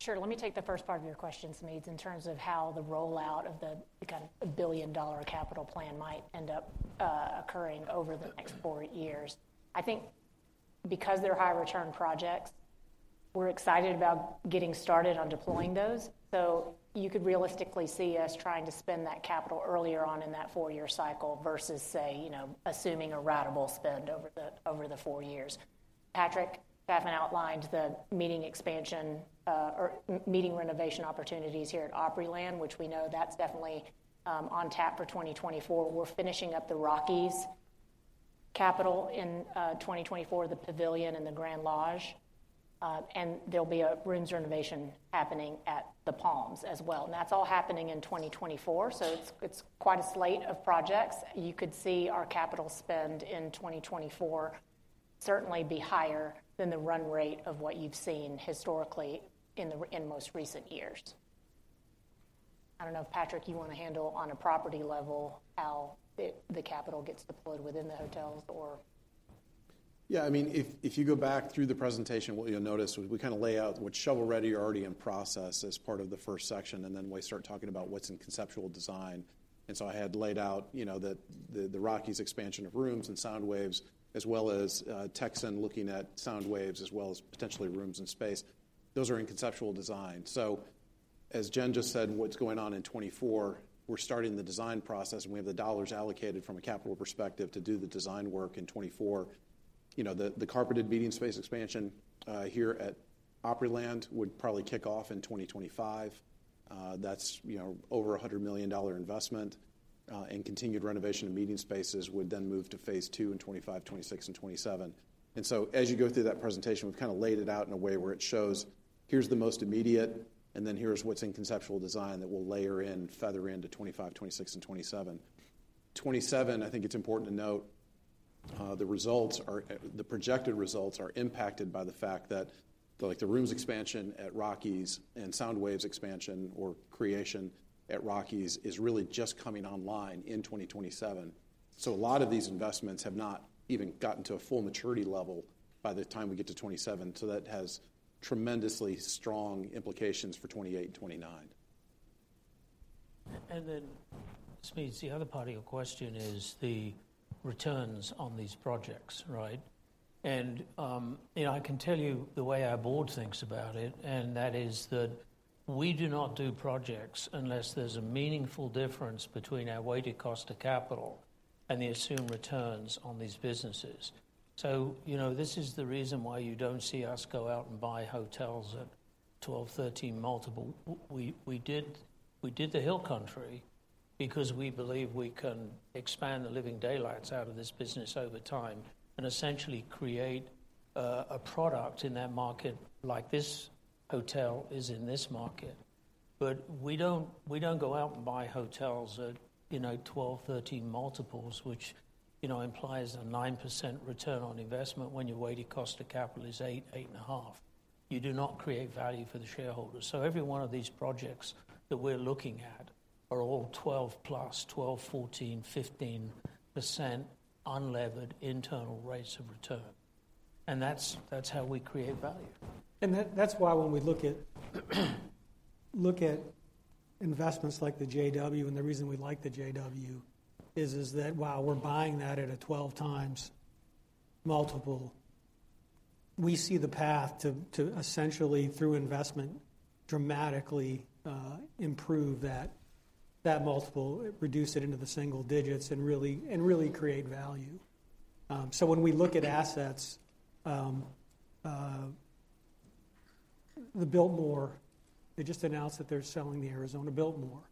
Sure. Let me take the first part of your question, Smedes, in terms of how the rollout of the kind of a billion-dollar capital plan might end up occurring over the next four years. I think because they're high-return projects, we're excited about getting started on deploying those. So you could realistically see us trying to spend that capital earlier on in that four-year cycle versus, say, you know, assuming a ratable spend over the four years. Patrick Chaffin outlined the meeting expansion or meeting renovation opportunities here at Opryland, which we know that's definitely on tap for 2024. We're finishing up the Rockies.... capital in 2024, the Pavilion and the Grand Lodge, and there'll be a rooms renovation happening at the Palms as well. And that's all happening in 2024, so it's, it's quite a slate of projects. You could see our capital spend in 2024 certainly be higher than the run rate of what you've seen historically in most recent years. I don't know if, Patrick, you want to handle on a property level, how the capital gets deployed within the hotels or? Yeah, I mean, if you go back through the presentation, what you'll notice is we kind of lay out what's shovel-ready or already in process as part of the first section, and then we start talking about what's in conceptual design. And so I had laid out, you know, the Rockies expansion of rooms and SoundWaves, as well as Texan looking at SoundWaves, as well as potentially rooms and space. Those are in conceptual design. So as Jen just said, what's going on in 2024, we're starting the design process, and we have the dollars allocated from a capital perspective to do the design work in 2024. You know, the carpeted meeting space expansion here at Opryland would probably kick off in 2025. That's, you know, over $100 million investment, and continued renovation and meeting spaces would then move to phase two in 2025, 2026, and 2027. And so as you go through that presentation, we've kind of laid it out in a way where it shows: here's the most immediate, and then here's what's in conceptual design that we'll layer in, feather in to 2025, 2026, and 2027. 2027, I think it's important to note, the results are, the projected results are impacted by the fact that, like, the rooms expansion at Rockies and SoundWaves expansion or creation at Rockies is really just coming online in 2027. So a lot of these investments have not even gotten to a full maturity level by the time we get to 2027, so that has tremendously strong implications for 2028 and 2029. Then, Smedes, the other part of your question is the returns on these projects, right? You know, I can tell you the way our board thinks about it, and that is that we do not do projects unless there's a meaningful difference between our weighted cost of capital and the assumed returns on these businesses. So, you know, this is the reason why you don't see us go out and buy hotels at 12-13 multiple. We did the Hill Country because we believe we can expand the living daylights out of this business over time and essentially create a product in that market like this hotel is in this market. But we don't, we don't go out and buy hotels at, you know, 12, 13 multiples, which, you know, implies a 9% return on investment when your weighted cost of capital is 8%-8.5%. You do not create value for the shareholders. So every one of these projects that we're looking at are all 12+, 12, 14, 15% unlevered internal rates of return, and that's, that's how we create value. And that's why when we look at investments like the JW and the reason we like the JW is that while we're buying that at a 12x multiple, we see the path to essentially, through investment, dramatically improve that multiple, reduce it into the single digits, and really create value. So when we look at assets, the Biltmore, they just announced that they're selling the Arizona Biltmore.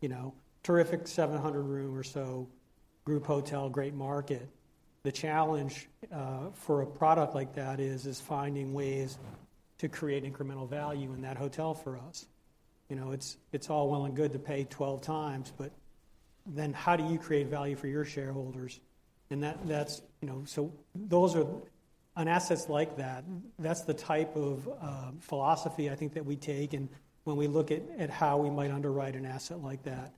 You know, terrific 700-room or so, group hotel, great market. The challenge for a product like that is finding ways to create incremental value in that hotel for us. You know, it's all well and good to pay 12x, but then how do you create value for your shareholders? And that's, you know... So those are, on assets like that, that's the type of philosophy I think that we take, and when we look at how we might underwrite an asset like that,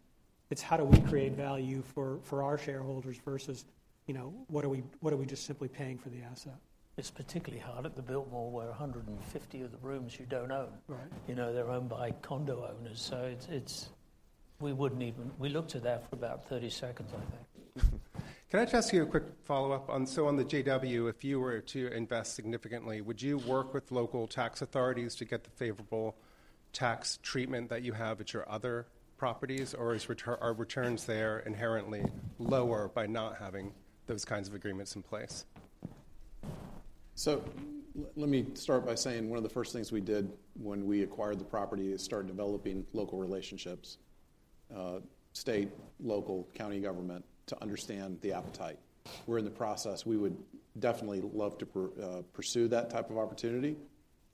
it's how do we create value for our shareholders versus, you know, what are we just simply paying for the asset? It's particularly hard at the Biltmore, where 150 of the rooms you don't own. Right. You know, they're owned by condo owners, so it's... We wouldn't even. We looked at that for about 30 seconds, I think. Can I just ask you a quick follow-up? So on the JW, if you were to invest significantly, would you work with local tax authorities to get the favorable tax treatment that you have at your other properties, or are returns there inherently lower by not having those kinds of agreements in place? So let me start by saying, one of the first things we did when we acquired the property is start developing local relationships, state, local, county government, to understand the appetite. We're in the process. We would definitely love to pursue that type of opportunity,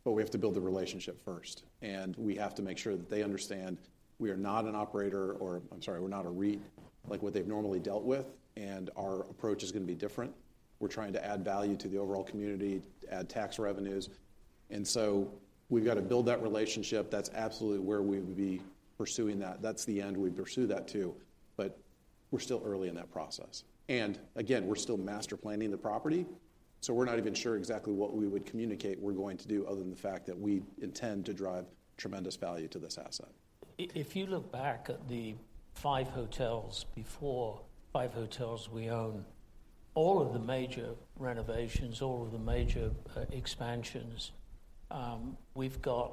but we have to build the relationship first, and we have to make sure that they understand we are not an operator or... I'm sorry, we're not a REIT, like what they've normally dealt with, and our approach is gonna be different. We're trying to add value to the overall community, add tax revenues, and so we've got to build that relationship. That's absolutely where we would be pursuing that. That's the end we'd pursue that too, but we're still early in that process. And again, we're still master planning the property, so we're not even sure exactly what we would communicate we're going to do other than the fact that we intend to drive tremendous value to this asset. If you look back at the five hotels before, five hotels we own, all of the major renovations, all of the major expansions, we've got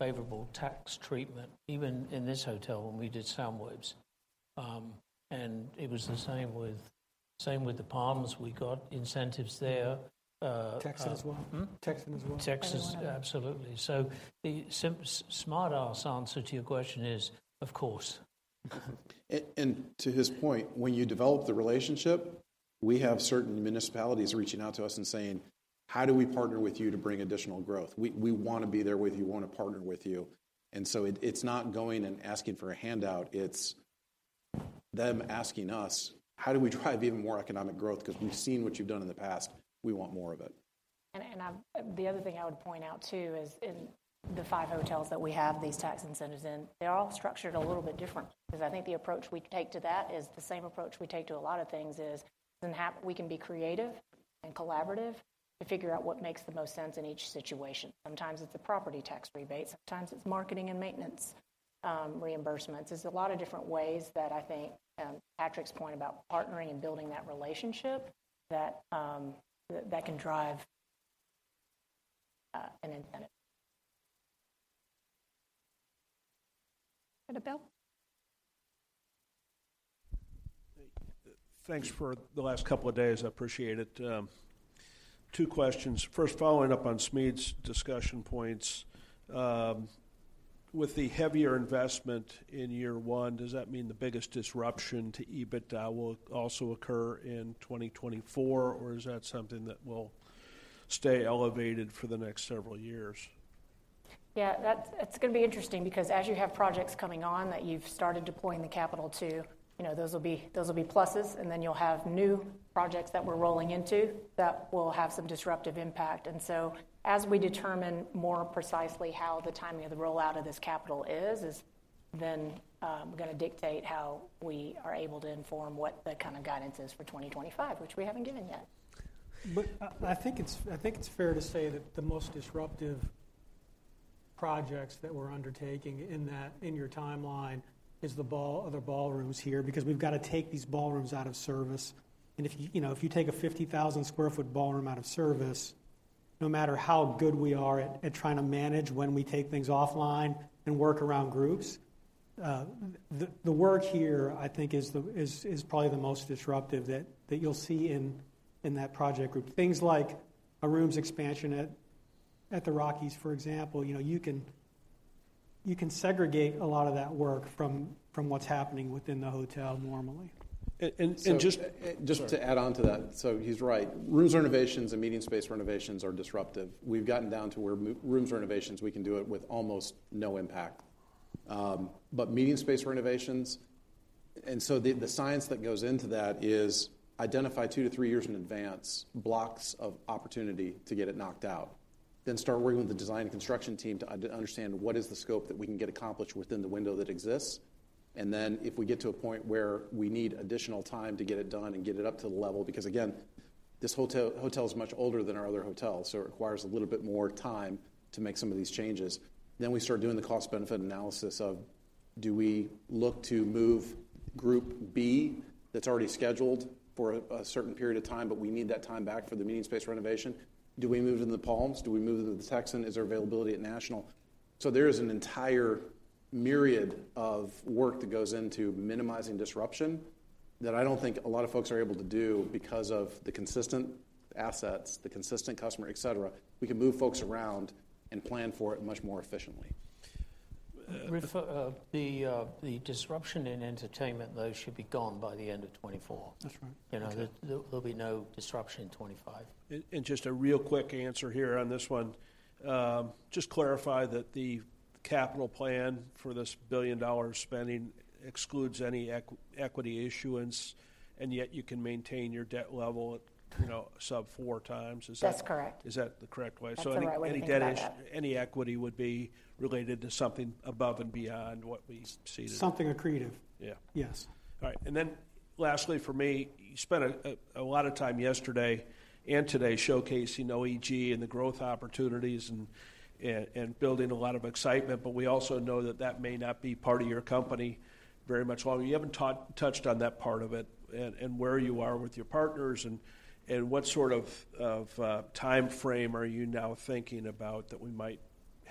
favorable tax treatment, even in this hotel when we did SoundWaves. And it was the same with, same with the Palms. We got incentives there. Texas as well? Texas as well. Texan, absolutely. So the smart ass answer to your question is, of course. And to his point, when you develop the relationship, we have certain municipalities reaching out to us and saying: "How do we partner with you to bring additional growth? We wanna be there with you, we wanna partner with you." And so it, it's not going and asking for a handout, it's them asking us: "How do we drive even more economic growth? 'Cause we've seen what you've done in the past, we want more of it. The other thing I would point out, too, is in the five hotels that we have these tax incentives in, they're all structured a little bit different. Because I think the approach we take to that is the same approach we take to a lot of things is, we can be creative and collaborative to figure out what makes the most sense in each situation. Sometimes it's a property tax rebate, sometimes it's marketing and maintenance reimbursements. There's a lot of different ways that I think Patrick's point about partnering and building that relationship, that that can drive an infinite. Go to Bill. Thank you. Thanks for the last couple of days, I appreciate it. Two questions. First, following up on Smedes's discussion points, with the heavier investment in year one, does that mean the biggest disruption to EBITDA will also occur in 2024, or is that something that will stay elevated for the next several years? Yeah, that's. It's gonna be interesting, because as you have projects coming on that you've started deploying the capital to, you know, those will be, those will be pluses, and then you'll have new projects that we're rolling into that will have some disruptive impact. And so, as we determine more precisely how the timing of the rollout of this capital is then gonna dictate how we are able to inform what the kind of guidance is for 2025, which we haven't given yet. But I think it's fair to say that the most disruptive projects that we're undertaking in that, in your timeline, is the ballrooms here, because we've got to take these ballrooms out of service. And if you know, if you take a 50,000 sq ft ballroom out of service, no matter how good we are at trying to manage when we take things offline and work around groups, the work here, I think, is probably the most disruptive that you'll see in that project group. Things like a rooms expansion at the Rockies, for example, you know, you can segregate a lot of that work from what's happening within the hotel normally. And just- So-Sorry. Just to add on to that. So he's right. Rooms renovations and meeting space renovations are disruptive. We've gotten down to where rooms renovations, we can do it with almost no impact. But meeting space renovations. So the science that goes into that is identify two to three years in advance blocks of opportunity to get it knocked out. Then start working with the design and construction team to understand what is the scope that we can get accomplished within the window that exists. And then, if we get to a point where we need additional time to get it done and get it up to the level, because, again, this hotel is much older than our other hotels, so it requires a little bit more time to make some of these changes. Then we start doing the cost-benefit analysis of, do we look to move Group B that's already scheduled for a certain period of time, but we need that time back for the meeting space renovation? Do we move it to the Palms? Do we move it to the Texan? Is there availability at National? So there is an entire myriad of work that goes into minimizing disruption, that I don't think a lot of folks are able to do because of the consistent assets, the consistent customer, et cetera. We can move folks around and plan for it much more efficiently. The disruption in entertainment, though, should be gone by the end of 2024. That's right. You know, there'll be no disruption in 2025. Just a real quick answer here on this one. Just clarify that the capital plan for this billion-dollar spending excludes any equity issuance, and yet you can maintain your debt level at, you know, sub-four times. Is that- That's correct. Is that the correct way? That's the right way to think about that. Any debt issue, any equity would be related to something above and beyond what we see. Something creative. Yeah. Yes. All right. Lastly, for me, you spent a lot of time yesterday and today showcasing OEG and the growth opportunities and building a lot of excitement, but we also know that that may not be part of your company very much longer. You haven't touched on that part of it and where you are with your partners, and what sort of timeframe are you now thinking about that we might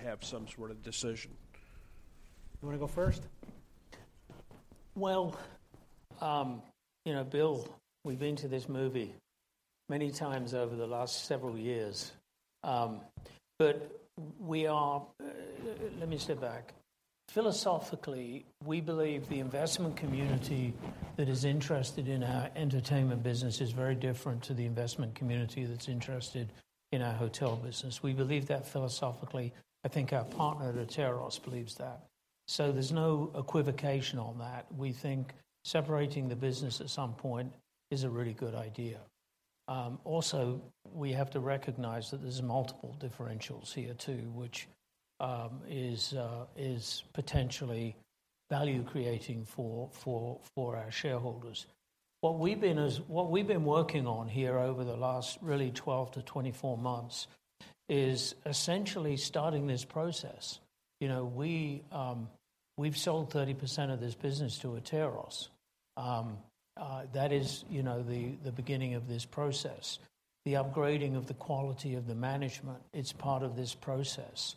have some sort of decision? You wanna go first? Well, you know, Bill, we've been to this movie many times over the last several years. But we are... Let me step back. Philosophically, we believe the investment community that is interested in our entertainment business is very different to the investment community that's interested in our hotel business. We believe that philosophically. I think our partner, Atairos, believes that. So there's no equivocation on that. We think separating the business at some point is a really good idea. Also, we have to recognize that there's multiple differentials here, too, which is potentially value-creating for our shareholders. What we've been working on here over the last really 12-24 months is essentially starting this process. You know, we've sold 30% of this business to Atairos. That is, you know, the beginning of this process. The upgrading of the quality of the management, it's part of this process.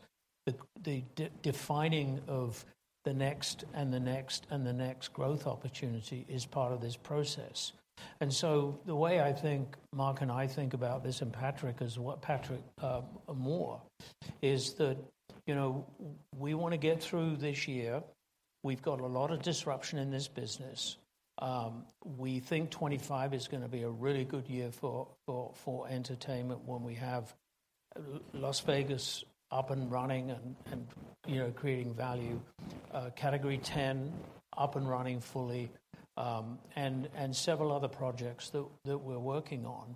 The defining of the next and the next and the next growth opportunity is part of this process. And so the way I think, Mark and I think about this, and Patrick, is what Patrick Moore is, that, you know, we want to get through this year. We've got a lot of disruption in this business. We think 2025 is gonna be a really good year for entertainment when we have Las Vegas up and running and, you know, creating value. Category 10 up and running fully, and several other projects that we're working on.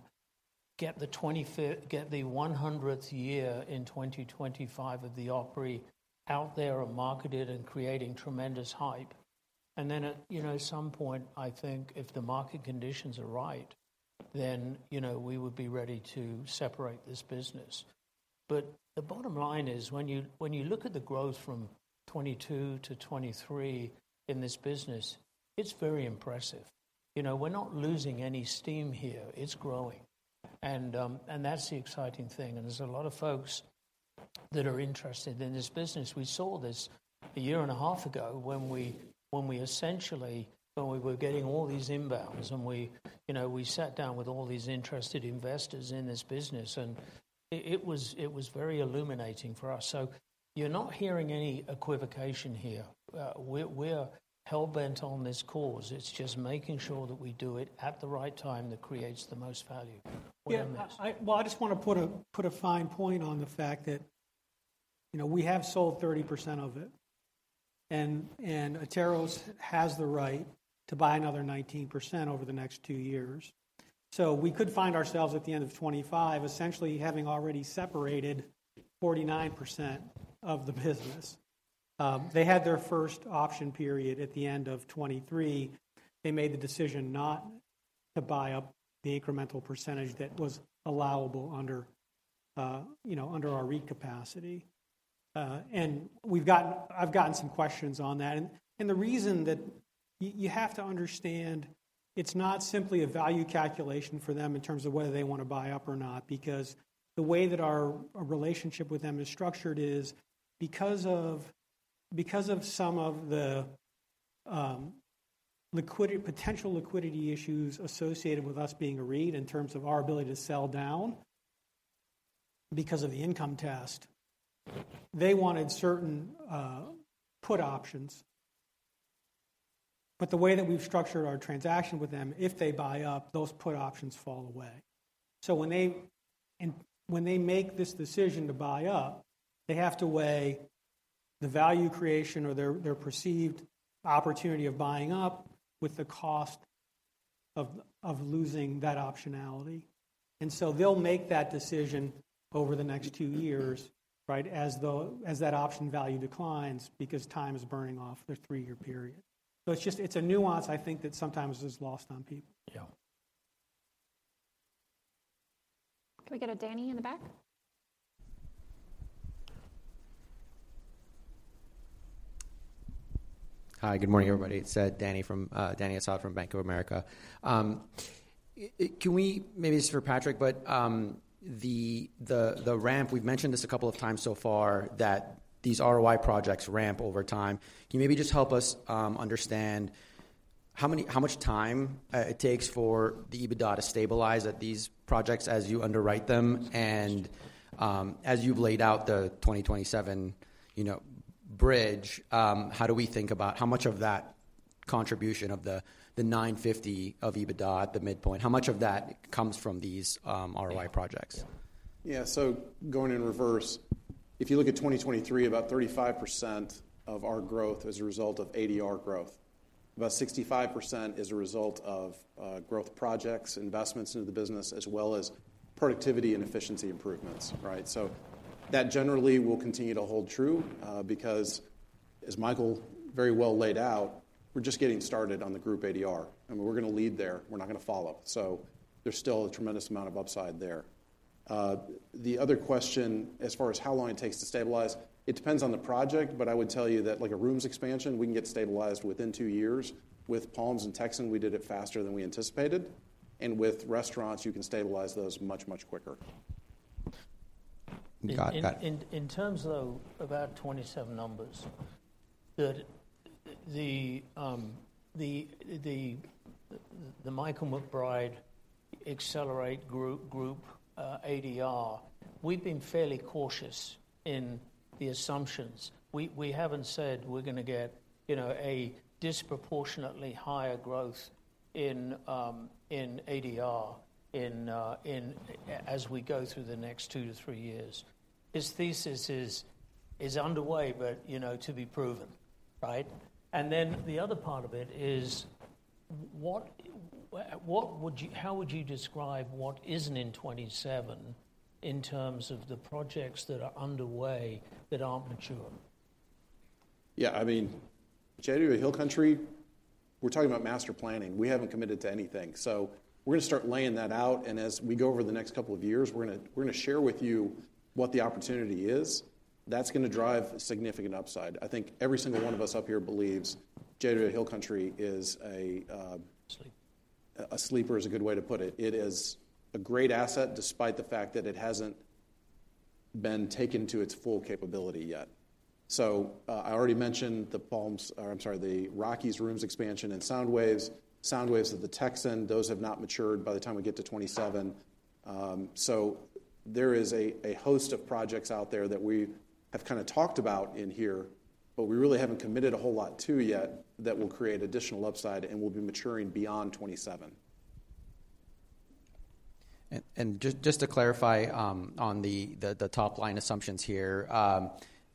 Get the 100th year in 2025 of The Opry out there and marketed and creating tremendous hype. And then, you know, at some point, I think if the market conditions are right, then, you know, we would be ready to separate this business. But the bottom line is, when you, when you look at the growth from 2022 to 2023 in this business, it's very impressive. You know, we're not losing any steam here; it's growing. And, and that's the exciting thing, and there's a lot of folks that are interested in this business. We saw this a year and a half ago when we, when we essentially, when we were getting all these inbounds, and we, you know, we sat down with all these interested investors in this business, and it, it was, it was very illuminating for us. You're not hearing any equivocation here. We're hell-bent on this course. It's just making sure that we do it at the right time that creates the most value. Yeah, well, I just want to put a fine point on the fact that, you know, we have sold 30% of it, and Atairos has the right to buy another 19% over the next two years. So we could find ourselves at the end of 2025, essentially having already separated 49% of the business. They had their first option period at the end of 2023. They made the decision not to buy up the incremental percentage that was allowable under, you know, under our REIT capacity. And I've gotten some questions on that. The reason that you have to understand, it's not simply a value calculation for them in terms of whether they want to buy up or not, because the way that our relationship with them is structured is because of some of the potential liquidity issues associated with us being a REIT in terms of our ability to sell down because of the income test. They wanted certain put options. But the way that we've structured our transaction with them, if they buy up, those put options fall away. So when they make this decision to buy up, they have to weigh the value creation or their perceived opportunity of buying up with the cost of losing that optionality. And so they'll make that decision over the next two years, right? As that option value declines because time is burning off their three-year period. So it's just, it's a nuance, I think, that sometimes is lost on people. Yeah. Can we get a Dany in the back? Hi, good morning, everybody. It's Dany Asad from Bank of America. Can we... Maybe this is for Patrick, but the ramp, we've mentioned this a couple of times so far, that these ROI projects ramp over time. Can you maybe just help us understand how much time it takes for the EBITDA to stabilize at these projects as you underwrite them? And as you've laid out the 2027, you know, bridge, how do we think about how much of that contribution of the $950 of EBITDA at the midpoint, how much of that comes from these ROI projects? Yeah. So going in reverse, if you look at 2023, about 35% of our growth is a result of ADR growth. About 65% is a result of, growth projects, investments into the business, as well as productivity and efficiency improvements, right? So that generally will continue to hold true, because as Michael very well laid out, we're just getting started on the group ADR, and we're gonna lead there, we're not gonna follow. So there's still a tremendous amount of upside there. The other question, as far as how long it takes to stabilize, it depends on the project, but I would tell you that like a rooms expansion, we can get stabilized within two years. With Palms and Texan, we did it faster than we anticipated, and with restaurants, you can stabilize those much, much quicker. Got it. In terms, though, of our 2027 numbers, the Michael McBride Accelerate Group ADR, we've been fairly cautious in the assumptions. We haven't said we're gonna get, you know, a disproportionately higher growth in ADR in—as we go through the next two to three years. His thesis is underway, but, you know, to be proven, right? And then the other part of it is what would you—how would you describe what isn't in 2027 in terms of the projects that are underway that aren't mature? Yeah, I mean, JW Hill Country, we're talking about master planning. We haven't committed to anything, so we're gonna start laying that out, and as we go over the next couple of years, we're gonna, we're gonna share with you what the opportunity is. That's gonna drive significant upside. I think every single one of us up here believes JW Hill Country is a, Sleeper... A sleeper is a good way to put it. It is a great asset, despite the fact that it hasn't been taken to its full capability yet. So, I already mentioned the Palms, or I'm sorry, the Rockies rooms expansion and SoundWaves. SoundWaves at the Texan, those have not matured by the time we get to 2027. So there is a host of projects out there that we have kinda talked about in here, but we really haven't committed a whole lot to yet that will create additional upside and will be maturing beyond 2027. Just to clarify, on the top-line assumptions here,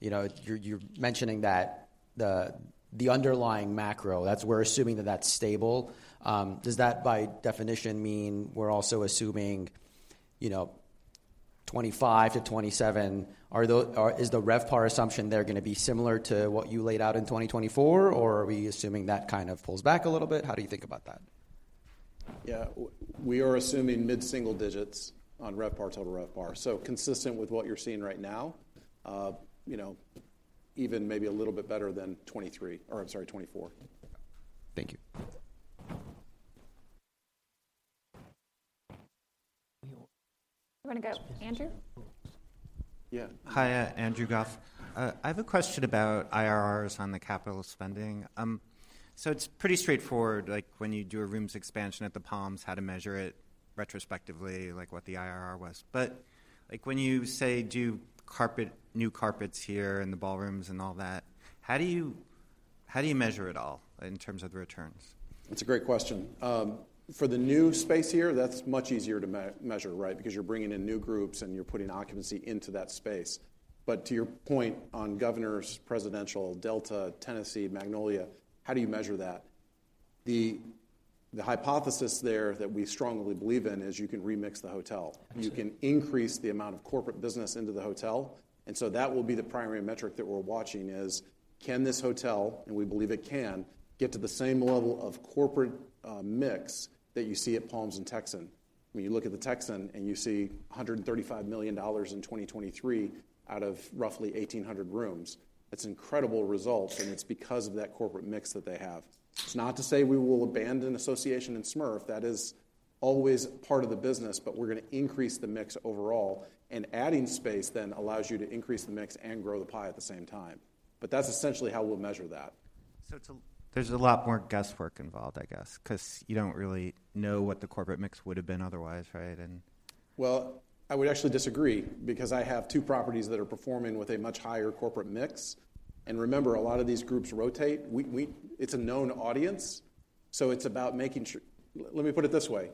you know, you're mentioning that the underlying macro that's stable. We're assuming that that's stable. Does that, by definition, mean we're also assuming, you know, 2025-2027? Is the RevPAR assumption there gonna be similar to what you laid out in 2024, or are we assuming that kind of pulls back a little bit? How do you think about that? Yeah, we are assuming mid-single digits on RevPAR, Total RevPAR. So consistent with what you're seeing right now, you know, even maybe a little bit better than 2023, or I'm sorry, 2024. Thank you. You wanna go, Andrew? Yeah. Hi, Andrew Goffe. I have a question about IRRs on the capital spending. So it's pretty straightforward, like, when you do a rooms expansion at the Palms, how to measure it retrospectively, like, what the IRR was. But, like, when you say, do carpet, new carpets here in the ballrooms and all that, how do you, how do you measure it all in terms of the returns? That's a great question. For the new space here, that's much easier to measure, right? Because you're bringing in new groups, and you're putting occupancy into that space. But to your point on Governors, Presidential, Delta, Tennessee, Magnolia, how do you measure that? The hypothesis there that we strongly believe in is you can remix the hotel. Absolutely. You can increase the amount of corporate business into the hotel, and so that will be the primary metric that we're watching is: Can this hotel, and we believe it can, get to the same level of corporate mix that you see at Palms and Texan? When you look at the Texan, and you see $135 million in 2023 out of roughly 1,800 rooms, it's incredible results, and it's because of that corporate mix that they have. It's not to say we will abandon association and SMERF. That is always part of the business, but we're gonna increase the mix overall, and adding space then allows you to increase the mix and grow the pie at the same time. But that's essentially how we'll measure that. So it's, there's a lot more guesswork involved, I guess, 'cause you don't really know what the corporate mix would have been otherwise, right? And... Well, I would actually disagree because I have two properties that are performing with a much higher corporate mix. And remember, a lot of these groups rotate. We. It's a known audience, so it's about making sure. Let me put it this way: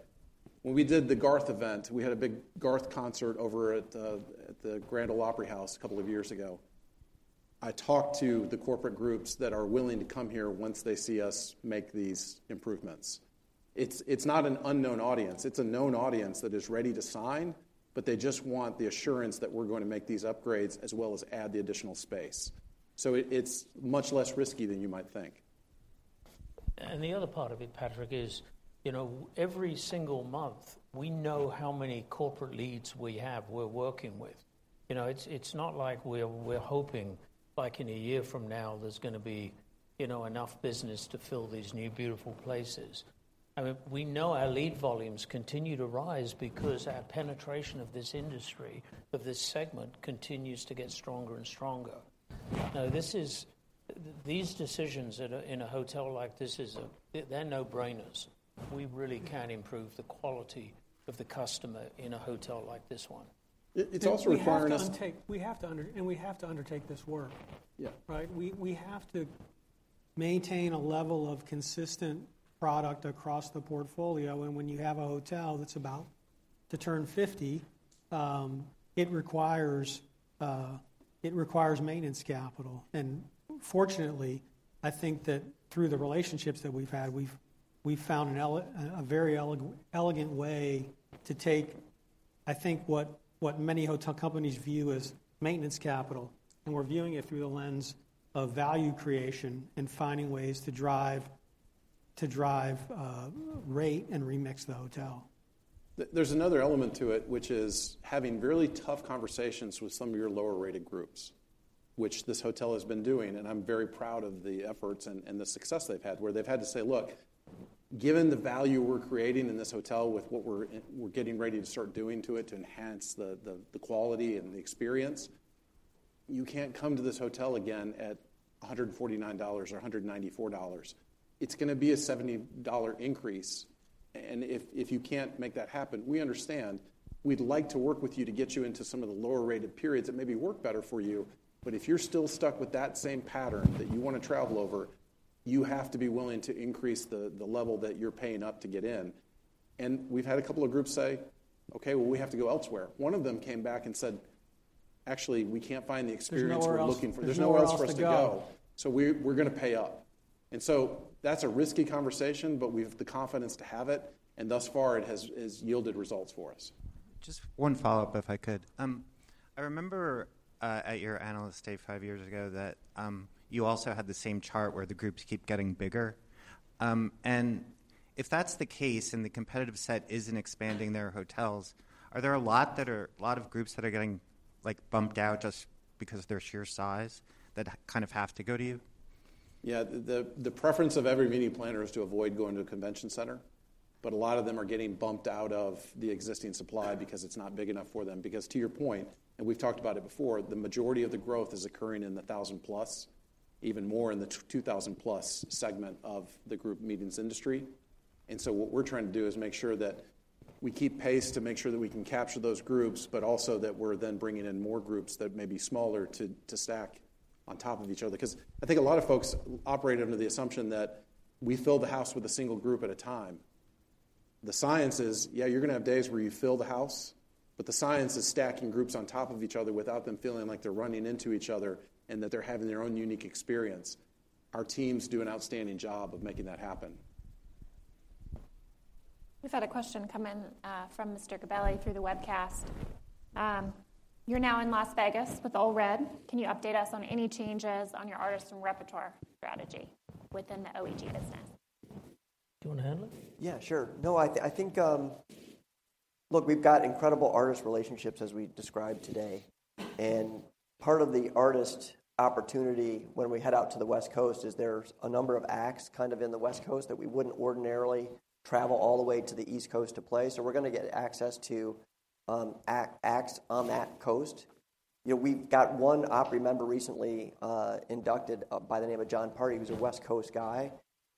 When we did the Garth event, we had a big Garth concert over at the Grand Ole Opry House a couple of years ago. I talked to the corporate groups that are willing to come here once they see us make these improvements. It's not an unknown audience. It's a known audience that is ready to sign, but they just want the assurance that we're going to make these upgrades as well as add the additional space. So it's much less risky than you might think. And the other part of it, Patrick, is, you know, every single month, we know how many corporate leads we have we're working with. You know, it's not like we're hoping, like in a year from now, there's gonna be, you know, enough business to fill these new, beautiful places. I mean, we know our lead volumes continue to rise because our penetration of this industry, of this segment, continues to get stronger and stronger. Now, this is. These decisions in a hotel like this is a... They're no-brainers. We really can improve the quality of the customer in a hotel like this one. It's also requiring us- And we have to undertake this work. Yeah. Right? We, we have to maintain a level of consistent product across the portfolio, and when you have a hotel that's about to turn fifty, it requires maintenance capital. And fortunately, I think that through the relationships that we've had, we've, we've found a very elegant way to take, I think, what, what many hotel companies view as maintenance capital, and we're viewing it through the lens of value creation and finding ways to drive, to drive rate and remix the hotel. There's another element to it, which is having really tough conversations with some of your lower-rated groups, which this hotel has been doing, and I'm very proud of the efforts and the success they've had, where they've had to say: "Look, given the value we're creating in this hotel with what we're in, we're getting ready to start doing to it to enhance the quality and the experience, you can't come to this hotel again at $149 or $194. It's gonna be a $70 increase, and if you can't make that happen, we understand. We'd like to work with you to get you into some of the lower-rated periods that maybe work better for you. But if you're still stuck with that same pattern that you want to travel over, you have to be willing to increase the level that you're paying up to get in." And we've had a couple of groups say: "Okay, well, we have to go elsewhere." One of them came back and said: "Actually, we can't find the experience we're looking for. There's nowhere else to go. There's nowhere else for us to go, so we, we're gonna pay up." And so that's a risky conversation, but we have the confidence to have it, and thus far, it has, it has yielded results for us. Just one follow-up, if I could. I remember at your Analyst Day five years ago that you also had the same chart where the groups keep getting bigger. And if that's the case, and the competitive set isn't expanding their hotels, are there a lot that are a lot of groups that are getting, like, bumped out just because of their sheer size, that kind of have o go to you? ... Yeah, the preference of every meeting planner is to avoid going to a convention center, but a lot of them are getting bumped out of the existing supply because it's not big enough for them. Because to your point, and we've talked about it before, the majority of the growth is occurring in the 1,000-plus, even more in the 2,000-plus segment of the group meetings industry. And so what we're trying to do is make sure that we keep pace to make sure that we can capture those groups, but also that we're then bringing in more groups that may be smaller to stack on top of each other. 'Cause I think a lot of folks operate under the assumption that we fill the house with a single group at a time. The science is, yeah, you're gonna have days where you fill the house, but the science is stacking groups on top of each other without them feeling like they're running into each other, and that they're having their own unique experience. Our teams do an outstanding job of making that happen. We've had a question come in, from Mr. Gabelli through the webcast. You're now in Las Vegas with Ole Red. Can you update us on any changes on your artist and repertoire strategy within the OEG business? Do you wanna handle it? Yeah, sure. No, I, I think. Look, we've got incredible artist relationships, as we described today. And part of the artist opportunity when we head out to the West Coast is there's a number of acts kind of in the West Coast that we wouldn't ordinarily travel all the way to the East Coast to play, so we're gonna get access to acts on that coast. You know, we've got one Opry member recently inducted by the name of Jon Pardi, who's a West Coast guy,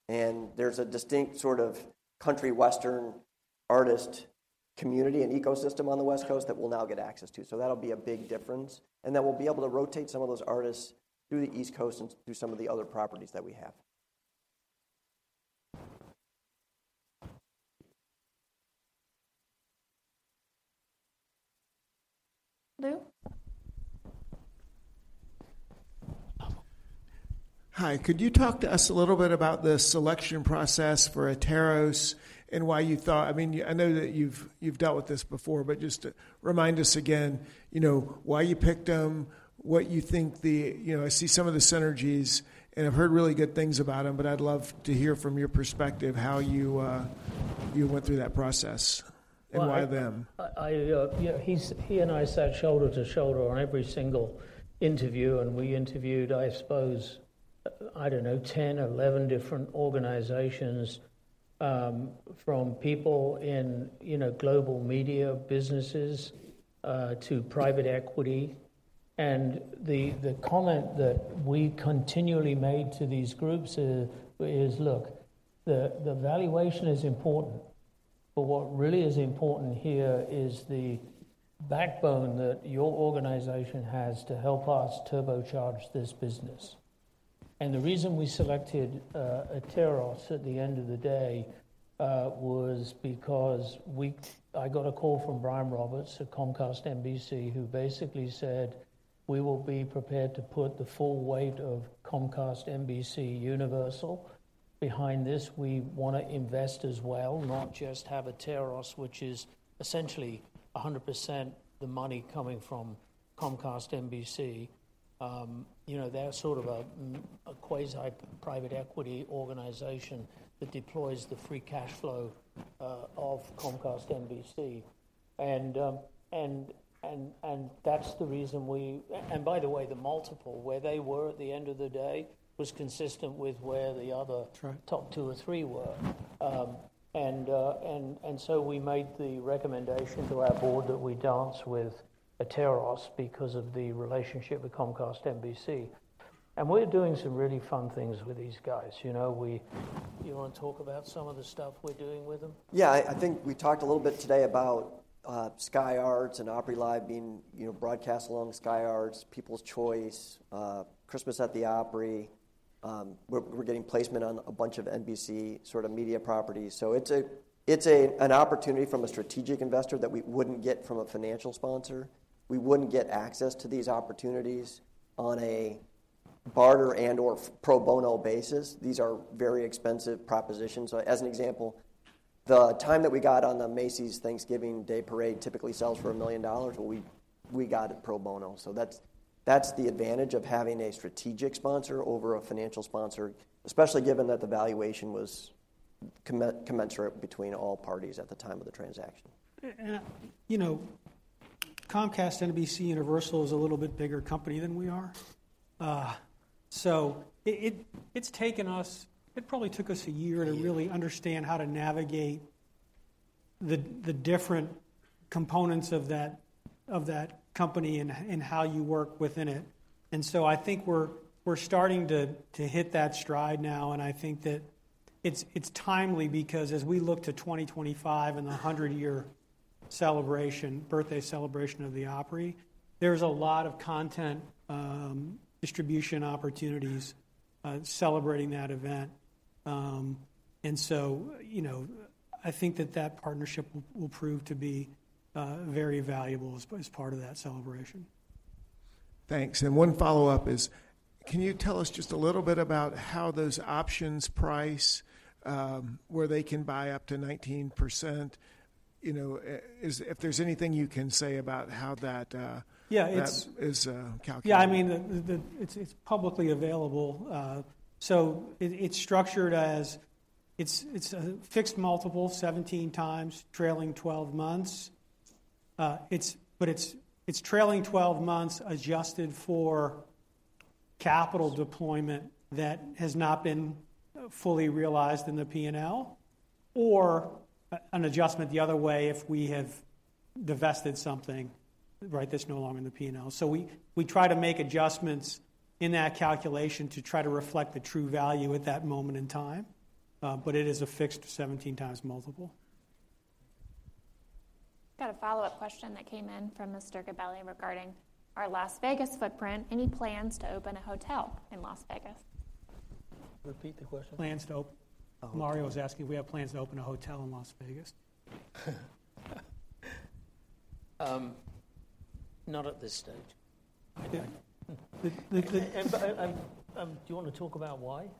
and there's a distinct sort of country western artist community and ecosystem on the West Coast that we'll now get access to, so that'll be a big difference. And then we'll be able to rotate some of those artists through the East Coast and through some of the other properties that we have. Lou? Hi, could you talk to us a little bit about the selection process for Atairos and why you thought—I mean, I know that you've dealt with this before, but just to remind us again, you know, why you picked them, what you think the... You know, I see some of the synergies, and I've heard really good things about them, but I'd love to hear from your perspective how you went through that process, and why them? Well, you know, he and I sat shoulder to shoulder on every single interview, and we interviewed, I suppose, I don't know, 10 or 11 different organizations, from people in, you know, global media businesses, to private equity. And the comment that we continually made to these groups is, "Look, the valuation is important, but what really is important here is the backbone that your organization has to help us turbocharge this business." And the reason we selected Atairos at the end of the day was because we, I got a call from Brian Roberts at Comcast NBCUniversal, who basically said, "We will be prepared to put the full weight of Comcast NBCUniversal behind this. We wanna invest as well, not just have Atairos," which is essentially 100% the money coming from Comcast NBCUniversal. You know, they're sort of a quasi private equity organization that deploys the free cash flow of Comcast NBC. And that's the reason we... And by the way, the multiple, where they were at the end of the day, was consistent with where the other- True... top two or three were. And so we made the recommendation to our board that we dance with Atairos because of the relationship with Comcast NBC. And we're doing some really fun things with these guys. You know, we-- You wanna talk about some of the stuff we're doing with them? Yeah. I, I think we talked a little bit today about Sky Arts and Opry Live being, you know, broadcast along Sky Arts, People's Choice, Christmas at the Opry. We're, we're getting placement on a bunch of NBC sort of media properties. So it's a, it's a, an opportunity from a strategic investor that we wouldn't get from a financial sponsor. We wouldn't get access to these opportunities on a barter and/or pro bono basis. These are very expensive propositions. So as an example, the time that we got on the Macy's Thanksgiving Day Parade typically sells for $1 million, but we, we got it pro bono. So that's, that's the advantage of having a strategic sponsor over a financial sponsor, especially given that the valuation was commensurate between all parties at the time of the transaction. You know, Comcast NBCUniversal is a little bit bigger company than we are. So it's taken us... It probably took us a year- Yeah... to really understand how to navigate the different components of that company and how you work within it. And so I think we're starting to hit that stride now, and I think that it's timely because as we look to 2025 and the hundred-year birthday celebration of the Opry, there's a lot of content distribution opportunities celebrating that event. And so, you know, I think that that partnership will prove to be very valuable as part of that celebration. Thanks. One follow-up is, can you tell us just a little bit about how those options price, where they can buy up to 19%? You know, if there's anything you can say about how that, Yeah, it's- - that is, calculated. Yeah, I mean, it's publicly available. So it's structured as... It's a fixed multiple, 17 times, trailing twelve months.... but it's trailing twelve months adjusted for capital deployment that has not been fully realized in the P&L, or an adjustment the other way, if we have divested something, right? That's no longer in the P&L. So we try to make adjustments in that calculation to try to reflect the true value at that moment in time, but it is a fixed 17x multiple. Got a follow-up question that came in from Mr. Gabelli regarding our Las Vegas footprint. Any plans to open a hotel in Las Vegas? Repeat the question. Plans to open- Oh. Mario is asking, do we have plans to open a hotel in Las Vegas? Not at this stage. The, the, the- Do you want to talk about why?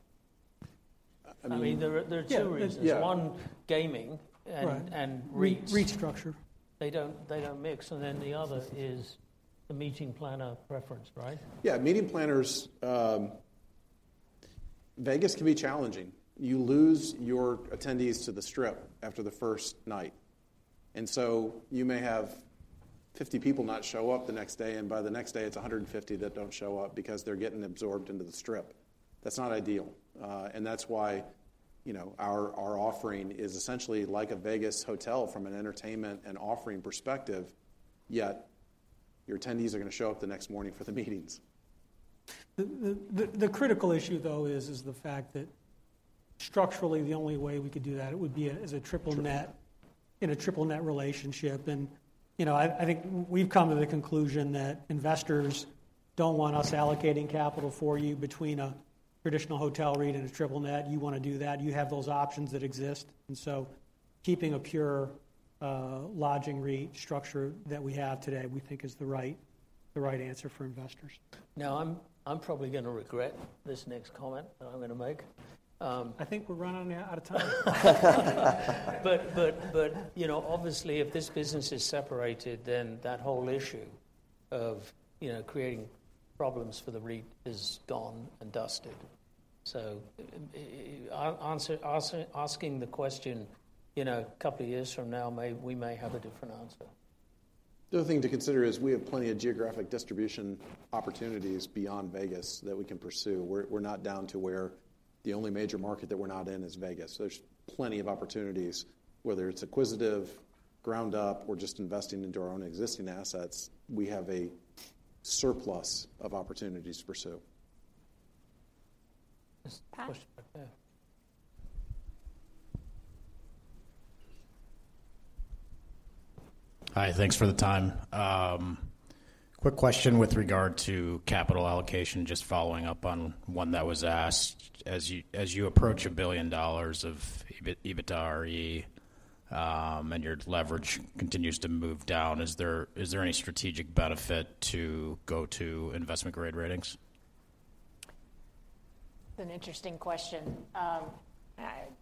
I mean- I mean, there are two reasons. Yeah. There's one, gaming- Right... and REIT- REIT structure. They don't, they don't mix, and then the other is the meeting planner preference, right? Yeah, meeting planners, Vegas can be challenging. You lose your attendees to the Strip after the first night, and so you may have 50 people not show up the next day, and by the next day, it's 150 that don't show up because they're getting absorbed into the Strip. That's not ideal. And that's why, you know, our, our offering is essentially like a Vegas hotel from an entertainment and offering perspective, yet your attendees are going to show up the next morning for the meetings. The critical issue, though, is the fact that structurally, the only way we could do that it would be a triple net- Triple net... in a triple net relationship. You know, I think we've come to the conclusion that investors don't want us allocating capital for you between a traditional hotel REIT and a triple net. You want to do that, you have those options that exist, and so keeping a pure lodging REIT structure that we have today, we think is the right answer for investors. Now, I'm probably going to regret this next comment that I'm going to make, I think we're running out of time. But, you know, obviously, if this business is separated, then that whole issue of, you know, creating problems for the REIT is done and dusted. So, answering the question, you know, a couple of years from now, we may have a different answer. The other thing to consider is we have plenty of geographic distribution opportunities beyond Vegas that we can pursue. We're not down to where the only major market that we're not in is Vegas. There's plenty of opportunities, whether it's acquisitive, ground up, or just investing into our own existing assets, we have a surplus of opportunities to pursue. Yes, Pat? Hi, thanks for the time. Quick question with regard to capital allocation, just following up on one that was asked. As you approach $1 billion of EBITDAre, and your leverage continues to move down, is there any strategic benefit to go to investment-grade ratings? It's an interesting question.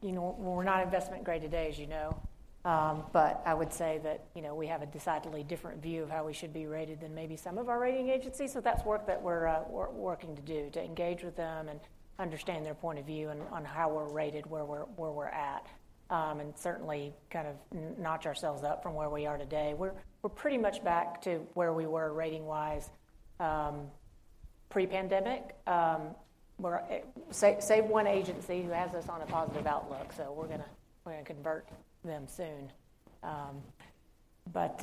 You know, we're not investment grade today, as you know. But I would say that, you know, we have a decidedly different view of how we should be rated than maybe some of our rating agencies, so that's work that we're working to do, to engage with them and understand their point of view on how we're rated, where we're at. And certainly, kind of notch ourselves up from where we are today. We're pretty much back to where we were rating-wise, pre-pandemic. We're all save one agency who has us on a positive outlook, so we're gonna convert them soon. But,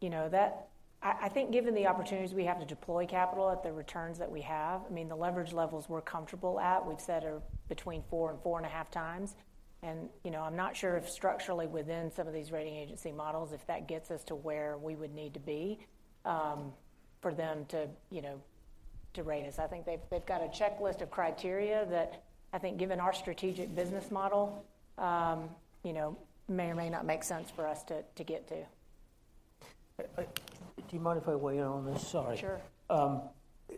you know, that I think given the opportunities we have to deploy capital at the returns that we have, I mean, the leverage levels we're comfortable at, we've said are between 4x and 4.5x. And, you know, I'm not sure if structurally within some of these rating agency models, if that gets us to where we would need to be, for them to, you know, to rate us. I think they've got a checklist of criteria that I think given our strategic business model, you know, may or may not make sense for us to get to. Do you mind if I weigh in on this? Sorry. Sure.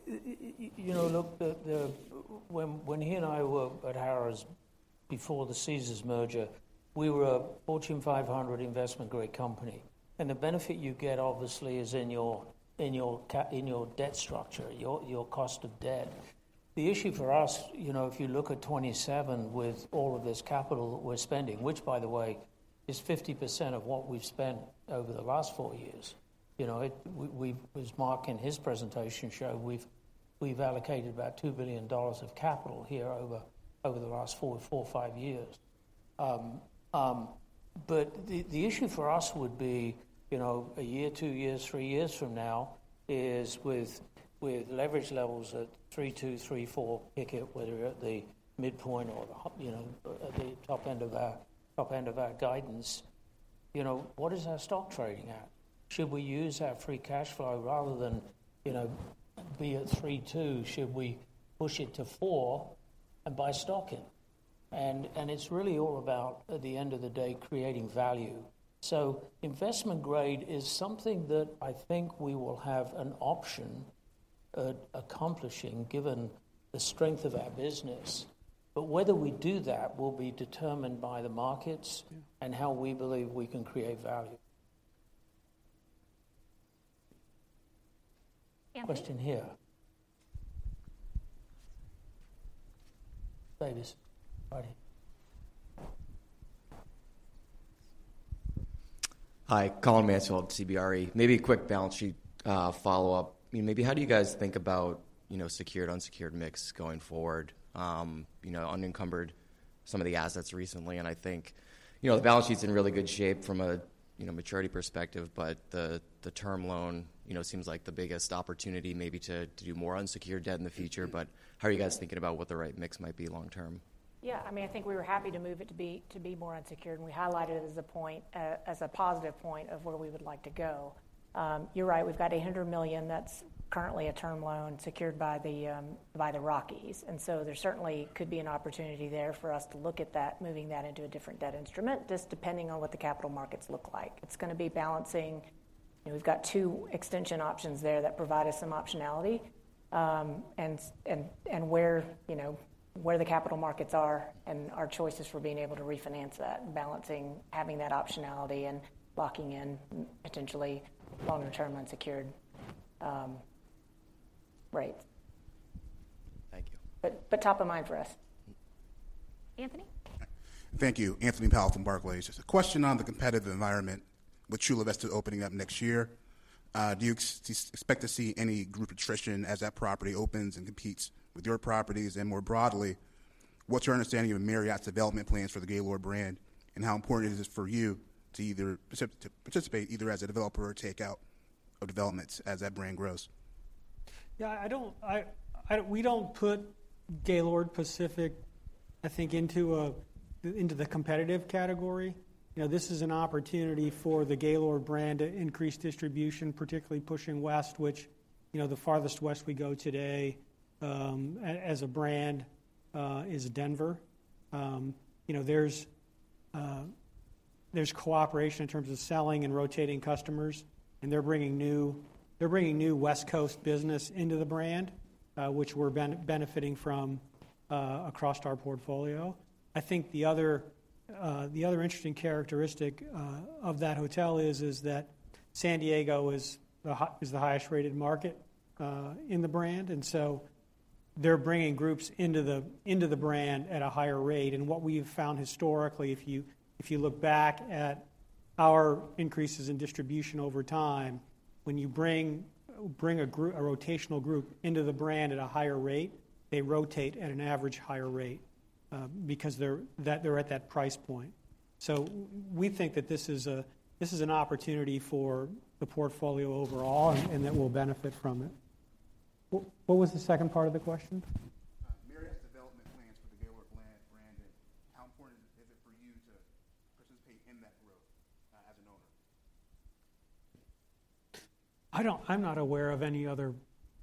You know, look, when he and I were at Harrah's before the Caesars merger, we were a Fortune 500 investment grade company, and the benefit you get, obviously, is in your debt structure, your cost of debt. The issue for us, you know, if you look at 2027 with all of this capital that we're spending, which, by the way, is 50% of what we've spent over the last four years, you know, we, as Mark in his presentation showed, we've allocated about $2 billion of capital here over the last four or five years. But the issue for us would be, you know, a year, two years, three years from now, is with leverage levels at 3.2%, 3.4%, pick it, whether we're at the midpoint or you know, at the top end of our, top end of our guidance, you know, what is our stock trading at? Should we use our free cash flow rather than, you know, be at 3.2%, should we push it to 4% and buy stock in? And it's really all about, at the end of the day, creating value. So investment grade is something that I think we will have an option at accomplishing, given the strength of our business. But whether we do that will be determined by the markets. and how we believe we can create value. Andy? Question here. Hi, this is Colin Mansfield, CBRE. Maybe a quick balance sheet follow-up. Maybe how do you guys think about, you know, secured, unsecured mix going forward? You know, unencumbered some of the assets recently, and I think, you know, the balance sheet's in really good shape from a, you know, maturity perspective, but the term loan, you know, seems like the biggest opportunity maybe to do more unsecured debt in the future. But how are you guys thinking about what the right mix miht be long term? Yeah, I mean, I think we were happy to move it to be, to be more unsecured, and we highlighted it as a point, as a positive point of where we would like to go. You're right, we've got $800 million that's currently a term loan secured by the, by the Rockies, and so there certainly could be an opportunity there for us to look at that, moving that into a different debt instrument, just depending on what the capital markets look like. It's gonna be balancing... You know, we've got two extension options there that provide us some optionality, and where, you know, where the capital markets are and our choices for being able to refinance that, balancing, having that optionality and locking in potentially longer-term unsecured, rates. Thank you. But, top of mind for us. Anthony? Thank you. Anthony Powell from Barclays. Just a question on the competitive environment with Chula Vista opening up next year. Do you expect to see any group attrition as that property opens and competes with your properties? And more broadly, what's your understanding of Marriott's development plans for the Gaylord brand, and how important is this for you to either participate either as a developer or take out of developments as that brand grows? Yeah, I don't... We don't put Gaylord Pacific, I think, into into the competitive category. You know, this is an opportunity for the Gaylord brand to increase distribution, particularly pushing west, which, you know, the farthest west we go today, as a brand, is Denver. You know, there's there's cooperation in terms of selling and rotating customers, and they're bringing new, they're bringing new West Coast business into the brand, which we're benefiting from, across our portfolio. I think the other, the other interesting characteristic, of that hotel is, is that San Diego is the is the highest-rated market, in the brand, and so they're bringing groups into the, into the brand at a higher rate. What we've found historically, if you look back at our increases in distribution over time, when you bring a rotational group into the brand at a higher rate, they rotate at an average higher rate, because they're at that price point. So we think that this is an opportunity for the portfolio overall, and that we'll benefit from it. What was the second part of the question? Marriott's development plans for the Gaylord Hotels brand, and how important is it for you to participate in that growth, as an owner? I don't-- I'm not aware of any other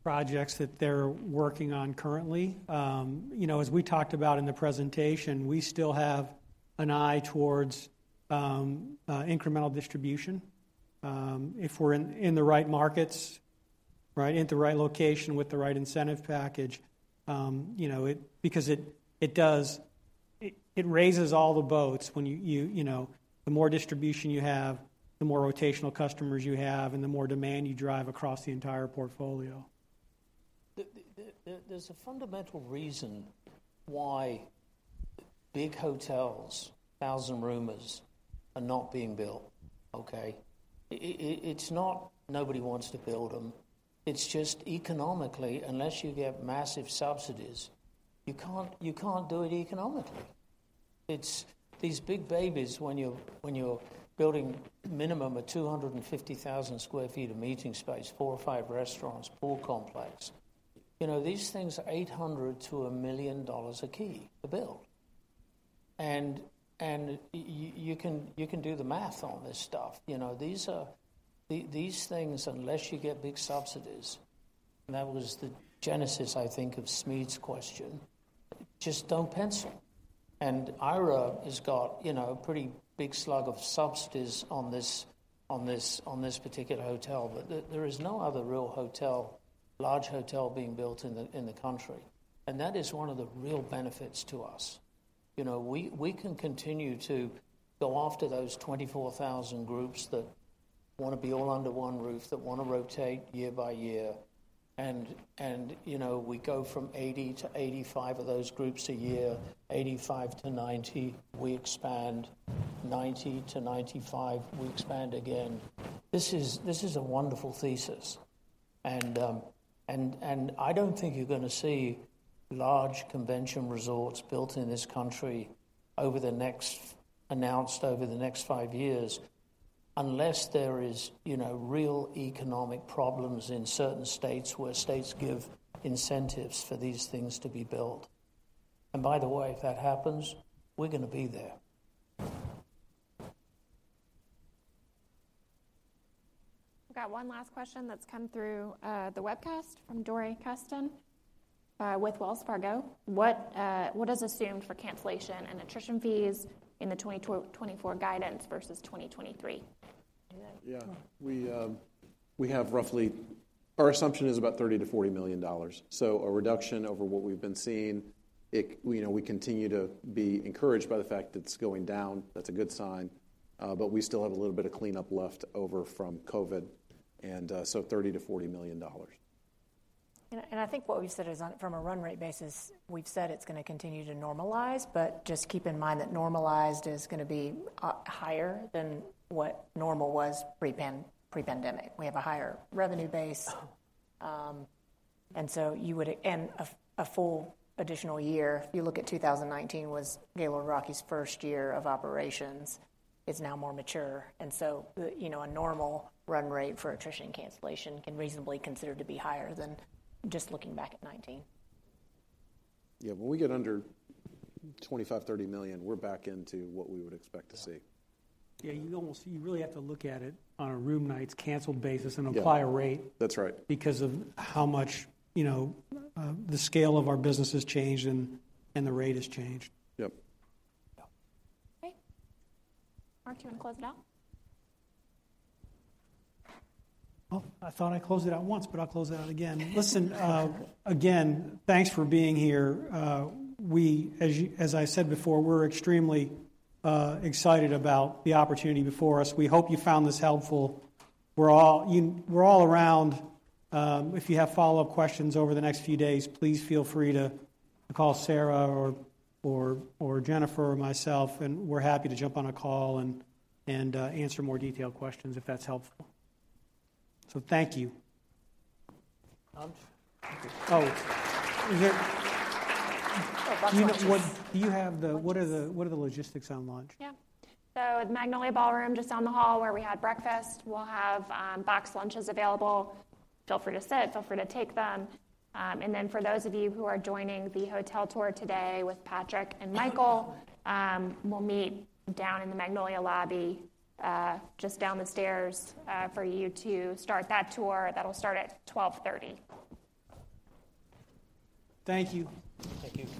projects that they're working on currently. You know, as we talked about in the presentation, we still have an eye towards incremental distribution if we're in the right markets, right, at the right location with the right incentive package, you know, it... Because it does, it raises all the boats when you know, the more distribution you have, the more rotational customers you have, and the more demand you drive across the entire portfolio. There's a fundamental reason why big hotels, thousand-roomers, are not being built, okay? It's not nobody wants to build them, it's just economically, unless you get massive subsidies, you can't do it economically. It's these big babies, when you're building minimum of 250,000 sq ft of meeting space, four or five restaurants, pool complex, you know, these things are $800,000-$1 million a key to build. You can do the math on this stuff. You know, these things, unless you get big subsidies, and that was the genesis, I think, of Smedes's question, just don't pencil. And Ira has got, you know, a pretty big slug of subsidies on this particular hotel, but there is no other real hotel, large hotel being built in the country, and that is one of the real benefits to us. You know, we can continue to go after those 24,000 groups that wanna be all under one roof, that wanna rotate year by year, and, you know, we go from 80%-85% of those groups a year, 85%-90%, we expand. 90%-95%, we expand again. This is a wonderful thesis, and I don't think you're gonna see large convention resorts built in this country over the next...Announced over the next five years, unless there is, you know, real economic problems in certain states, where states give incentives for these things to be built. By the way, if that happens, we're gonna be there. We've got one last question that's come through the webcast from Dori Kesten with Wells Fargo. What is assumed for cancellation and attrition fees in the 2024 guidance versus 2023? Yeah, we have roughly... Our assumption is about $30 million-$40 million, so a reduction over what we've been seeing. It, you know, we continue to be encouraged by the fact that it's going down. That's a good sign, but we still have a little bit of cleanup left over from COVID.... and, so $30 million-$40 million. And I think what we said is on, from a run rate basis, we've said it's gonna continue to normalize, but just keep in mind that normalized is gonna be higher than what normal was pre-pandemic. We have a higher revenue base, and so you would— And a full additional year. If you look at 2019 was Gaylord Rockies' first year of operations, is now more mature, and so the, you know, a normal run rate for attrition and cancellation can reasonably considered to be higher than just looking back at 2019. Yeah, when we get under $25 million-$30 million, we're back into what we would expect to see. Yeah, you really have to look at it on a room nights canceled basis. Yeah and apply a rate. That's right. Because of how much, you know, the scale of our business has changed and the rate has changed. Yep. Okay. Mark, do you want to close it out? Well, I thought I closed it out once, but I'll close it out again. Listen, again, thanks for being here. We, as you, as I said before, we're extremely excited about the opportunity before us. We hope you found this helpful. We're all, you-- we're all around. If you have follow-up questions over the next few days, please feel free to call Sarah or Jennifer or myself, and we're happy to jump on a call and answer more detailed questions, if that's helpful. So thank you. Lunch? Oh, is there... Do you know, what, do you have the-- What are the, what are the logistics on lunch? Yeah. So the Magnolia Ballroom, just down the hall where we had breakfast, we'll have boxed lunches available. Feel free to sit, feel free to take them. And then for those of you who are joining the hotel tour today with Patrick and Michael, we'll meet down in the Magnolia Lobby, just down the stairs, for you to start that tour. That'll start at 12:30 P.M. Thank you. Thank you.